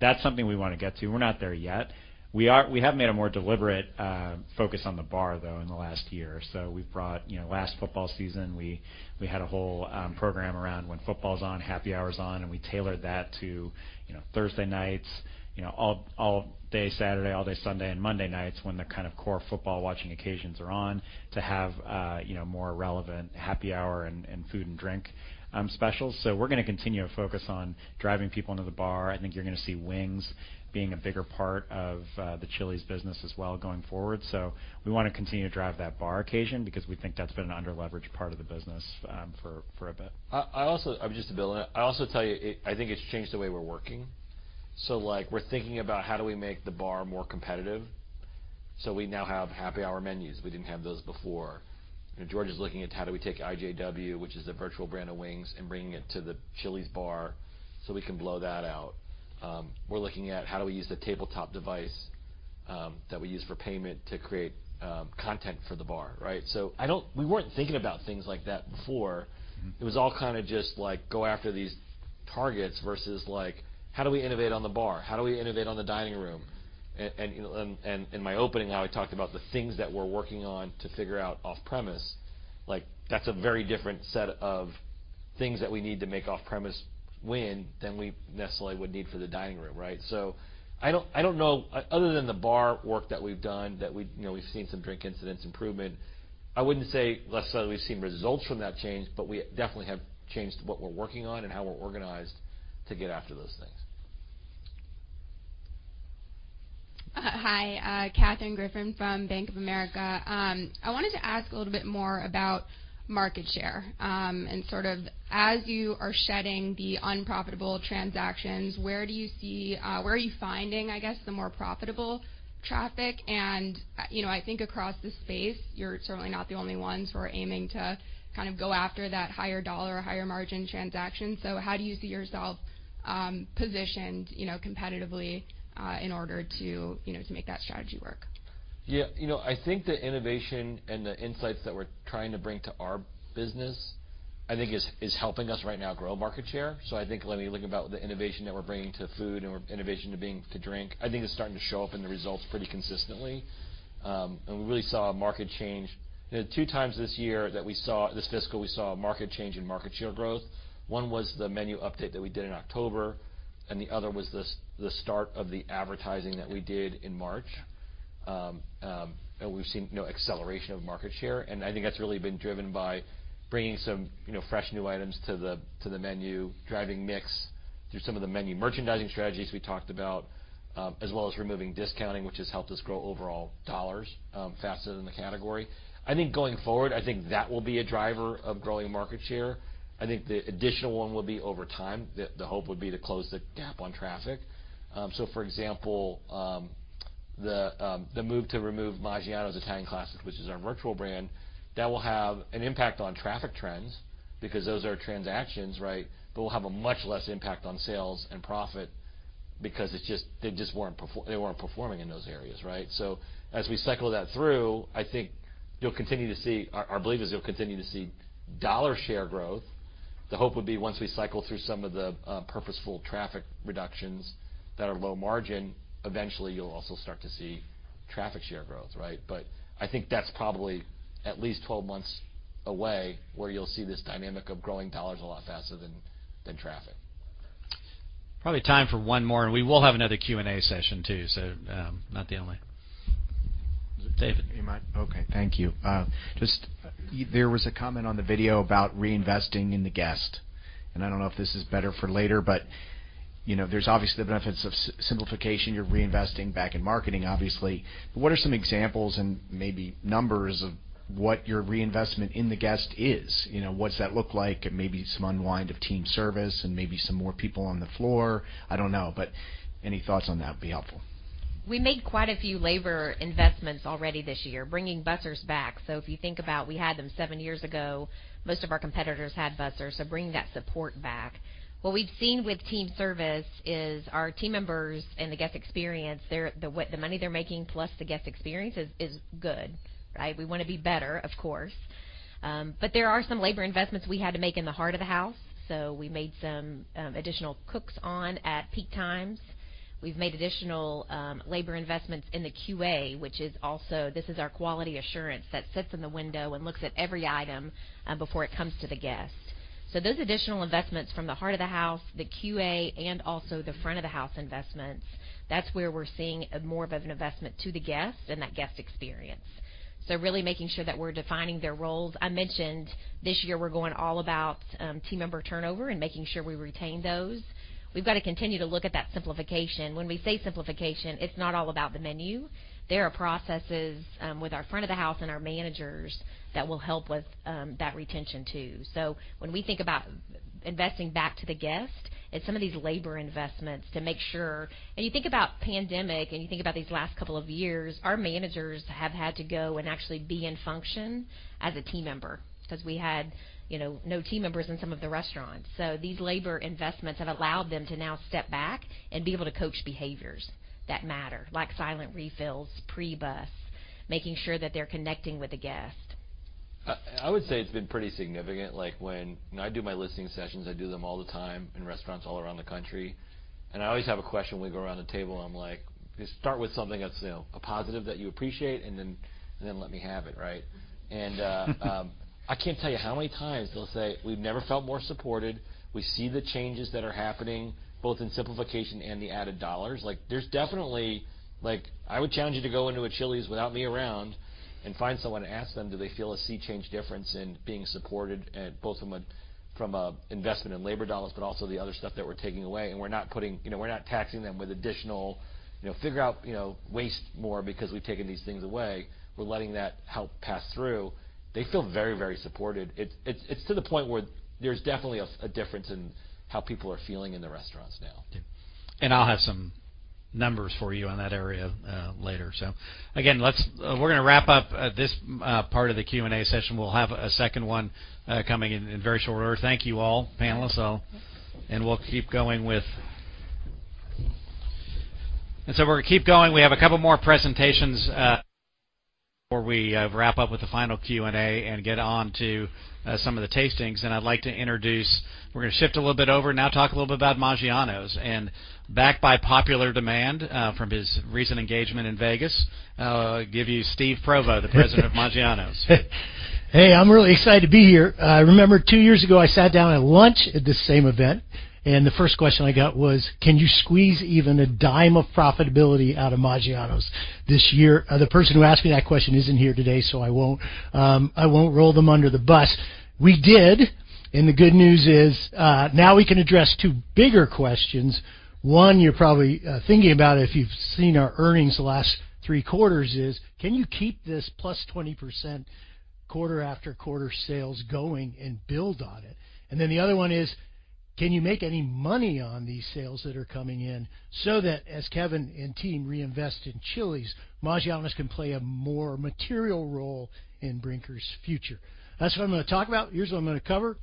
That's something we want to get to. We're not there yet. We have made a more deliberate focus on the bar, though, in the last year. We've brought. You know, last football season, we had a whole program around when football's on, happy hour is on, and we tailored that to, you know, Thursday nights, you know, all day Saturday, all day Sunday and Monday nights, when the kind of core football watching occasions are on, to have, you know, more relevant happy hour and food and drink specials. We're going to continue to focus on driving people into the bar. I think you're going to see wings being a bigger part of the Chili's business as well going forward. We want to continue to drive that bar occasion because we think that's been an under-leveraged part of the business for a bit. I also. Just to build on it. I also tell you, I think it's changed the way we're working. Like we're thinking about how do we make the bar more competitive? We now have happy hour menus. We didn't have those before. George is looking at how do we take IJW, which is the virtual brand of wings, and bringing it to the Chili's bar, so we can blow that out. We're looking at how do we use the tabletop device that we use for payment to create content for the bar, right? We weren't thinking about things like that before. Mm-hmm. It was all kind of just like, go after these targets versus like, how do we innovate on the bar? How do we innovate on the dining room? In my opening, how I talked about the things that we're working on to figure out off-premise, like, that's a very different set of things that we need to make off-premise win than we necessarily would need for the dining room, right? I don't, I don't know, other than the bar work that we've done, that we've, you know, we've seen some drink incidents improvement. I wouldn't say less so we've seen results from that change, but we definitely have changed what we're working on and how we're organized to get after those things. Hi, Katherine Griffin from Bank of America. I wanted to ask a little bit more about market share. Sort of as you are shedding the unprofitable transactions, where are you finding, I guess, the more profitable traffic? You know, I think across the space, you're certainly not the only ones who are aiming to kind of go after that higher dollar or higher margin transaction. How do you see yourself, you know, competitively, in order to, you know, to make that strategy work? Yeah. You know, I think the innovation and the insights that we're trying to bring to our business, I think is helping us right now grow market share. I think when we look about the innovation that we're bringing to food and innovation to drink, I think it's starting to show up in the results pretty consistently. We really saw a market change. There are 2 times this year that this fiscal, we saw a market change and market share growth. One was the menu update that we did in October, the other was the start of the advertising that we did in March. We've seen, you know, acceleration of market share, and I think that's really been driven by bringing some, you know, fresh, new items to the menu, driving mix through some of the menu merchandising strategies we talked about, as well as removing discounting, which has helped us grow overall dollars faster than the category. I think going forward, I think that will be a driver of growing market share. I think the additional one will be over time, the hope would be to close the gap on traffic. For example, the move to remove Maggiano's Italian Classics, which is our virtual brand, that will have an impact on traffic trends because those are transactions, right? Will have a much less impact on sales and profit because they just weren't performing in those areas, right? As we cycle that through, I think you'll continue to see. Our belief is you'll continue to see dollar share growth. The hope would be once we cycle through some of the purposeful traffic reductions that are low margin, eventually you'll also start to see traffic share growth, right? I think that's probably at least 12 months away, where you'll see this dynamic of growing dollars a lot faster than traffic. Probably time for 1 more. We will have another Q&A session too. Not the only. David? You mind? Okay, thank you. Just, there was a comment on the video about reinvesting in the guest, and I don't know if this is better for later, but, you know, there's obviously the benefits of simplification. You're reinvesting back in marketing, obviously. What are some examples and maybe numbers of what your reinvestment in the guest is? You know, what's that look like? It may be some unwind of team service and maybe some more people on the floor. I don't know, but any thoughts on that would be helpful. We made quite a few labor investments already this year, bringing busers back. If you think about we had them 7 years ago, most of our competitors had busers, so bringing that support back. What we've seen with team service is our team members and the guest experience, the money they're making, plus the guest experience is good, right? We want to be better, of course. There are some labor investments we had to make in the heart of the house. We made some additional cooks on at peak times. We've made additional labor investments in the QA, this is our quality assurance that sits in the window and looks at every item before it comes to the guest. Those additional investments from the heart of house, the QA, and also the front of the house investments, that's where we're seeing more of an investment to the guest and that guest experience. Really making sure that we're defining their roles. I mentioned this year we're going all about team member turnover and making sure we retain those. We've got to continue to look at that simplification. When we say simplification, it's not all about the menu. There are processes with our front of the house and our managers that will help with that retention too. When we think about investing back to the guest, it's some of these labor investments to make sure... You think about pandemic, and you think about these last couple of years, our managers have had to go and actually be in function as a team member because we had, you know, no team members in some of the restaurants. These labor investments have allowed them to now step back and be able to coach behaviors that matter, like silent refills, pre-bus, making sure that they're connecting with the guest. I would say it's been pretty significant. Like, when I do my listening sessions, I do them all the time in restaurants all around the country, and I always have a question when we go around the table, I'm like: Just start with something that's, you know, a positive that you appreciate and then let me have it, right? I can't tell you how many times they'll say, "We've never felt more supported. We see the changes that are happening, both in simplification and the added dollars." Like, there's definitely... Like, I would challenge you to go into a Chili's without me around and find someone to ask them, do they feel a sea change difference in being supported, both from a investment in labor dollars, but also the other stuff that we're taking away. We're not putting, you know, we're not taxing them with additional, you know, figure out, you know, waste more because we've taken these things away. We're letting that help pass through. They feel very supported. It's to the point where there's definitely a difference in how people are feeling in the restaurants now. Yeah. I'll have. Numbers for you on that area, later. Again, we're going to wrap up this part of the Q&A session. We'll have a second one coming in very short order. Thank you, all panelists, all. We'll keep going. We're going to keep going. We have a couple more presentations before we wrap up with the final Q&A and get on to some of the tastings. I'd like to introduce. We're going to shift a little bit over now, talk a little bit about Maggiano's. Back by popular demand from his recent engagement in Vegas, I'll give you Steve Provost, the President of Maggiano's. Hey, I'm really excited to be here. I remember two years ago, I sat down at lunch at the same event. The first question I got was: Can you squeeze even a dime of profitability out of Maggiano's this year? The person who asked me that question isn't here today. I won't roll them under the bus. We did, the good news is, now we can address two bigger questions. One, you're probably thinking about it if you've seen our earnings the last three quarters is, can you keep this +20% quarter after quarter sales going and build on it? The other one is, can you make any money on these sales that are coming in so that as Kevin and team reinvest in Chili's, Maggiano's can play a more material role in Brinker's future. That's what I'm going to talk about. Here's what I'm going to cover.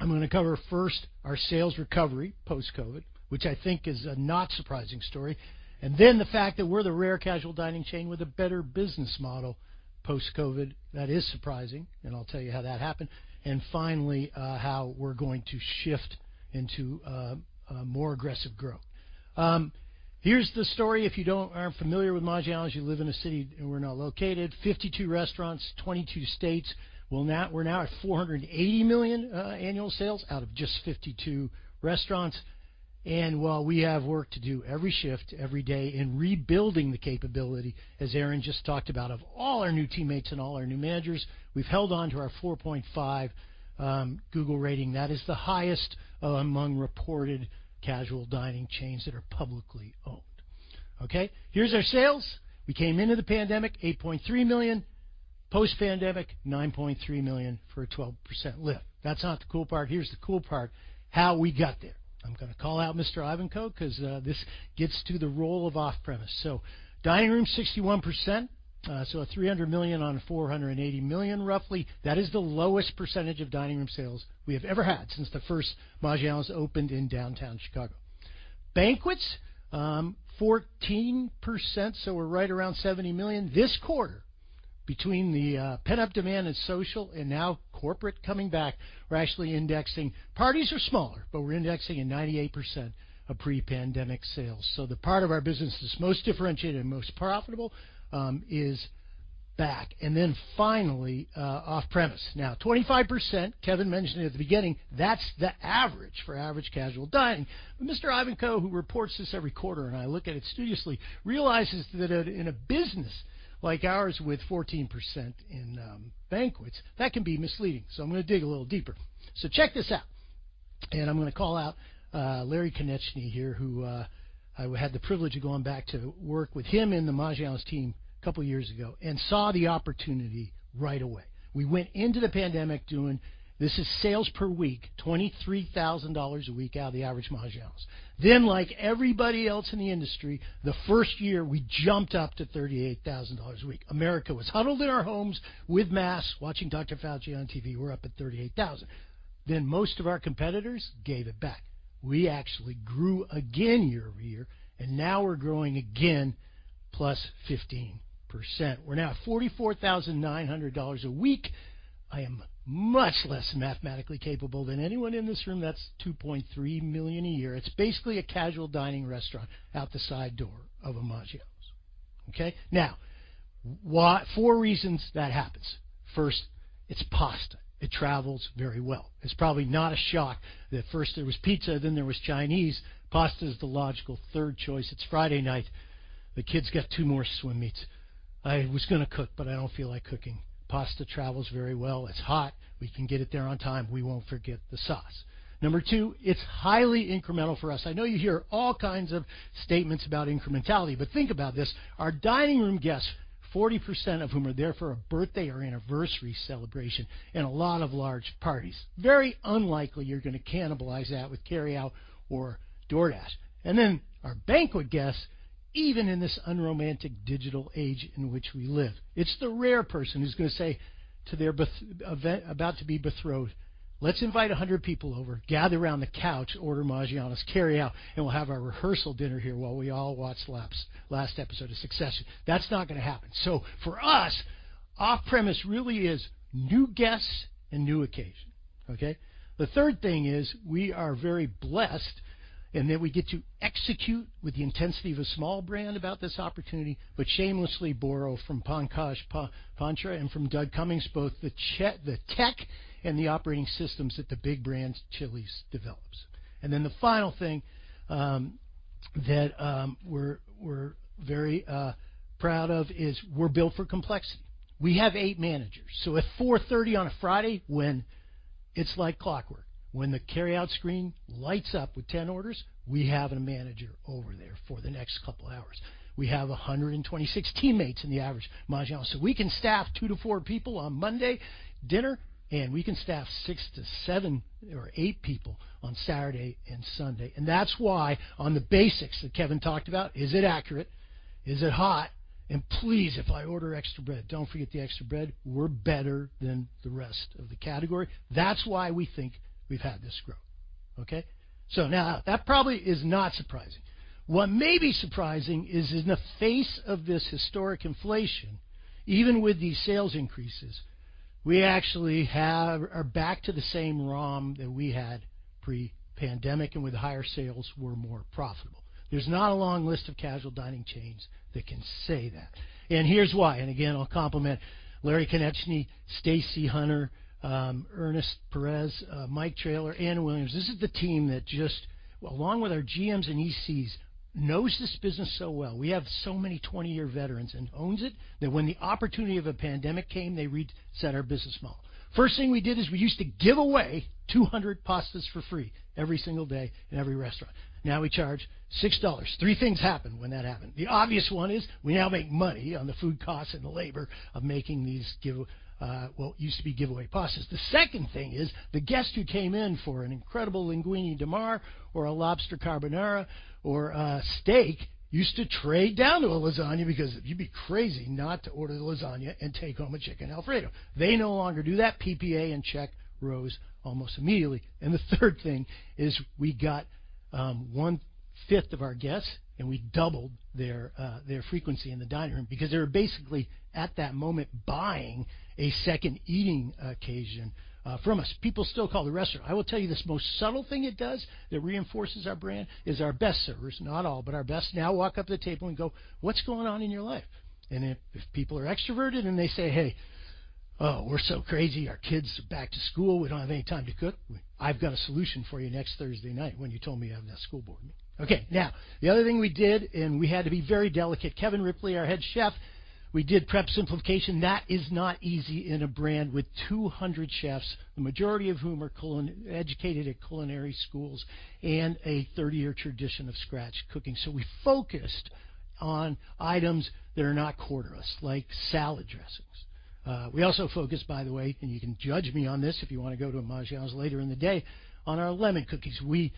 I'm going to cover first, our sales recovery post-COVID, which I think is a not surprising story. The fact that we're the rare casual dining chain with a better business model post-COVID. That is surprising, and I'll tell you how that happened. Finally, how we're going to shift into a more aggressive growth. Here's the story if you aren't familiar with Maggiano's, you live in a city, and we're not located. 52 restaurants, 22 states. Well, we're now at $480 million annual sales out of just 52 restaurants. While we have work to do every shift, every day in rebuilding the capability, as Aaron just talked about, of all our new teammates and all our new managers, we've held on to our 4.5 Google rating. That is the highest among reported casual dining chains that are publicly owned. Okay, here's our sales. We came into the pandemic, $8.3 million. Post-pandemic, $9.3 million for a 12% lift. That's not the cool part. Here's the cool part, how we got there. I'm going to call out Mr. Ivanko, because this gets to the role of off-premise. Dining room, 61%, so a $300 million on $480 million, roughly. That is the lowest percentage of dining room sales we have ever had since the first Maggiano's opened in downtown Chicago. Banquets, 14%, so we're right around $70 million. This quarter, between the pent-up demand and social, and now corporate coming back, we're actually indexing. Parties are smaller, but we're indexing in 98% of pre-pandemic sales. The part of our business that's most differentiated and most profitable is back. Finally, off-premise. Now, 25%, Kevin mentioned it at the beginning, that's the average for average casual dining. Mr. Ivanko, who reports this every quarter, and I look at it studiously, realizes that in a business like ours, with 14% in banquets, that can be misleading. I'm going to dig a little deeper. Check this out, and I'm going to call out Larry Konecny here, who I had the privilege of going back to work with him and the Maggiano's team a couple of years ago and saw the opportunity right away. We went into the pandemic doing, this is sales per week, $23,000 a week out of the average Maggiano's. Like everybody else in the industry, the first year, we jumped up to $38,000 a week. America was huddled in our homes with masks, watching Dr. Fauci on TV. We're up at $38,000. Most of our competitors gave it back. We actually grew again year-over-year, and now we're growing again, plus 15%. We're now at $44,900 a week. I am much less mathematically capable than anyone in this room. That's $2.3 million a year. It's basically a casual dining restaurant out the side door of a Maggiano's. Okay? Now, 4 reasons that happens. First, it's pasta. It travels very well. It's probably not a shock that first there was pizza, then there was Chinese. Pasta is the logical third choice. It's Friday night. The kids got 2 more swim meets. I was gonna cook, but I don't feel like cooking. Pasta travels very well. It's hot. We can get it there on time. We won't forget the sauce. Number 2, it's highly incremental for us. I know you hear all kinds of statements about incrementality, but think about this: our dining room guests, 40% of whom are there for a birthday or anniversary celebration, and a lot of large parties, very unlikely you're going to cannibalize that with carry out or DoorDash. Our banquet guests, even in this unromantic digital age in which we live, it's the rare person who's going to say to their about to be betrothed, "Let's invite 100 people over, gather around the couch, order Maggiano's carry out, and we'll have our rehearsal dinner here while we all watch last episode of Succession." That's not going to happen. For us, off-premise really is new guests and new occasion, okay? The third thing is, we are very blessed, and then we get to execute with the intensity of a small brand about this opportunity, but shamelessly borrow from Pankaj Patra and from Doug Comings, both the tech and the operating systems that the big brands, Chili's, develops. The final thing that we're very proud of is we're built for complexity. We have eight managers. At 4:30 P.M. on a Friday, when it's like clockwork, when the carry out screen lights up with 10 orders, we have a manager over there for the next couple of hours. We have 126 teammates in the average Maggiano's. We can staff 2-4 people on Monday dinner, and we can staff 6-7 or 8 people on Saturday and Sunday. That's why on the basics that Kevin talked about, is it accurate? Is it hot? And please, if I order extra bread, don't forget the extra bread. We're better than the rest of the category. That's why we think we've had this growth. Okay, now that probably is not surprising. What may be surprising is in the face of this historic inflation, even with these sales increases, we actually are back to the same ROM that we had pre-pandemic, and with higher sales, we're more profitable. There's not a long list of casual dining chains that can say that, and here's why. Again, I'll compliment Larry Konecny, Stacy Hunter, Ernest Perez, Mike Traylor, Anna Williams. This is the team that just, along with our GMs and ECs, knows this business so well. We have so many 20-year veterans and owns it, that when the opportunity of a pandemic came, they reset our business model. First thing we did is we used to give away 200 pastas for free every single day in every restaurant. Now we charge $6. Three things happened when that happened. The obvious one is we now make money on the food costs and the labor of making these give, what used to be giveaway pastas. The second thing is, the guests who came in for an incredible Linguine di Mare or a lobster carbonara or a steak, used to trade down to a lasagna because you'd be crazy not to order the lasagna and take home a Chicken Alfredo. They no longer do that. PPA and check rose almost immediately. The third thing is, we got one-fifth of our guests, and we doubled their frequency in the dining room because they were basically at that moment, buying a second eating occasion from us. People still call the restaurant. I will tell you, this most subtle thing it does that reinforces our brand is our best servers, not all, but our best now walk up to the table and go, "What's going on in your life?" If people are extroverted and they say, "Hey, oh, we're so crazy, our kids are back to school, we don't have any time to cook." "I've got a solution for you next Thursday night when you told me you have that school board meeting." The other thing we did, and we had to be very delicate. Kevin Ripley, our head chef, we did prep simplification. That is not easy in a brand with 200 chefs, the majority of whom are educated at culinary schools, and a 30-year tradition of scratch cooking. We focused on items that are not core to us, like salad dressings. We also focused, by the way, and you can judge me on this if you want to go to a Maggiano's later in the day, on our lemon cookies. We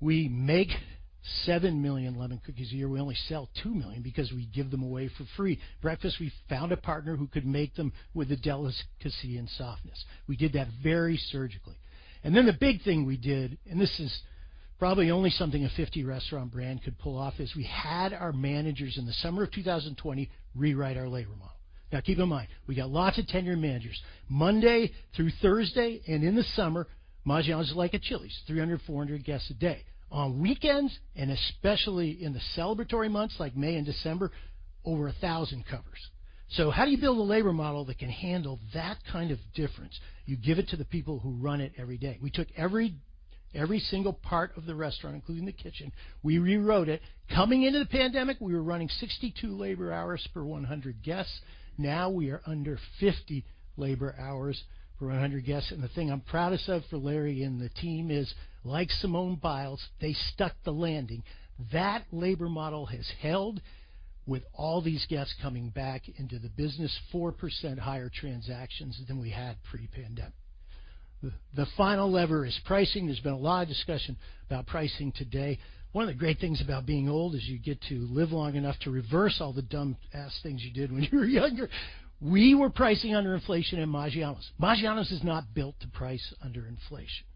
make 7 million lemon cookies a year. We only sell 2 million because we give them away for free. Breakfast, we found a partner who could make them with the delicacy and softness. We did that very surgically. The big thing we did, and this is probably only something a 50-restaurant brand could pull off, is we had our managers in the summer of 2020 rewrite our labor model. Keep in mind, we got lots of tenured managers. Monday through Thursday, and in the summer, Maggiano's is like a Chili's, 300 to 400 guests a day. On weekends, and especially in the celebratory months like May and December, over 1,000 covers. How do you build a labor model that can handle that kind of difference? You give it to the people who run it every day. We took every single part of the restaurant, including the kitchen, we rewrote it. Coming into the pandemic, we were running 62 labor hours per 100 guests. Now we are under 50 labor hours per 100 guests. The thing I'm proudest of for Larry and the team is, like Simone Biles, they stuck the landing. That labor model has held with all these guests coming back into the business, 4% higher transactions than we had pre-pandemic. The final lever is pricing. There's been a lot of discussion about pricing today. One of the great things about being old is you get to live long enough to reverse all the dumbass things you did when you were younger. We were pricing under inflation in Maggiano's. Maggiano's is not built to price under inflation.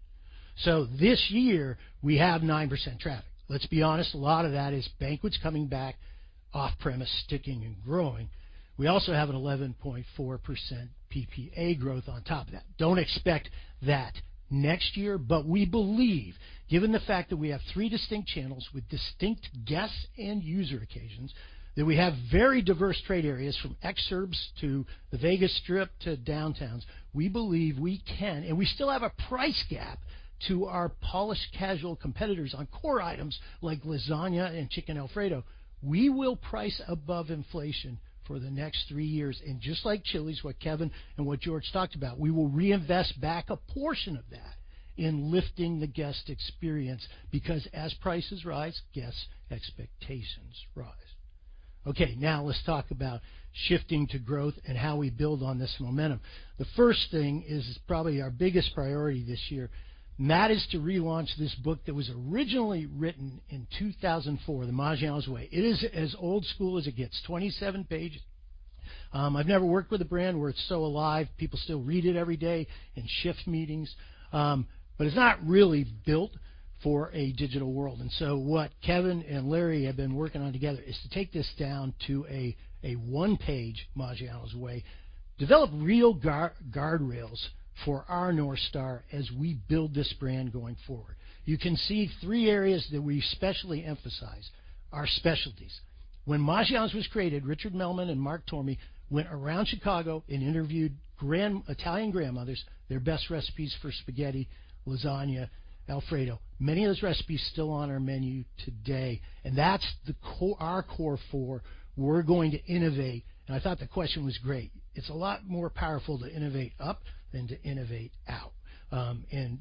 This year, we have 9% traffic. Let's be honest, a lot of that is banquets coming back, off-premise, sticking and growing. We also have an 11.4% PPA growth on top of that. Don't expect that next year, we believe, given the fact that we have 3 distinct channels with distinct guests and user occasions, that we have very diverse trade areas, from exurbs to the Vegas Strip to downtowns. We believe we can, we still have a price gap to our polished casual competitors on core items like lasagna and Chicken Alfredo. We will price above inflation for the next 3 years. Just like Chili's, what Kevin and what George talked about, we will reinvest back a portion of that in lifting the guest experience, because as prices rise, guests' expectations rise. Now let's talk about shifting to growth and how we build on this momentum. The first thing is probably our biggest priority this year. That is to relaunch this book that was originally written in 2004, The Maggiano's Way. It is as old school as it gets, 27 pages. I've never worked with a brand where it's so alive. People still read it every day in shift meetings, but it's not really built for a digital world. What Kevin and Larry have been working on together is to take this down to a one-page Maggiano's Way, develop real guardrails for our North Star as we build this brand going forward. You can see three areas that we especially emphasize: our specialties. When Maggiano's was created, Rich Melman and Mark Tormey went around Chicago and interviewed Italian grandmothers, their best recipes for spaghetti, lasagna, Alfredo. Many of those recipes are still on our menu today, that's the Core Four. We're going to innovate, I thought the question was great. It's a lot more powerful to innovate up than to innovate out.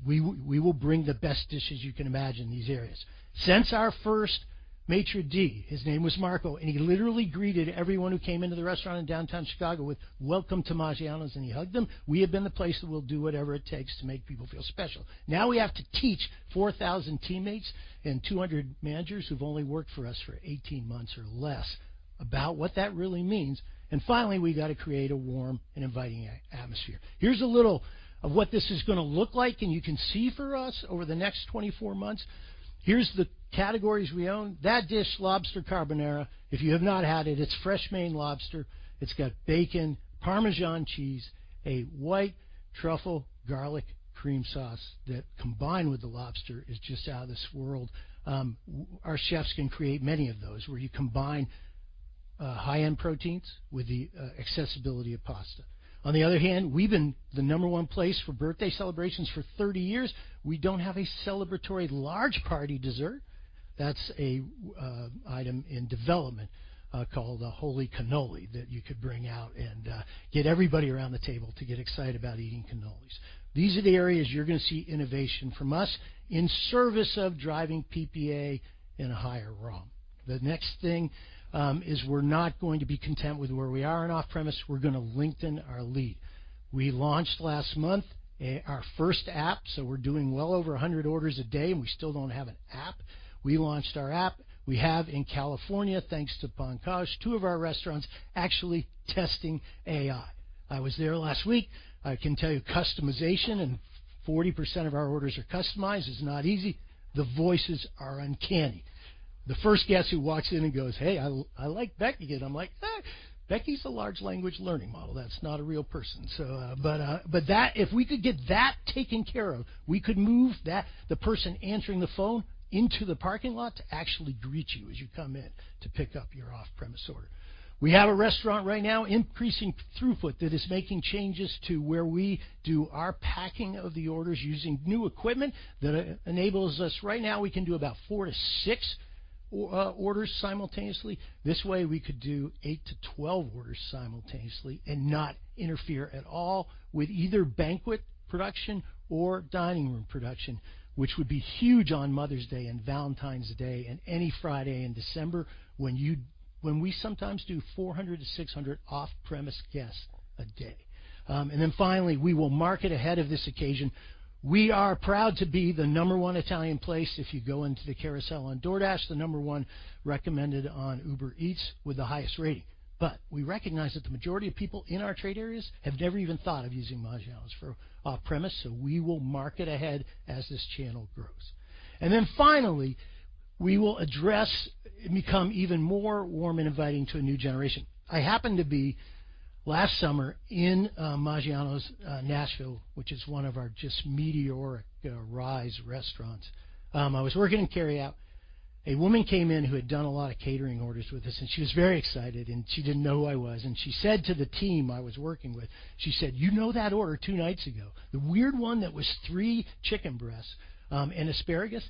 We will bring the best dishes you can imagine in these areas. Since our first maître d', his name was Marco, and he literally greeted everyone who came into the restaurant in downtown Chicago with, "Welcome to Maggiano's," and he hugged them. We have been the place that will do whatever it takes to make people feel special. Now we have to teach 4,000 teammates and 200 managers who've only worked for us for 18 months or less about what that really means. Finally, we got to create a warm and inviting atmosphere. Here's a little of what this is gonna look like, and you can see for us over the next 24 months. Here's the categories we own. That dish, Lobster Carbonara, if you have not had it's fresh Maine lobster. It's got bacon, Parmesan cheese, a white truffle garlic cream sauce that, combined with the lobster, is just out of this world. Our chefs can create many of those where you combine high-end proteins with the accessibility of pasta. On the other hand, we've been the number one place for birthday celebrations for 30 years. We don't have a celebratory large party dessert. That's an item in development called a Holy Cannoli, that you could bring out and get everybody around the table to get excited about eating cannolis. These are the areas you're gonna see innovation from us in service of driving PPA and a higher ROM. The next thing is we're not going to be content with where we are in off-premise. We're gonna lengthen our lead. We launched last month, our first app, so we're doing well over 100 orders a day, and we still don't have an app. We launched our app. We have in California, thanks to Pankaj, two of our restaurants actually testing AI. I was there last week. I can tell you customization, and 40% of our orders are customized, is not easy. The voices are uncanny. The first guest who walks in and goes, "Hey, I like Becky." I'm like, "Becky's a large language learning model. That's not a real person." If we could get that taken care of, we could move the person answering the phone into the parking lot to actually greet you as you come in to pick up your off-premise order. We have a restaurant right now, increasing throughput, that is making changes to where we do our packing of the orders using new equipment that enables us, right now, we can do about 4-6 orders simultaneously. This way, we could do 8 to 12 orders simultaneously and not interfere at all with either banquet production or dining room production, which would be huge on Mother's Day and Valentine's Day and any Friday in December, when we sometimes do 400 to 600 off-premise guests a day. Finally, we will market ahead of this occasion. We are proud to be the number one Italian place if you go into the carousel on DoorDash, the number one recommended on Uber Eats with the highest rating. We recognize that the majority of people in our trade areas have never even thought of using Maggiano's for off-premise, so we will market ahead as this channel grows. Finally, we will address and become even more warm and inviting to a new generation. I happened to be, last summer, in Maggiano's, Nashville, which is one of our just meteoric rise restaurants. I was working in carryout. A woman came in who had done a lot of catering orders with us, and she was very excited, and she didn't know who I was, and she said to the team I was working with, she said: "You know that order two nights ago, the weird one that was three chicken breasts, and asparagus?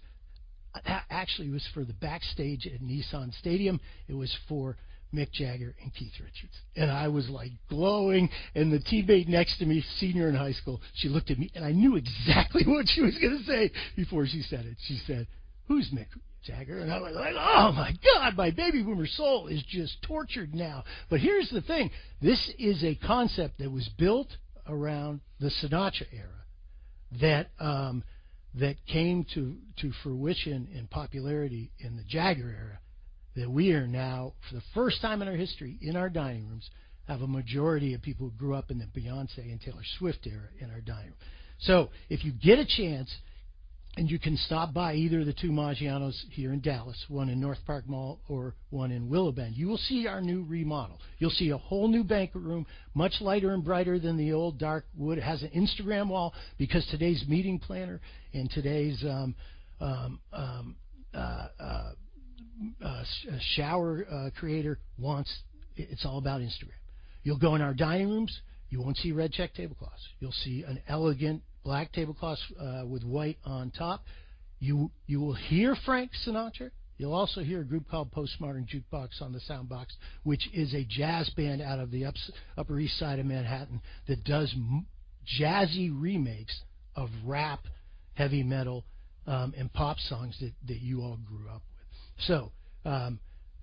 Actually, it was for the backstage at Nissan Stadium. It was for Mick Jagger and Keith Richards." I was, like, glowing, and the teammate next to me, senior in high school, she looked at me, and I knew exactly what she was gonna say before she said it. She said, "Who's Mick Jagger?" I was like, "Oh, my God, my baby boomer soul is just tortured now!" Here's the thing: This is a concept that was built around the Sinatra era, that came to fruition in popularity in the Jagger era, that we are now, for the first time in our history, in our dining rooms, have a majority of people who grew up in the Beyoncé and Taylor Swift era in our dining room. If you get a chance, and you can stop by either of the two Maggiano's here in Dallas, one in NorthPark Center or one in Willow Bend, you will see our new remodel. You'll see a whole new banquet room, much lighter and brighter than the old dark wood. It has an Instagram wall because today's meeting planner and today's shower creator wants. It's all about Instagram. You'll go in our dining rooms. You won't see red check tablecloths. You'll see an elegant black tablecloth with white on top. You will hear Frank Sinatra. You'll also hear a group called Postmodern Jukebox on the soundbox, which is a jazz band out of the Upper East Side of Manhattan that does jazzy remakes of rap, heavy metal, and pop songs that you all grew up with.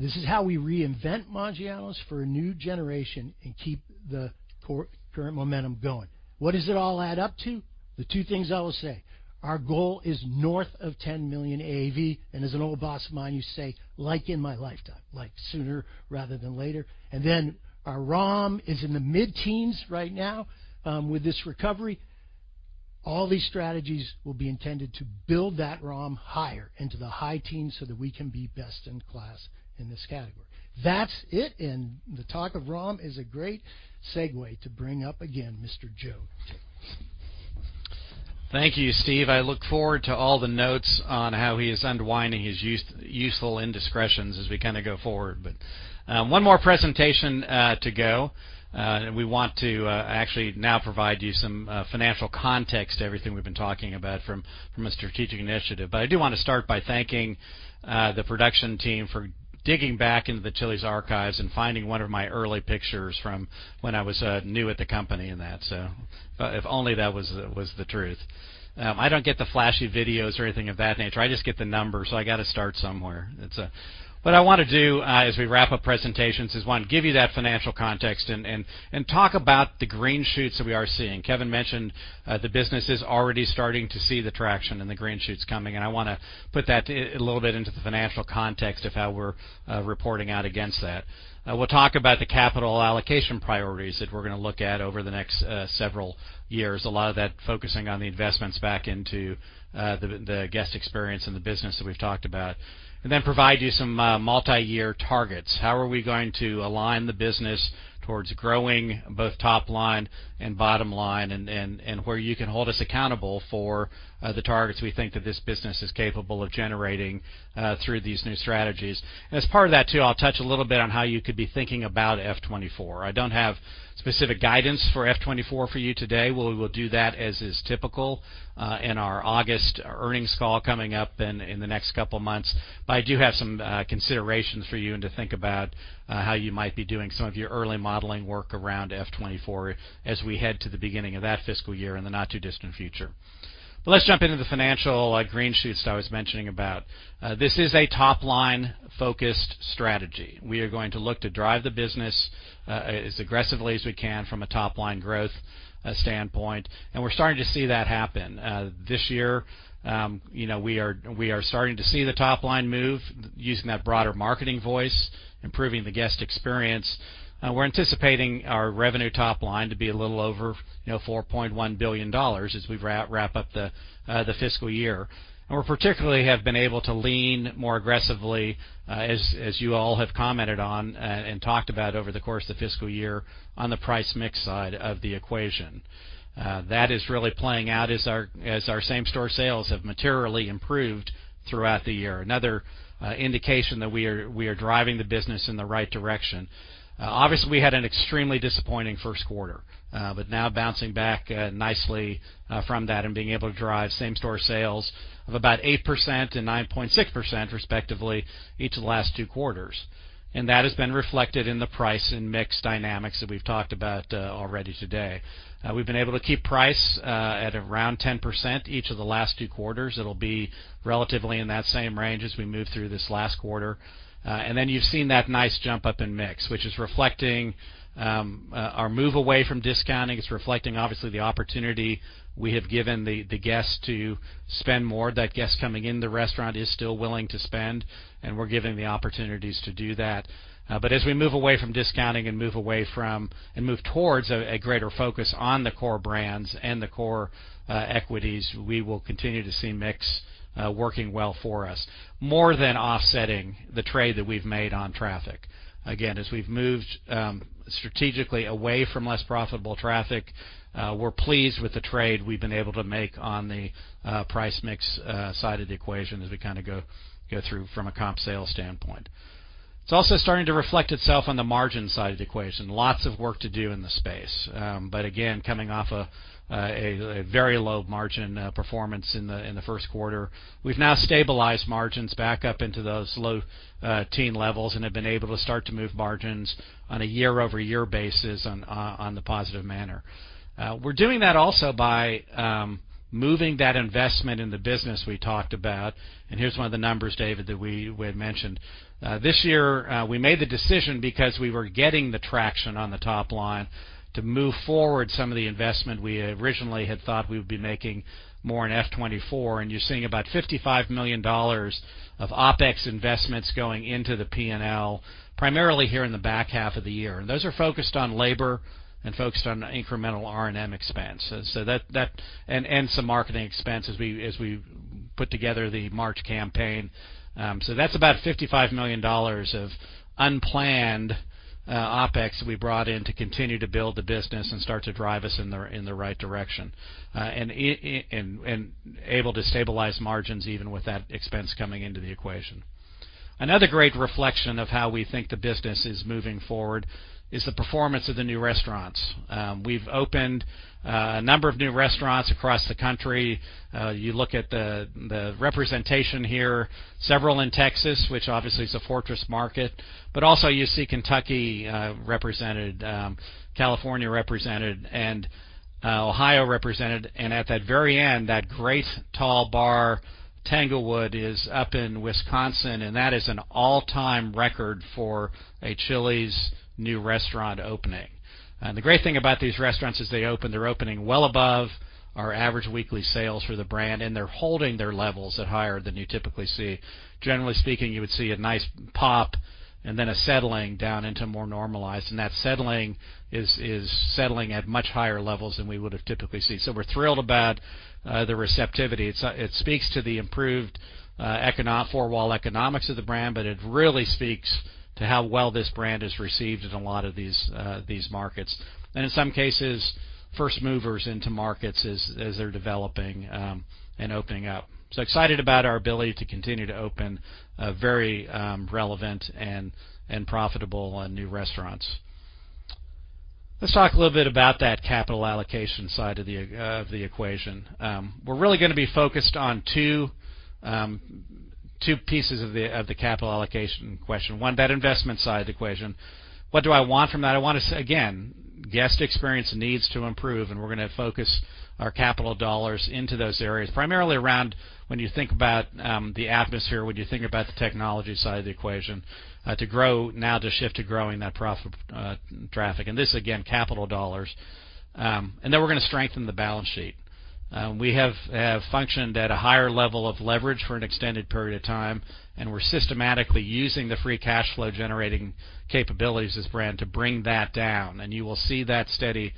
This is how we reinvent Maggiano's for a new generation and keep the current momentum going. What does it all add up to? The two things I will say: Our goal is north of $10 million AAV, and as an old boss of mine used to say, "Like, in my lifetime," like, sooner rather than later. Our ROM is in the mid-teens right now, with this recovery. All these strategies will be intended to build that ROM higher into the high teens so that we can be best in class in this category. That's it. The talk of ROM is a great segue to bring up again, Mr. Joe Taylor. Thank you, Steve. I look forward to all the notes on how he is unwinding his useful indiscretions as we kind of go forward. One more presentation to go. We want to actually now provide you some financial context to everything we've been talking about from a strategic initiative. I do want to start by thanking the production team for digging back into the Chili's archives and finding one of my early pictures from when I was new at the company and that, so, if only that was the truth. I don't get the flashy videos or anything of that nature. I just get the numbers, so I got to start somewhere. It's what I want to do as we wrap up presentations, is one, give you that financial context and talk about the green shoots that we are seeing. Kevin mentioned the business is already starting to see the traction and the green shoots coming, and I want to put that a little bit into the financial context of how we're reporting out against that. We'll talk about the capital allocation priorities that we're going to look at over the next several years. A lot of that focusing on the investments back into the guest experience and the business that we've talked about. Then provide you some multi-year targets. How are we going to align the business towards growing both top line and bottom line, and where you can hold us accountable for the targets we think that this business is capable of generating through these new strategies? As part of that, too, I'll touch a little bit on how you could be thinking about F'24. I don't have specific guidance for F'24 for you today. We'll do that as is typical in our August earnings call coming up in the next couple of months. I do have some considerations for you and to think about how you might be doing some of your early modeling work around F'24 as we head to the beginning of that fiscal year in the not-too-distant future. Let's jump into the financial green shoots I was mentioning about. This is a top-line-focused strategy. We are going to look to drive the business as aggressively as we can from a top-line growth standpoint, and we're starting to see that happen. This year, you know, we are starting to see the top line move using that broader marketing voice, improving the guest experience. We're anticipating our revenue top line to be a little over, you know, $4.1 billion as we wrap up the fiscal year. We're particularly have been able to lean more aggressively as you all have commented on and talked about over the course of the fiscal year, on the price mix side of the equation. That is really playing out as our same-store sales have materially improved throughout the year. Another indication that we are driving the business in the right direction. Obviously, we had an extremely disappointing first quarter, but now bouncing back nicely from that and being able to drive same-store sales of about 8% and 9.6%, respectively, each of the last two quarters. That has been reflected in the price and mix dynamics that we've talked about already today. We've been able to keep price at around 10% each of the last two quarters. It'll be relatively in that same range as we move through this last quarter. You've seen that nice jump up in mix, which is reflecting our move away from discounting. It's reflecting, obviously, the opportunity we have given the guests to spend more. That guest coming in the restaurant is still willing to spend, and we're giving the opportunities to do that. As we move away from discounting and move towards a greater focus on the core brands and the core equities, we will continue to see mix working well for us, more than offsetting the trade that we've made on traffic. Again, as we've moved strategically away from less profitable traffic, we're pleased with the trade we've been able to make on the price mix side of the equation as we kind of go through from a comp sales standpoint. It's also starting to reflect itself on the margin side of the equation. Lots of work to do in the space. Again, coming off a very low margin performance in the first quarter. We've now stabilized margins back up into those low teen levels and have been able to start to move margins on a year-over-year basis on the positive manner. We're doing that also by moving that investment in the business we talked about, and here's one of the numbers, David, that we had mentioned. This year, we made the decision because we were getting the traction on the top line to move forward some of the investment we originally had thought we would be making more in F'24, and you're seeing about $55 million of OpEx investments going into the P&L, primarily here in the back half of the year. Those are focused on labor and focused on incremental R&M expenses. That and some marketing expenses as we put together the March campaign. That's about $55 million of unplanned OpEx we brought in to continue to build the business and start to drive us in the right direction and able to stabilize margins even with that expense coming into the equation. Another great reflection of how we think the business is moving forward is the performance of the new restaurants. We've opened a number of new restaurants across the country. You look at the representation here, several in Texas, which obviously is a fortress market, but also you see Kentucky represented, California represented, and Ohio represented. At that very end, that great tall bar, Tanglewood, is up in Wisconsin, and that is an all-time record for a Chili's new restaurant opening. The great thing about these restaurants is they open, they're opening well above our average weekly sales for the brand, and they're holding their levels at higher than you typically see. Generally speaking, you would see a nice pop and then a settling down into more normalized, and that settling is settling at much higher levels than we would have typically see. We're thrilled about the receptivity. It speaks to the improved four wall economics of the brand, it really speaks to how well this brand is received in a lot of these markets. In some cases, first movers into markets as they're developing and opening up. Excited about our ability to continue to open very relevant and profitable and new restaurants. Let's talk a little bit about that capital allocation side of the equation. We're really going to be focused on 2 pieces of the capital allocation question. 1, that investment side equation. What do I want from that? I want to, again, guest experience needs to improve, and we're going to focus our capital dollars into those areas, primarily around when you think about the atmosphere, when you think about the technology side of the equation, to grow now, to shift to growing that profit traffic. This, again, capital dollars. We're going to strengthen the balance sheet. We have functioned at a higher level of leverage for an extended period of time, we're systematically using the free cash flow generating capabilities of this brand to bring that down. You will see that steady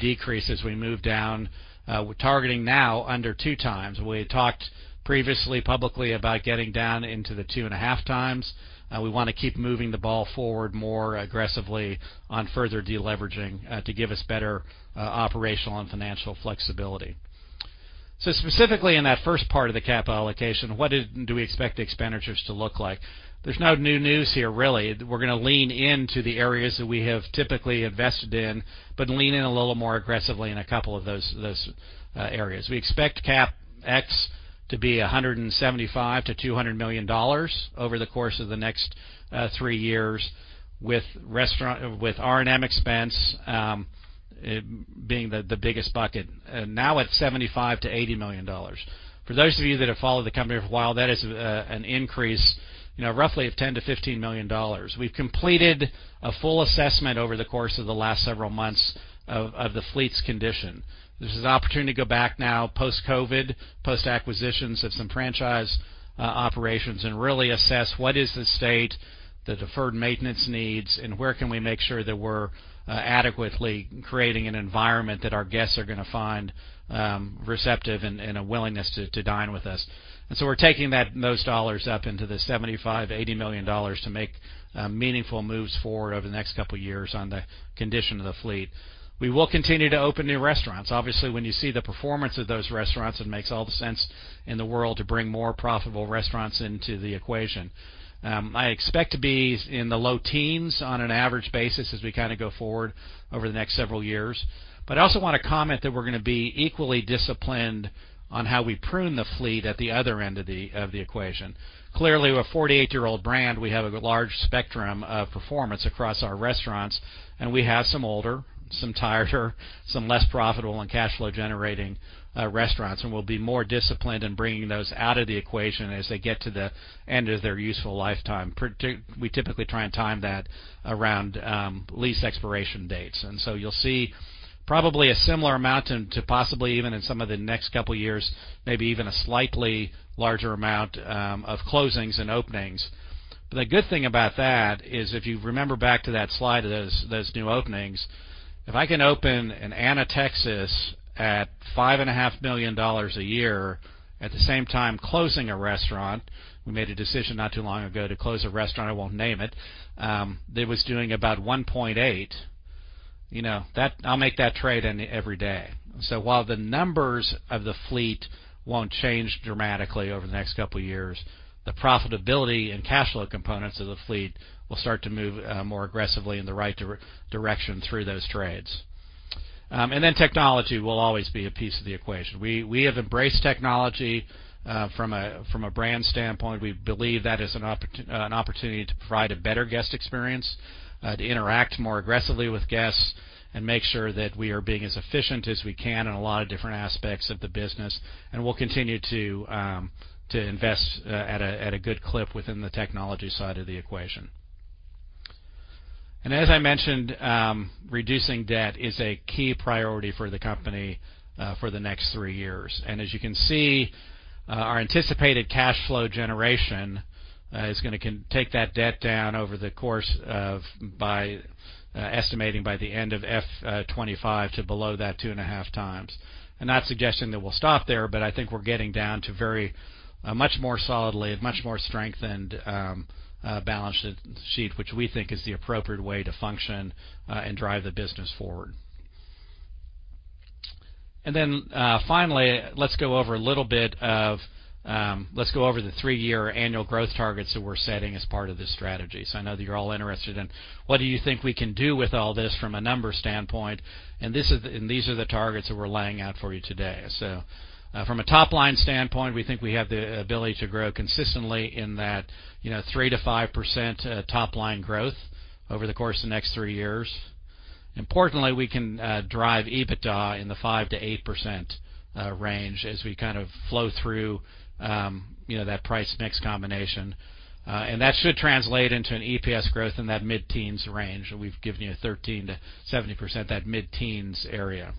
decrease as we move down. We're targeting now under 2 times. We talked previously, publicly, about getting down into the 2.5 times. We want to keep moving the ball forward more aggressively on further deleveraging to give us better operational and financial flexibility. Specifically, in that first part of the capital allocation, what do we expect the expenditures to look like? There's no new news here, really. We're going to lean into the areas that we have typically invested in, but lean in a little more aggressively in a couple of those areas. We expect CapEx to be $175 million-$200 million over the course of the next 3 years, with R&M expense being the biggest bucket, now at $75 million-$80 million. For those of you that have followed the company for a while, that is an increase, you know, roughly of $10 million-$15 million. We've completed a full assessment over the course of the last several months of the fleet's condition. This is an opportunity to go back now post-COVID, post-acquisitions of some franchise operations, and really assess what is the state, the deferred maintenance needs, and where can we make sure that we're adequately creating an environment that our guests are going to find receptive and a willingness to dine with us. we're taking those dollars up into the $75 million-$80 million to make meaningful moves forward over the next couple of years on the condition of the fleet. We will continue to open new restaurants. Obviously, when you see the performance of those restaurants, it makes all the sense in the world to bring more profitable restaurants into the equation. I expect to be in the low teens on an average basis as we kind of go forward over the next several years. I also want to comment that we're going to be equally disciplined on how we prune the fleet at the other end of the equation. Clearly, we're a 48-year-old brand, we have a large spectrum of performance across our restaurants, and we have some older, some tireder, some less profitable and cash flow generating restaurants, and we'll be more disciplined in bringing those out of the equation as they get to the end of their useful lifetime. We typically try and time that around lease expiration dates. You'll see probably a similar amount to possibly even in some of the next couple of years, maybe even a slightly larger amount of closings and openings. The good thing about that is, if you remember back to those new openings, if I can open an Anna, Texas, at five and a half million dollars a year, at the same time closing a restaurant, we made a decision not too long ago to close a restaurant, I won't name it, that was doing about $1.8 million, you know, I'll make that trade every day. While the numbers of the fleet won't change dramatically over the next couple of years, the profitability and cash flow components of the fleet will start to move more aggressively in the right direction through those trades. Technology will always be a piece of the equation. We have embraced technology from a brand standpoint. We believe that is an opportunity to provide a better guest experience, to interact more aggressively with guests, and make sure that we are being as efficient as we can in a lot of different aspects of the business. We'll continue to invest at a good clip within the technology side of the equation. As I mentioned, reducing debt is a key priority for the company, for the next 3 years. As you can see, our anticipated cash flow generation is going to take that debt down over the course of by, estimating by the end of F'25 to below that 2.5 times. I'm not suggesting that we'll stop there, but I think we're getting down to a much more solidly, a much more strengthened balance sheet, which we think is the appropriate way to function and drive the business forward. Finally, let's go over a little bit of, let's go over the 3-year annual growth targets that we're setting as part of this strategy. I know that you're all interested in what do you think we can do with all this from a numbers standpoint? These are the targets that we're laying out for you today. From a top-line standpoint, we think we have the ability to grow consistently in that, you know, 3% to 5% top-line growth over the course of the next 3 years. Importantly, we can drive EBITDA in the 5%-8% range as we kind of flow through, you know, that price mix combination. That should translate into an EPS growth in that mid-teens range. We've given you a 13%-70%, that mid-teens area.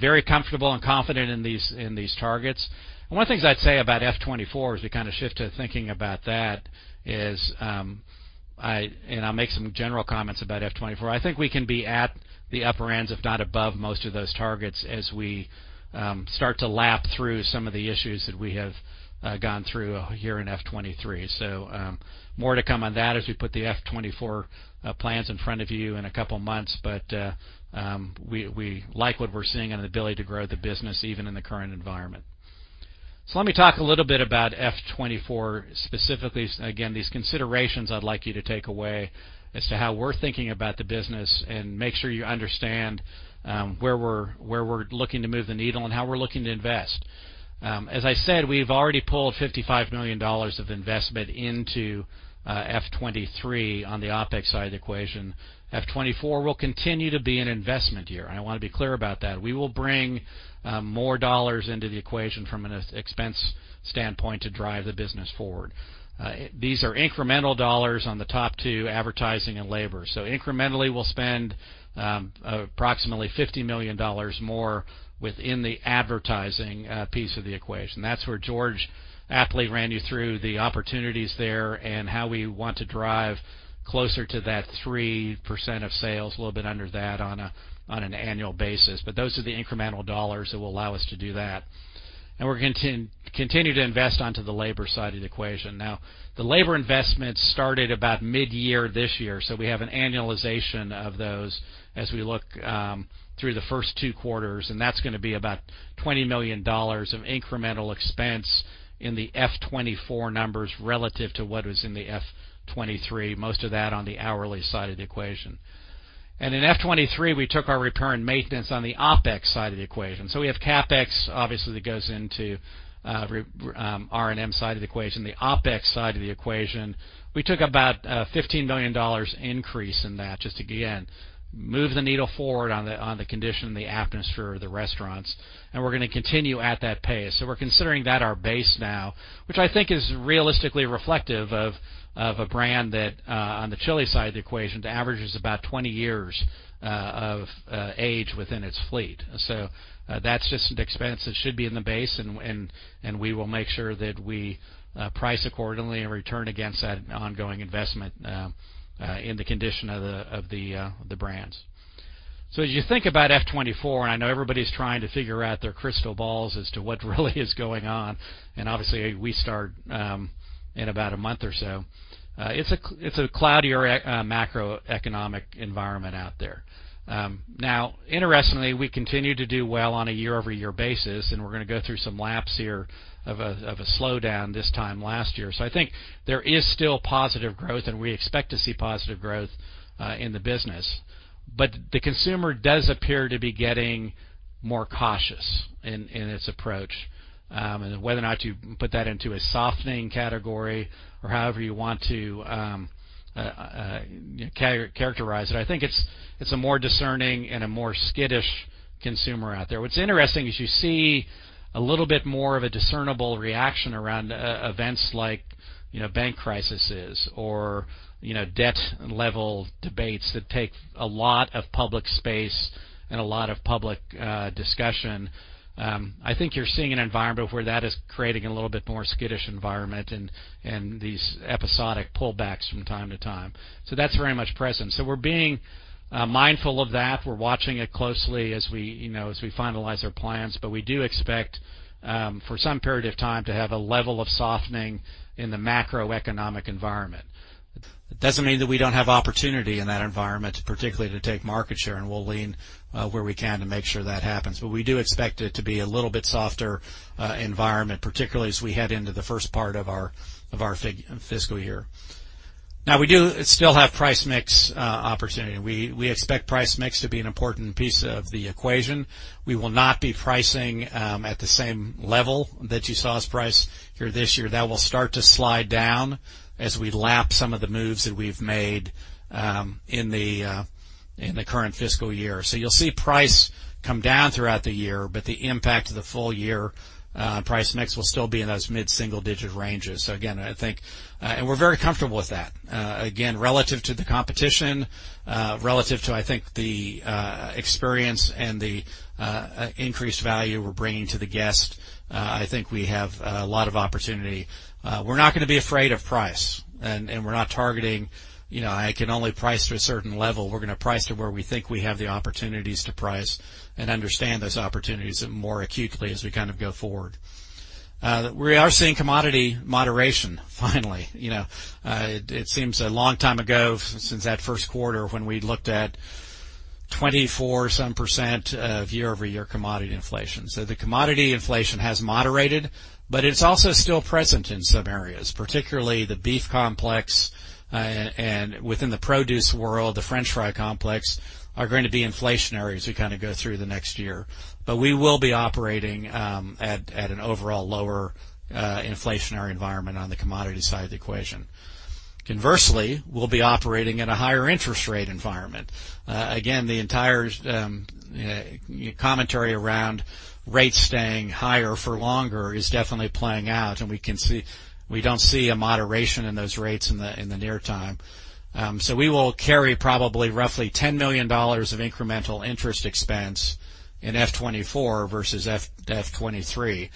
Very comfortable and confident in these, in these targets. One of the things I'd say about F'24, as we kind of shift to thinking about that, is I'll make some general comments about F'24. I think we can be at the upper ends, if not above most of those targets, as we start to lap through some of the issues that we have gone through here in F'23. More to come on that as we put the F'24 plans in front of you in a couple of months. We like what we're seeing and the ability to grow the business even in the current environment. Let me talk a little bit about F'24, specifically. Again, these considerations I'd like you to take away as to how we're thinking about the business and make sure you understand where we're looking to move the needle and how we're looking to invest. As I said, we've already pulled $55 million of investment into F'23 on the OpEx side of the equation. F'24 will continue to be an investment year, and I want to be clear about that. We will bring more dollars into the equation from an expense standpoint to drive the business forward. These are incremental dollars on the top two, advertising and labor. Incrementally, we'll spend approximately $50 million more within the advertising piece of the equation. That's where George aptly ran you through the opportunities there and how we want to drive closer to that 3% of sales, a little bit under that on an annual basis. Those are the incremental dollars that will allow us to do that. We're continue to invest onto the labor side of the equation. The labor investment started about mid-year this year, so we have an annualization of those as we look through the first 2 quarters, that's going to be about $20 million of incremental expense in the F'24 numbers relative to what was in the F'23, most of that on the hourly side of the equation. In F'23, we took our repair and maintenance on the OpEx side of the equation. We have CapEx, obviously, that goes into R&M side of the equation. The OpEx side of the equation, we took about $15 million increase in that. Just again, move the needle forward on the condition and the atmosphere of the restaurants, we're going to continue at that pace. We're considering that our base now, which I think is realistically reflective of a brand that on the Chili's side of the equation, the average is about 20 years of age within its fleet. That's just an expense that should be in the base, and we will make sure that we price accordingly and return against that ongoing investment in the condition of the brands. As you think about F'24, and I know everybody's trying to figure out their crystal balls as to what really is going on, and obviously, we start in about a month or so. It's a cloudier macroeconomic environment out there. Interestingly, we continue to do well on a year-over-year basis, and we're going to go through some laps here of a slowdown this time last year. I think there is still positive growth, and we expect to see positive growth in the business. The consumer does appear to be getting more cautious in its approach. Whether or not you put that into a softening category or however you want to characterize it, I think it's a more discerning and a more skittish consumer out there. What's interesting is you see a little bit more of a discernible reaction around events like, you know, bank crises or, you know, debt level debates that take a lot of public space and a lot of public discussion. I think you're seeing an environment where that is creating a little bit more skittish environment and these episodic pullbacks from time to time. That's very much present. We're being mindful of that. We're watching it closely as we, you know, as we finalize our plans. We do expect, for some period of time to have a level of softening in the macroeconomic environment. It doesn't mean that we don't have opportunity in that environment, particularly to take market share, and we'll lean where we can to make sure that happens. We do expect it to be a little bit softer environment, particularly as we head into the first part of our fiscal year. We do still have price mix opportunity. We expect price mix to be an important piece of the equation. We will not be pricing at the same level that you saw us price here this year. That will start to slide down as we lap some of the moves that we've made in the in the current fiscal year. You'll see price come down throughout the year, but the impact of the full year price mix will still be in those mid-single-digit ranges. Again, I think. We're very comfortable with that. Again, relative to the competition, relative to, I think, the experience and the increased value we're bringing to the guest, I think we have a lot of opportunity. We're not going to be afraid of price, and we're not targeting, you know, I can only price to a certain level. We're going to price to where we think we have the opportunities to price and understand those opportunities more acutely as we kind of go forward. We are seeing commodity moderation, finally. You know, it seems a long time ago since that first quarter when we looked at 24-some% of year-over-year commodity inflation. The commodity inflation has moderated, but it's also still present in some areas, particularly the beef complex, and within the produce world, the French fry complex, are going to be inflationary as we kind of go through the next year. We will be operating at an overall lower inflationary environment on the commodity side of the equation.... conversely, we'll be operating at a higher interest rate environment. Again, the entire commentary around rates staying higher for longer is definitely playing out, and we don't see a moderation in those rates in the near time. We will carry probably roughly $10 million of incremental interest expense in F'24 versus F'23.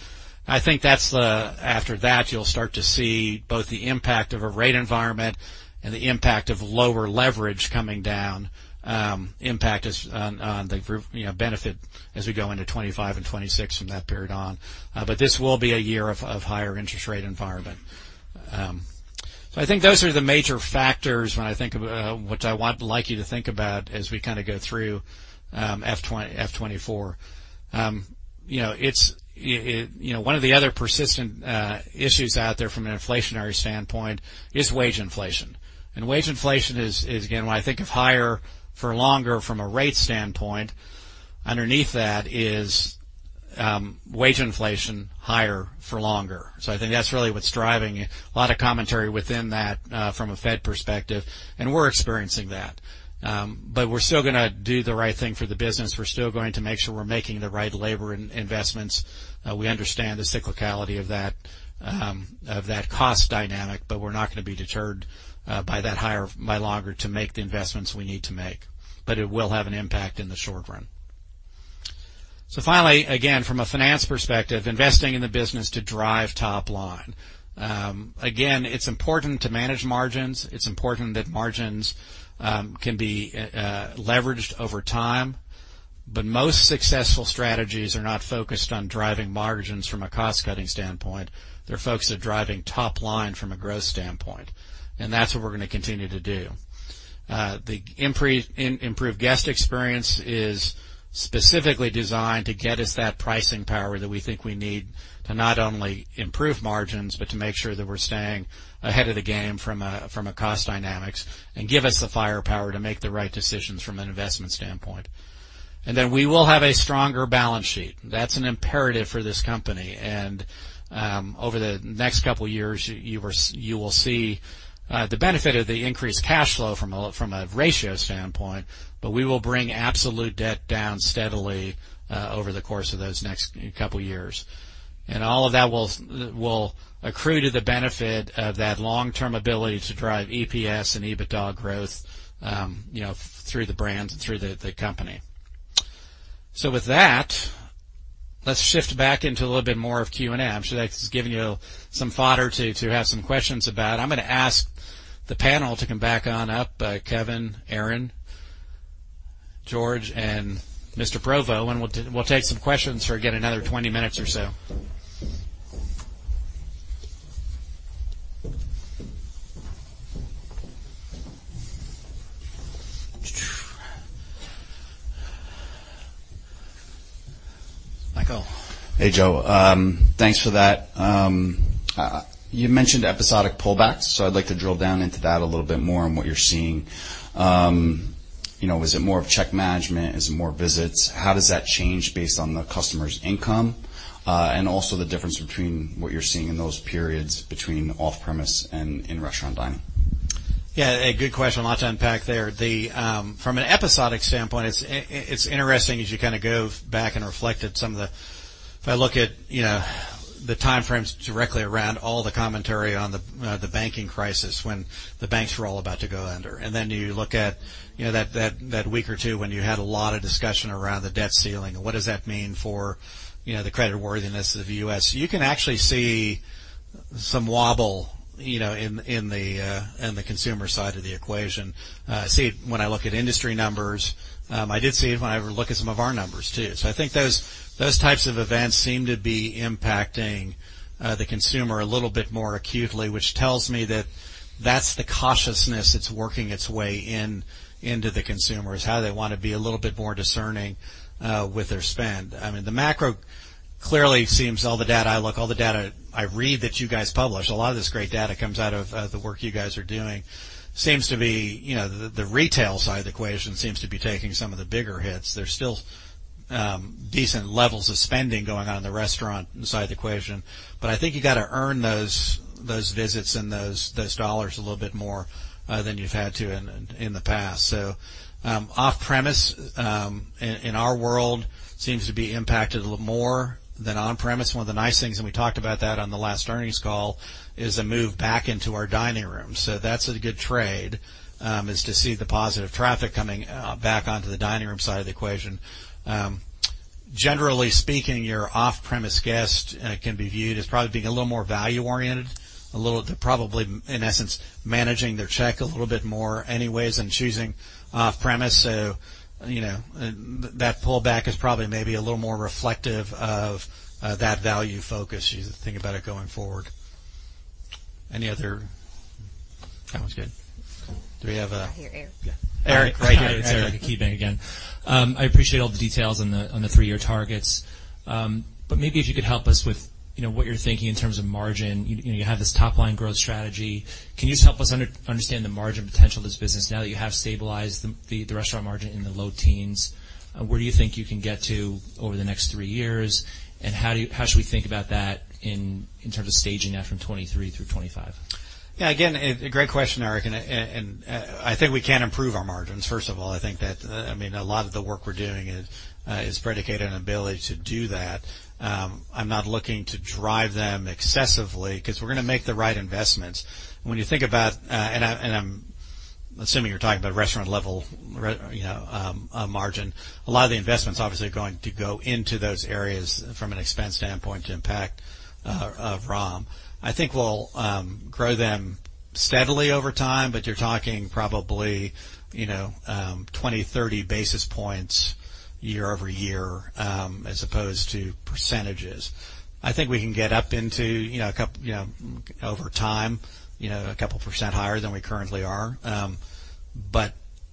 I think after that, you'll start to see both the impact of a rate environment and the impact of lower leverage coming down, impact us on the group, you know, benefit as we go into 25 and 26 from that period on. This will be a year of higher interest rate environment. I think those are the major factors when I think of what I want, like you to think about as we kind of go through F'23, F'24. You know, one of the other persistent issues out there from an inflationary standpoint is wage inflation. Wage inflation is, again, when I think of higher for longer from a rate standpoint, underneath that is wage inflation higher for longer. I think that's really what's driving a lot of commentary within that from a Fed perspective, and we're experiencing that. We're still gonna do the right thing for the business. We're still going to make sure we're making the right labor investments. We understand the cyclicality of that cost dynamic, but we're not gonna be deterred by that higher, by longer to make the investments we need to make. It will have an impact in the short run. Finally, again, from a finance perspective, investing in the business to drive top line. Again, it's important to manage margins. It's important that margins can be leveraged over time. Most successful strategies are not focused on driving margins from a cost-cutting standpoint. They're focused on driving top line from a growth standpoint, and that's what we're gonna continue to do. The improved guest experience is specifically designed to get us that pricing power that we think we need to not only improve margins, but to make sure that we're staying ahead of the game from a cost dynamics, and give us the firepower to make the right decisions from an investment standpoint. Then we will have a stronger balance sheet. That's an imperative for this company, and over the next 2 years, you will see the benefit of the increased cash flow from a ratio standpoint, but we will bring absolute debt down steadily over the course of those next 2 years. All of that will accrue to the benefit of that long-term ability to drive EPS and EBITDA growth, you know, through the brands and through the company. With that, let's shift back into a little bit more of Q&A. I'm sure that's given you some fodder to have some questions about. I'm gonna ask the panel to come back on up, Kevin, Aaron, George, and Mr. Provo, and we'll take some questions for again, another 20 minutes or so. Michael. Hey, Joe. Thanks for that. You mentioned episodic pullbacks, I'd like to drill down into that a little bit more on what you're seeing. You know, is it more of check management? Is it more visits? How does that change based on the customer's income, and also the difference between what you're seeing in those periods between off-premise and in-restaurant dining? Yeah, a good question. A lot to unpack there. The, from an episodic standpoint, it's interesting as you kinda go back and reflect at some of the... If I look at, you know, the time frames directly around all the commentary on the banking crisis, when the banks were all about to go under, and then you look at, you know, that week or two when you had a lot of discussion around the debt ceiling, and what does that mean for, you know, the creditworthiness of the U.S.? You can actually see some wobble, you know, in the consumer side of the equation. I see it when I look at industry numbers. I did see it when I look at some of our numbers, too. I think those types of events seem to be impacting the consumer a little bit more acutely, which tells me that that's the cautiousness that's working its way into the consumers, how they wanna be a little bit more discerning with their spend. I mean, the macro clearly seems all the data I look, all the data I read that you guys publish, a lot of this great data comes out of the work you guys are doing. Seems to be, you know, the retail side of the equation seems to be taking some of the bigger hits. There's still decent levels of spending going on in the restaurant side of the equation, but I think you gotta earn those visits and those dollars a little bit more than you've had to in the past. Off-premise, in our world, seems to be impacted a little more than on-premise. One of the nice things, and we talked about that on the last earnings call, is a move back into our dining room. That's a good trade, is to see the positive traffic coming back onto the dining room side of the equation. Generally speaking, your off-premise guest can be viewed as probably being a little more value-oriented, a little, probably, in essence, managing their check a little bit more anyways than choosing off-premise. You know, that pullback is probably maybe a little more reflective of that value focus as you think about it going forward. Any other? That was good. Right here, Aaron. Yeah. Eric, right here. Hi, it's Eric with KeyBanc again. I appreciate all the details on the 3-year targets. Maybe if you could help us with, you know, what you're thinking in terms of margin. You know, you have this top-line growth strategy. Can you just help us understand the margin potential of this business now that you have stabilized the restaurant margin in the low teens? Where do you think you can get to over the next 3 years, and how should we think about that? in terms of staging that from F'23 through F'25? Again, a great question, Eric, I think we can improve our margins. First of all, I think that, I mean, a lot of the work we're doing is predicated on an ability to do that. I'm not looking to drive them excessively because we're gonna make the right investments. When you think about, I'm assuming you're talking about restaurant level, you know, margin. A lot of the investments obviously are going to go into those areas from an expense standpoint to impact of ROM. I think we'll grow them steadily over time, but you're talking probably, you know, 20, 30 basis points year-over-year, as opposed to percentages. I think we can get up into, you know, over time, a couple % higher than we currently are.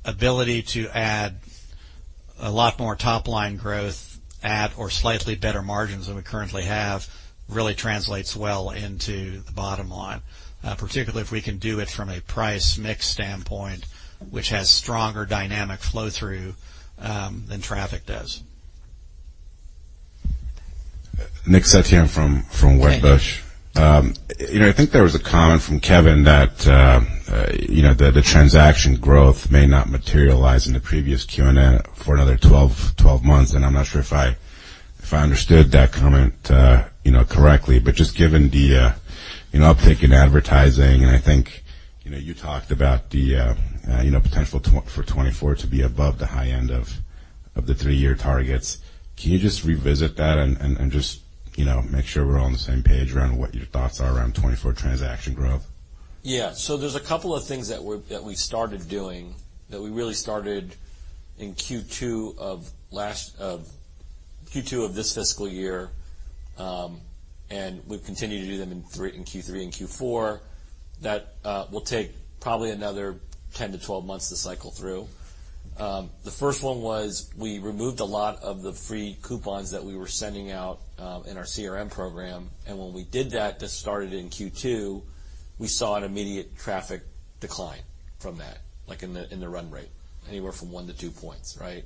Ability to add a lot more top-line growth at or slightly better margins than we currently have, really translates well into the bottom line. Particularly if we can do it from a price mix standpoint, which has stronger dynamic flow-through than traffic does. Nick Setyan from Wedbush. Hey. You know, I think there was a comment from Kevin that, you know, the transaction growth may not materialize in the previous Q&A for another 12 months, and I'm not sure if I understood that comment, you know, correctly. Just given the, you know, uptick in advertising, and I think, you know, you talked about the, you know, potential for 2024 to be above the high end of the 3-year targets. Can you just revisit that and just, you know, make sure we're all on the same page around what your thoughts are around 2024 transaction growth? Yeah. There's a couple of things that we started doing, that we really started in Q2 of this fiscal year. We've continued to do them in Q3 and Q4. That will take probably another 10-12 months to cycle through. The first one was we removed a lot of the free coupons that we were sending out in our CRM program, and when we did that, this started in Q2, we saw an immediate traffic decline from that, like, in the run rate, anywhere from 1-2 points, right?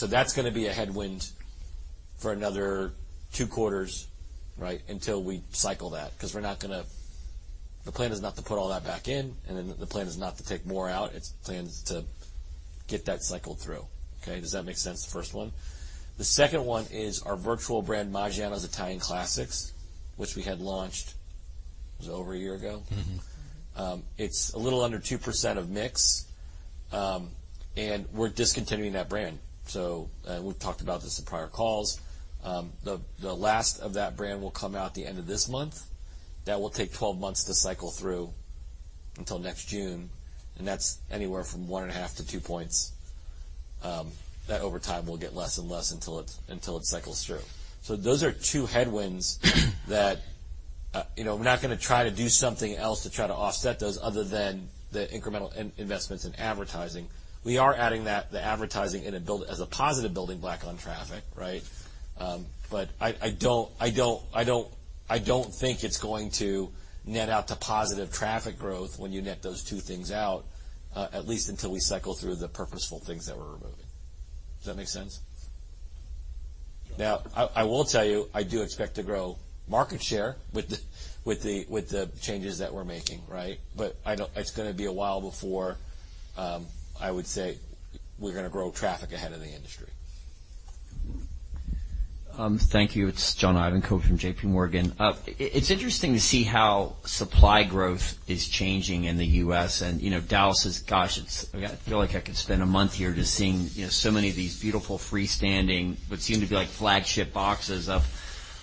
That's gonna be a headwind for another 2 quarters, right, until we cycle that, 'cause The plan is not to put all that back in, and then the plan is not to take more out. It's plan is to get that cycled through. Okay, does that make sense, the first one? The second one is our virtual brand, Maggiano's Italian Classics, which we had launched, it was over a year ago. Mm-hmm. It's a little under 2% of mix, and we're discontinuing that brand. We've talked about this in prior calls. The last of that brand will come out at the end of this month. That will take 12 months to cycle through until next June, and that's anywhere from 1.5-2 points. That over time will get less and less until it cycles through. Those are 2 headwinds that, you know, we're not gonna try to do something else to try to offset those other than the incremental investments in advertising. We are adding that, the advertising as a positive building block on traffic, right? I don't think it's going to net out to positive traffic growth when you net those two things out, at least until we cycle through the purposeful things that we're removing. Does that make sense? I will tell you, I do expect to grow market share with the changes that we're making, right? I know it's gonna be a while before, I would say we're gonna grow traffic ahead of the industry. Thank you. It's John Ivankoe from JPMorgan. It's interesting to see how supply growth is changing in the U.S., and, you know, Dallas is, gosh, it's, I feel like I could spend a month here just seeing, you know, so many of these beautiful, freestanding, what seem to be like flagship boxes of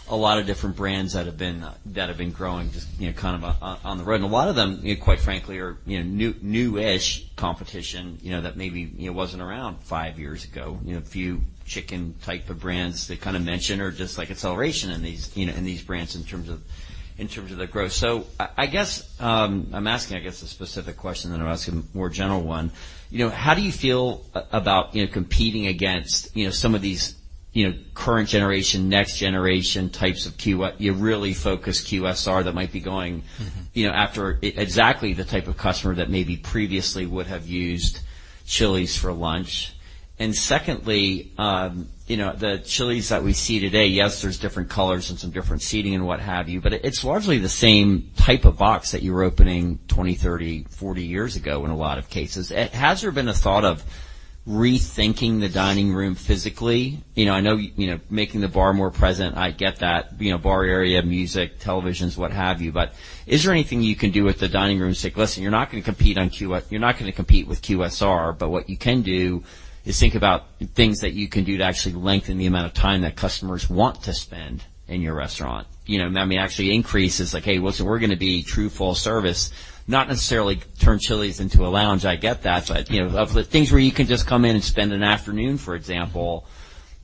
a lot of different brands that have been growing, just, you know, kind of on the road. A lot of them, you know, quite frankly, are, you know, new-ish competition, you know, that maybe, you know, wasn't around 5 years ago. You know, a few chicken type of brands that kind of mention are just like acceleration in these brands in terms of their growth. I guess, I'm asking, I guess, a specific question, then I'm asking a more general one. You know, how do you feel about, you know, competing against, you know, some of these, you know, current generation, next generation types of your really focused QSR that might be going- Mm-hmm... you know, after exactly the type of customer that maybe previously would have used Chili's for lunch? Secondly, you know, the Chili's that we see today, yes, there's different colors and some different seating and what have you, but it's largely the same type of box that you were opening 20, 30, 40 years ago in a lot of cases. Has there been a thought of rethinking the dining room physically? You know, I know, you know, making the bar more present, I get that, you know, bar area, music, televisions, what have you. Is there anything you can do with the dining room and say, "Listen, you're not gonna compete with QSR, but what you can do is think about things that you can do to actually lengthen the amount of time that customers want to spend in your restaurant." You know, I mean, actually increases like, "Hey, well, so we're gonna be true full service." Not necessarily turn Chili's into a lounge, I get that. You know, of the things where you can just come in and spend an afternoon, for example,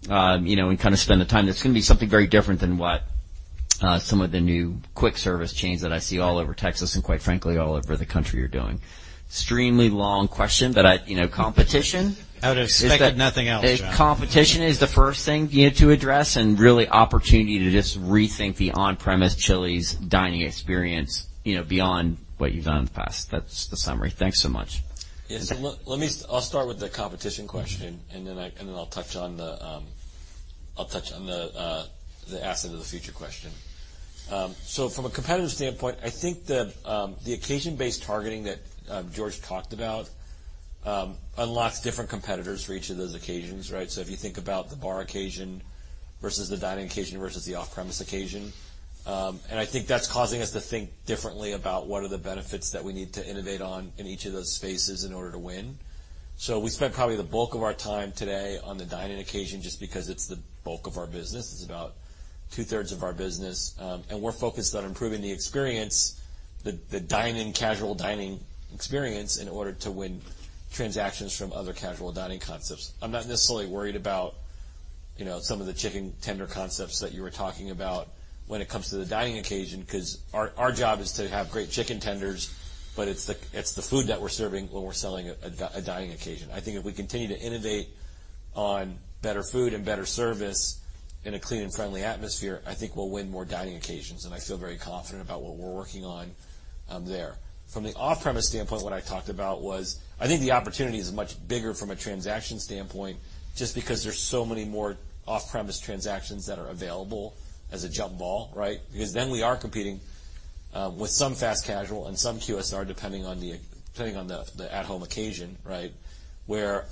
you know, and kind of spend the time, that's gonna be something very different than what some of the new quick service chains that I see all over Texas and, quite frankly, all over the country are doing. Extremely long question, I, you know, competition- I would expect nothing else, John. If competition is the first thing you need to address and really opportunity to just rethink the on-premise Chili's dining experience, you know, beyond what you've done in the past. That's the summary. Thanks so much. Yeah. Let me start with the competition question, and then I'll touch on the asset of the future question. From a competitive standpoint, I think the occasion-based targeting that George talked about unlocks different competitors for each of those occasions, right? If you think about the bar occasion versus the dining occasion versus the off-premise occasion, I think that's causing us to think differently about what are the benefits that we need to innovate on in each of those spaces in order to win. We spent probably the bulk of our time today on the dine-in occasion, just because it's the bulk of our business. It's about two-thirds of our business. We're focused on improving the experience, the dine-in, casual dining experience in order to win transactions from other casual dining concepts. I'm not necessarily worried about, you know, some of the chicken tender concepts that you were talking about when it comes to the dining occasion, 'cause our job is to have great Chicken Crispers, but it's the food that we're serving when we're selling a dine-in occasion. I think if we continue to innovate on better food and better service in a clean and friendly atmosphere, I think we'll win more dine-in occasions. I feel very confident about what we're working on there. From the off-premise standpoint, what I talked about was, I think the opportunity is much bigger from a transaction standpoint, just because there's so many more off-premise transactions that are available as a jump ball, right? We are competing with some fast casual and some QSR, depending on the at-home occasion, right?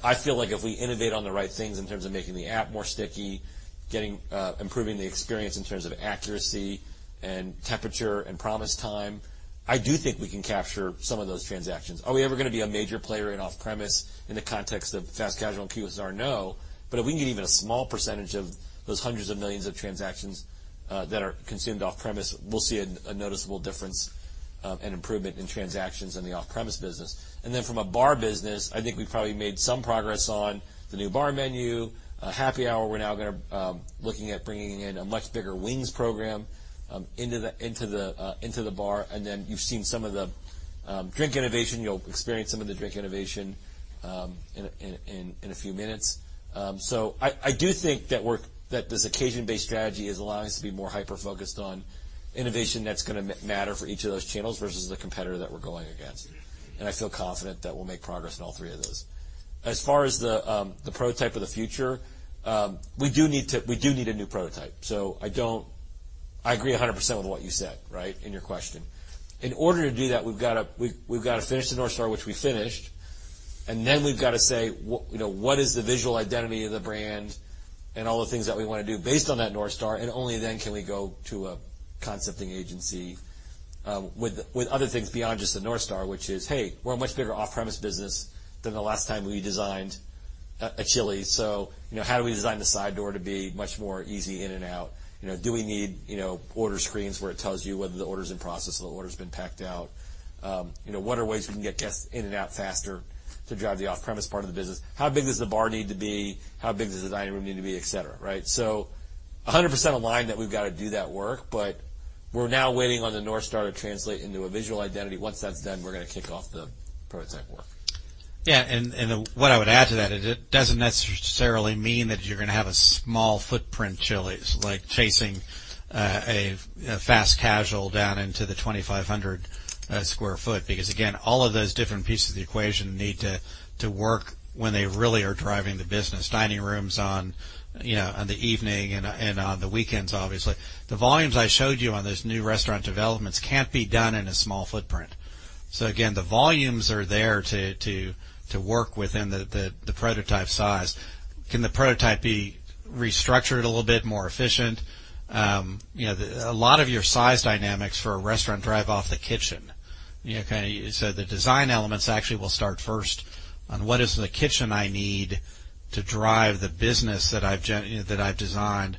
I feel like if we innovate on the right things in terms of making the app more sticky, getting improving the experience in terms of accuracy and temperature and promise time, I do think we can capture some of those transactions. Are we ever gonna be a major player in off-premise in the context of fast casual and QSR? No. If we can get even a small percentage of those hundreds of millions of transactions that are consumed off-premise, we'll see a noticeable difference and improvement in transactions in the off-premise business. From a bar business, I think we've probably made some progress on the new bar menu, a happy hour. We're now gonna looking at bringing in a much bigger wings program into the bar. You've seen some of the drink innovation. You'll experience some of the drink innovation in a few minutes. I do think that this occasion-based strategy is allowing us to be more hyper-focused on innovation that's gonna matter for each of those channels versus the competitor that we're going against. I feel confident that we'll make progress in all three of those. As far as the prototype of the future, we do need a new prototype. I agree 100% with what you said, right, in your question. In order to do that, we've gotta finish the North Star, which we finished. Then we've gotta say, you know, what is the visual identity of the brand and all the things that we wanna do based on that North Star. Only then can we go to a concepting agency with other things beyond just the North Star, which is, "Hey, we're a much bigger off-premise business than the last time we designed a Chili's. You know, how do we design the side door to be much more easy in and out? You know, do we need, you know, order screens where it tells you whether the order's in process or the order's been packed out? You know, what are ways we can get guests in and out faster to drive the off-premise part of the business? How big does the bar need to be? How big does the dining room need to be?" Et cetera, right? A 100% aligned that we've got to do that work, but we're now waiting on the North Star to translate into a visual identity. Once that's done, we're gonna kick off the prototype work. What I would add to that is it doesn't necessarily mean that you're gonna have a small footprint Chili's, like chasing a fast casual down into the 2,500 sq ft, because again, all of those different pieces of the equation need to work when they really are driving the business. Dining rooms on, you know, on the evening and on the weekends, obviously. The volumes I showed you on those new restaurant developments can't be done in a small footprint. Again, the volumes are there to work within the prototype size. Can the prototype be restructured a little bit, more efficient? You know, a lot of your size dynamics for a restaurant drive off the kitchen. Okay, the design elements actually will start first on: What is the kitchen I need to drive the business that I've designed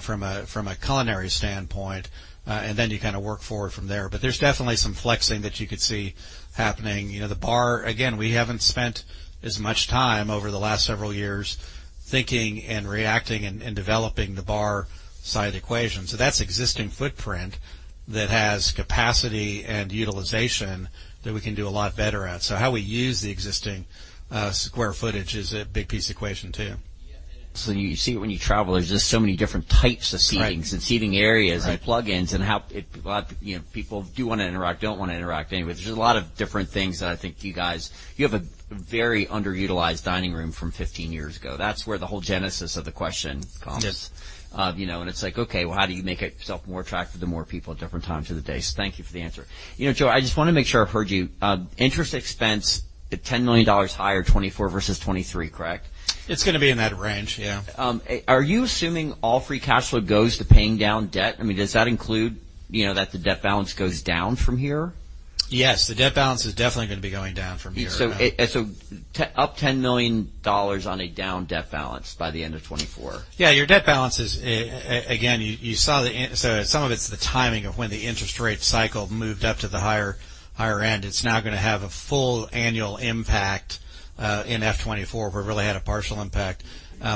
from a culinary standpoint? Then you kind of work forward from there. There's definitely some flexing that you could see happening. You know, the bar, again, we haven't spent as much time over the last several years thinking and reacting and developing the bar side equation. That's existing footprint that has capacity and utilization that we can do a lot better at. How we use the existing square footage is a big piece of equation, too. Yeah. You see it when you travel, there's just so many different types of seatings. Right. seating areas Right... and plugins, and how it, you know, people do wanna interact, don't wanna interact. There's a lot of different things that I think you have a very underutilized dining room from 15 years ago. That's where the whole genesis of the question comes. Yes. You know, it's like, okay, well, how do you make it yourself more attractive to more people at different times of the day? Thank you for the answer. You know, Joe, I just wanna make sure I've heard you. Interest expense, $10 million higher, 24 versus 23, correct? It's gonna be in that range, yeah. Are you assuming all free cash flow goes to paying down debt? I mean, does that include, you know, that the debt balance goes down from here? Yes, the debt balance is definitely gonna be going down from here. up $10 million on a down debt balance by the end of 2024. Yeah, your debt balance is, again, you saw the. Some of it's the timing of when the interest rate cycle moved up to the higher end. It's now gonna have a full annual impact in F'24. We've really had a partial impact.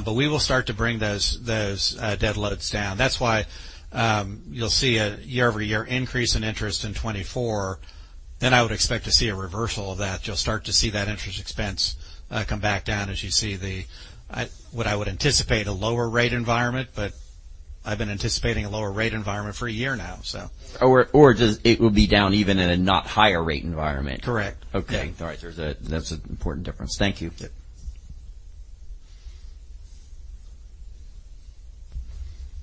We will start to bring those debt loads down. That's why, you'll see a year-over-year increase in interest in 2024. I would expect to see a reversal of that. You'll start to see that interest expense come back down as you see the what I would anticipate, a lower rate environment. I've been anticipating a lower rate environment for a year now, so. Does it will be down even in a not higher rate environment? Correct. Okay. Yeah. All right. There's that's an important difference. Thank you. Yep.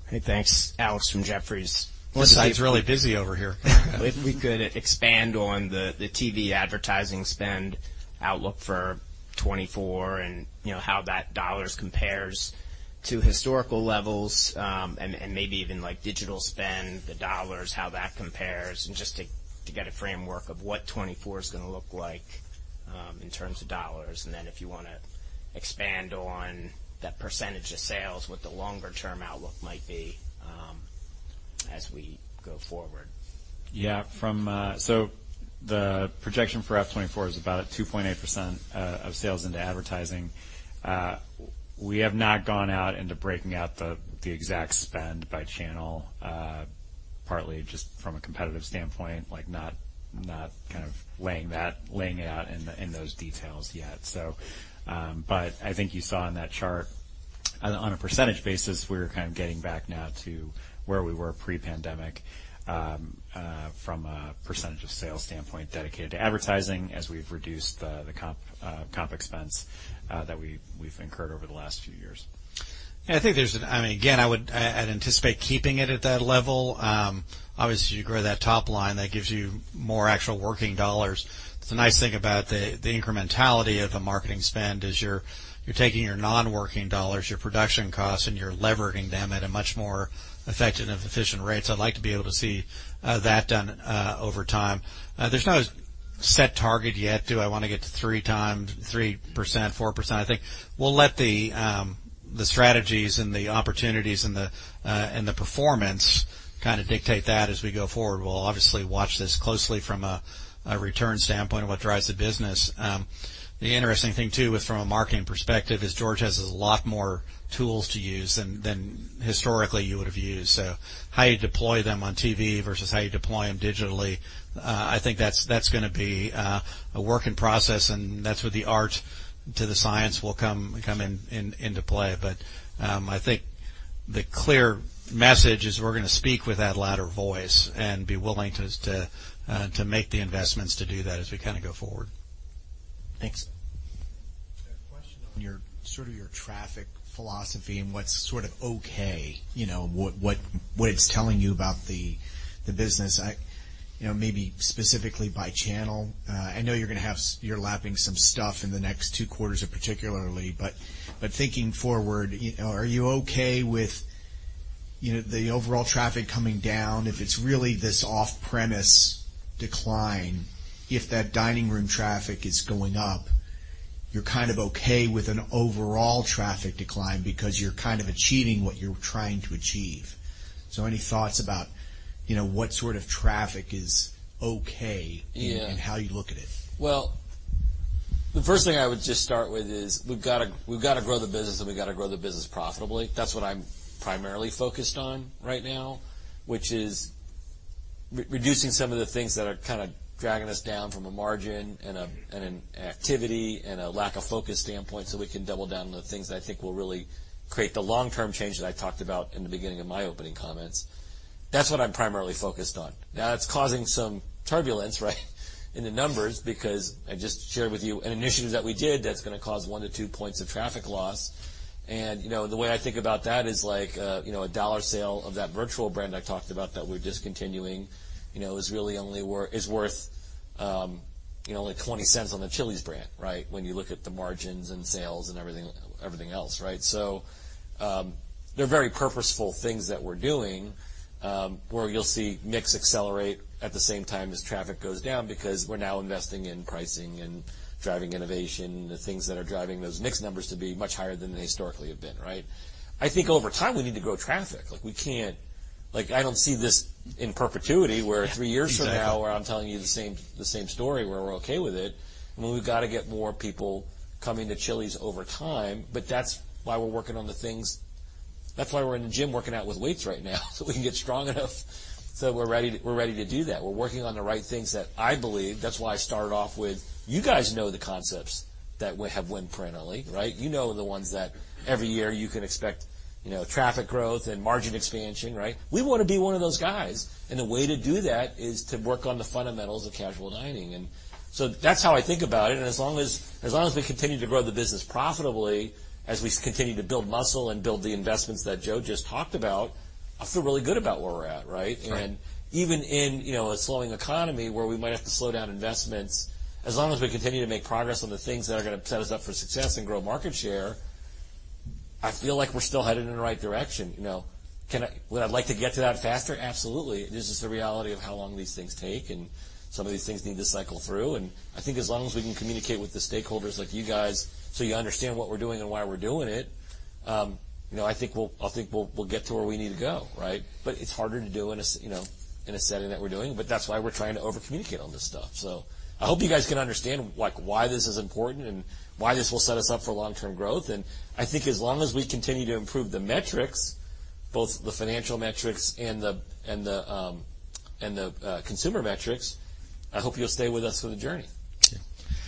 Hey, thanks. Andrew from Jefferies. This site's really busy over here. If we could expand on the TV advertising spend outlook for F'24, you know, how that dollars compares to historical levels, and maybe even, like, digital spend, the dollars, how that compares, just to get a framework of what F'24 is gonna look like in terms of dollars. Then if you wanna expand on that % of sales, what the longer-term outlook might be as we go forward. From the projection for F'24 is about a 2.8% of sales into advertising. We have not gone out into breaking out the exact spend by channel, partly just from a competitive standpoint, like, not kind of laying it out in those details yet. I think you saw in that chart, on a percentage basis, we're kind of getting back now to where we were pre-pandemic, from a percentage of sales standpoint dedicated to advertising as we've reduced the comp expense that we've incurred over the last few years. I think again, I'd anticipate keeping it at that level. Obviously, as you grow that top line, that gives you more actual working dollars. The nice thing about the incrementality of a marketing spend is you're taking your non-working dollars, your production costs, and you're levering them at a much more effective and efficient rate. I'd like to be able to see that done over time. There's no set target yet. Do I wanna get to 3 times, 3%, 4%? I think we'll let the strategies and the opportunities and the performance kind of dictate that as we go forward. We'll obviously watch this closely from a return standpoint of what drives the business. The interesting thing, too, is from a marketing perspective, is George has a lot more tools to use than historically you would have used. How you deploy them on TV versus how you deploy them digitally, I think that's gonna be a work in process, and that's where the art to the science will come into play. I think the clear message is we're gonna speak with that louder voice and be willing to make the investments to do that as we kind of go forward. Thanks. I have a question on your, sort of your traffic philosophy and what's sort of okay, you know, what it's telling you about the business. I, you know, maybe specifically by channel. I know you're gonna have You're lapping some stuff in the next 2 quarters particularly, but thinking forward, you know, are you okay with, you know, the overall traffic coming down? If it's really this off-premise decline, if that dining room traffic is going up, you're kind of okay with an overall traffic decline because you're kind of achieving what you're trying to achieve. Any thoughts about, you know, what sort of traffic is okay? Yeah. How you look at it? The first thing I would just start with is, we've gotta grow the business, and we've gotta grow the business profitably. That's what I'm primarily focused on right now, which is reducing some of the things that are kind of dragging us down from a margin and an activity and a lack of focus standpoint, so we can double down on the things that I think will really create the long-term change that I talked about in the beginning of my opening comments. That's what I'm primarily focused on. That's causing some turbulence, right, in the numbers because I just shared with you an initiative that we did that's gonna cause 1 to 2 points of traffic loss. The way I think about that is like, you know, a $1 sale of that virtual brand I talked about that we're discontinuing, you know, is really only worth, you know, only $0.20 on the Chili's brand, right? When you look at the margins and sales and everything else, right? They're very purposeful things that we're doing, where you'll see mix accelerate at the same time as traffic goes down, because we're now investing in pricing and driving innovation, the things that are driving those mix numbers to be much higher than they historically have been, right? I think over time, we need to grow traffic. Like, I don't see this in perpetuity, where 3 years from now. Exactly. -where I'm telling you the same story, where we're okay with it. I mean, we've got to get more people coming to Chili's over time, but that's why we're working on the things. That's why we're in the gym, working out with weights right now, so we can get strong enough, so we're ready to do that. We're working on the right things that I believe. That's why I started off with, you guys know the concepts that we have won parentally, right? You know the ones that every year you can expect, you know, traffic growth and margin expansion, right? We wanna be one of those guys, and the way to do that is to work on the fundamentals of casual dining. That's how I think about it. As long as we continue to grow the business profitably, as we continue to build muscle and build the investments that Joe just talked about, I feel really good about where we're at, right? Right. Even in, you know, a slowing economy where we might have to slow down investments, as long as we continue to make progress on the things that are gonna set us up for success and grow market share, I feel like we're still headed in the right direction, you know. Would I like to get to that faster? Absolutely. This is the reality of how long these things take, and some of these things need to cycle through. I think as long as we can communicate with the stakeholders like you guys, so you understand what we're doing and why we're doing it, you know, I think we'll get to where we need to go, right? It's harder to do in a you know, in a setting that we're doing, but that's why we're trying to overcommunicate on this stuff. I hope you guys can understand, like, why this is important and why this will set us up for long-term growth. I think as long as we continue to improve the metrics, both the financial metrics and the consumer metrics, I hope you'll stay with us for the journey.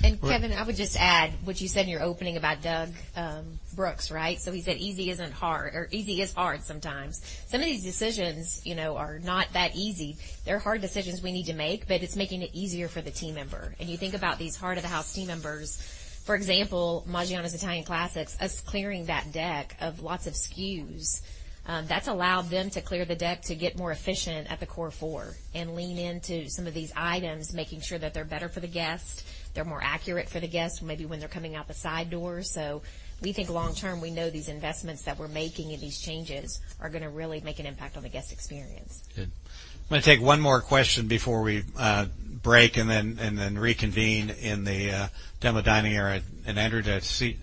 Kevin, I would just add what you said in your opening about Doug Brooks, right? He said, "Easy isn't hard, or easy is hard sometimes." Some of these decisions, you know, are not that easy. They're hard decisions we need to make, but it's making it easier for the team member. You think about these heart of house team members, for example, Maggiano's Italian Classics, us clearing that deck of lots of SKUs, that's allowed them to clear the deck to get more efficient at the Core Four and lean into some of these items, making sure that they're better for the guest, they're more accurate for the guest, maybe when they're coming out the side door. We think long term, we know these investments that we're making and these changes are gonna really make an impact on the guest experience. Good. I'm gonna take one more question before we break and then reconvene in the demo dining area. Andrew, did I see?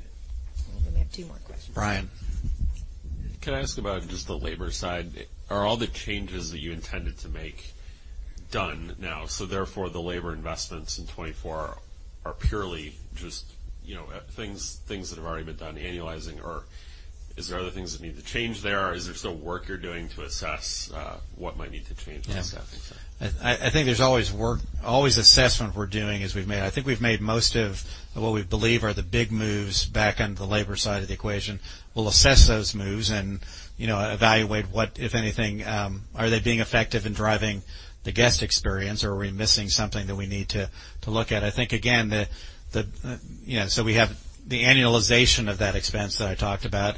We only have two more questions. Brian? Can I ask about just the labor side? Are all the changes that you intended to make done now, so therefore, the labor investments in 2024 are purely just, you know, things that have already been done, annualizing, or is there other things that need to change there, or is there still work you're doing to assess, what might need to change and that stuff? Yeah. I think there's always work, always assessment we're doing as I think we've made most of what we believe are the big moves back on the labor side of the equation. We'll assess those moves and, you know, evaluate what, if anything, are they being effective in driving the guest experience, or are we missing something that we need to look at? I think, again, the, you know, we have the annualization of that expense that I talked about,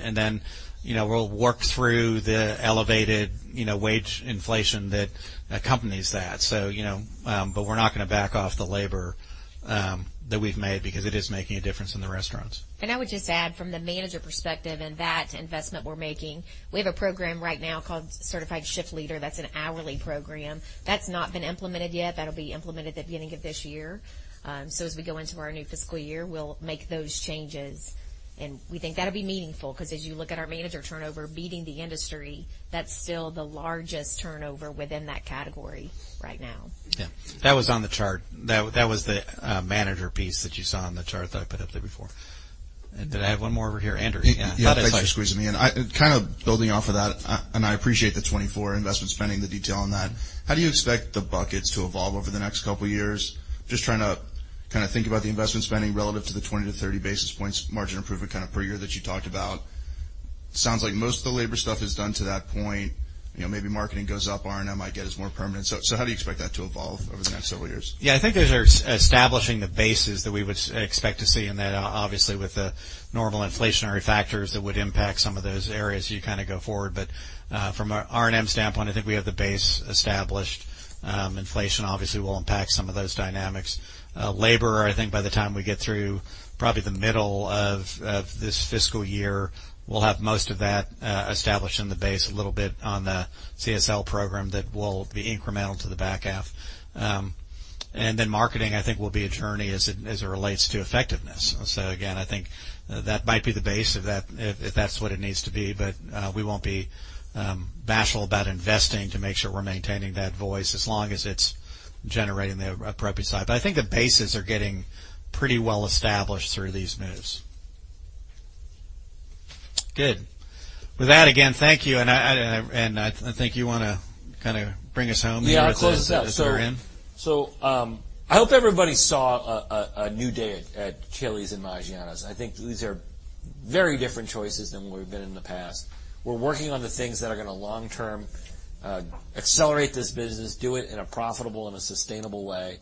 we'll work through the elevated, you know, wage inflation that accompanies that. You know, we're not gonna back off the labor that we've made because it is making a difference in the restaurants. I would just add from the manager perspective and that investment we're making, we have a program right now called Certified Shift Leader. That's an hourly program. That's not been implemented yet. That'll be implemented at the beginning of this year. As we go into our new fiscal year, we'll make those changes, and we think that'll be meaningful, 'cause as you look at our manager turnover, beating the industry, that's still the largest turnover within that category right now. Yeah. That was on the chart. That was the manager piece that you saw on the chart that I put up there before. Did I have one more over here, Andrew? Yeah. Thanks for squeezing me in. I appreciate the 24 investment spending, the detail on that. How do you expect the buckets to evolve over the next couple of years? Just trying to kind of think about the investment spending relative to the 20 to 30 basis points margin improvement kind of per year that you talked about. Sounds like most of the labor stuff is done to that point. You know, maybe marketing goes up, R&M might get as more permanent. How do you expect that to evolve over the next several years? Yeah, I think those are establishing the bases that we would expect to see. Obviously, with the normal inflationary factors that would impact some of those areas, you kind of go forward. From a R&M standpoint, I think we have the base established. Inflation obviously will impact some of those dynamics. Labor, I think by the time we get through probably the middle of this fiscal year, we'll have most of that established in the base, a little bit on the CSL program that will be incremental to the back half. Marketing, I think, will be a journey as it relates to effectiveness. Again, I think that might be the base of that, if that's what it needs to be, but we won't be bashful about investing to make sure we're maintaining that voice as long as it's generating the appropriate side. I think the bases are getting pretty well established through these moves. Good. With that, again, thank you. I, and I, and I think you wanna kind of bring us home here. Yeah, I'll close this out. As we're in. I hope everybody saw a new day at Chili's and Maggiano's. I think these are very different choices than we've been in the past. We're working on the things that are gonna long-term accelerate this business, do it in a profitable and a sustainable way.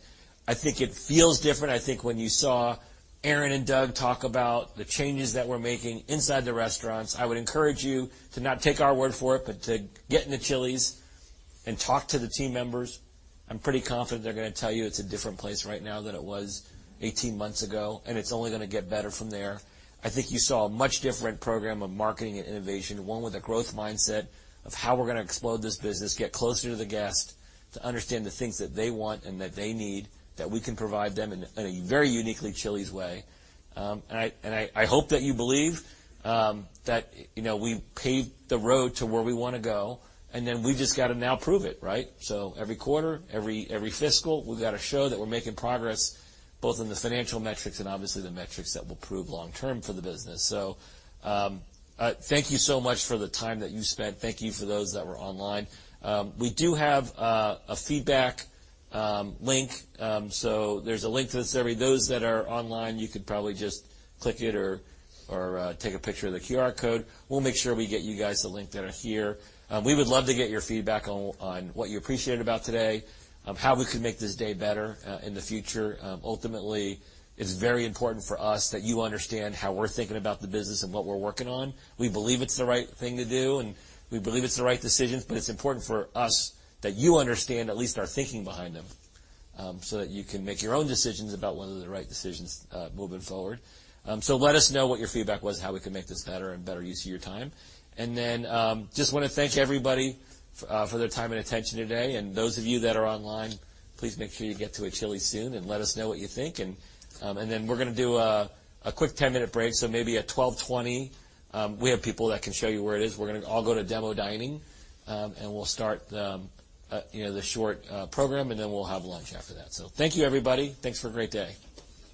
I think it feels different. I think when you saw Erin and Doug talk about the changes that we're making inside the restaurants, I would encourage you to not take our word for it, but to get into Chili's and talk to the team members. I'm pretty confident they're gonna tell you it's a different place right now than it was 18 months ago, and it's only gonna get better from there. I think you saw a much different program of marketing and innovation, one with a growth mindset of how we're gonna explode this business, get closer to the guest, to understand the things that they want and that they need, that we can provide them in a very uniquely Chili's way. I hope that you believe that, you know, we paved the road to where we wanna go, and then we just got to now prove it, right? Every quarter, every fiscal, we've got to show that we're making progress, both in the financial metrics and obviously the metrics that will prove long term for the business. Thank you so much for the time that you spent. Thank you for those that were online. We do have a feedback link. There's a link to the survey. Those that are online, you could probably just click it or take a picture of the QR code. We'll make sure we get you guys the link that are here. We would love to get your feedback on what you appreciated about today, how we could make this day better in the future. Ultimately, it's very important for us that you understand how we're thinking about the business and what we're working on. We believe it's the right thing to do. We believe it's the right decisions, but it's important for us that you understand at least our thinking behind them, so that you can make your own decisions about whether they're the right decisions moving forward. Let us know what your feedback was, how we can make this better and better use of your time. Just wanna thank everybody for their time and attention today. Those of you that are online, please make sure you get to a Chili's soon and let us know what you think. We're gonna do a quick 10-minute break, maybe at 12:20, we have people that can show you where it is. We're gonna all go to demo dining, and we'll start, you know, the short program, we'll have lunch after that. Thank you, everybody. Thanks for a great day.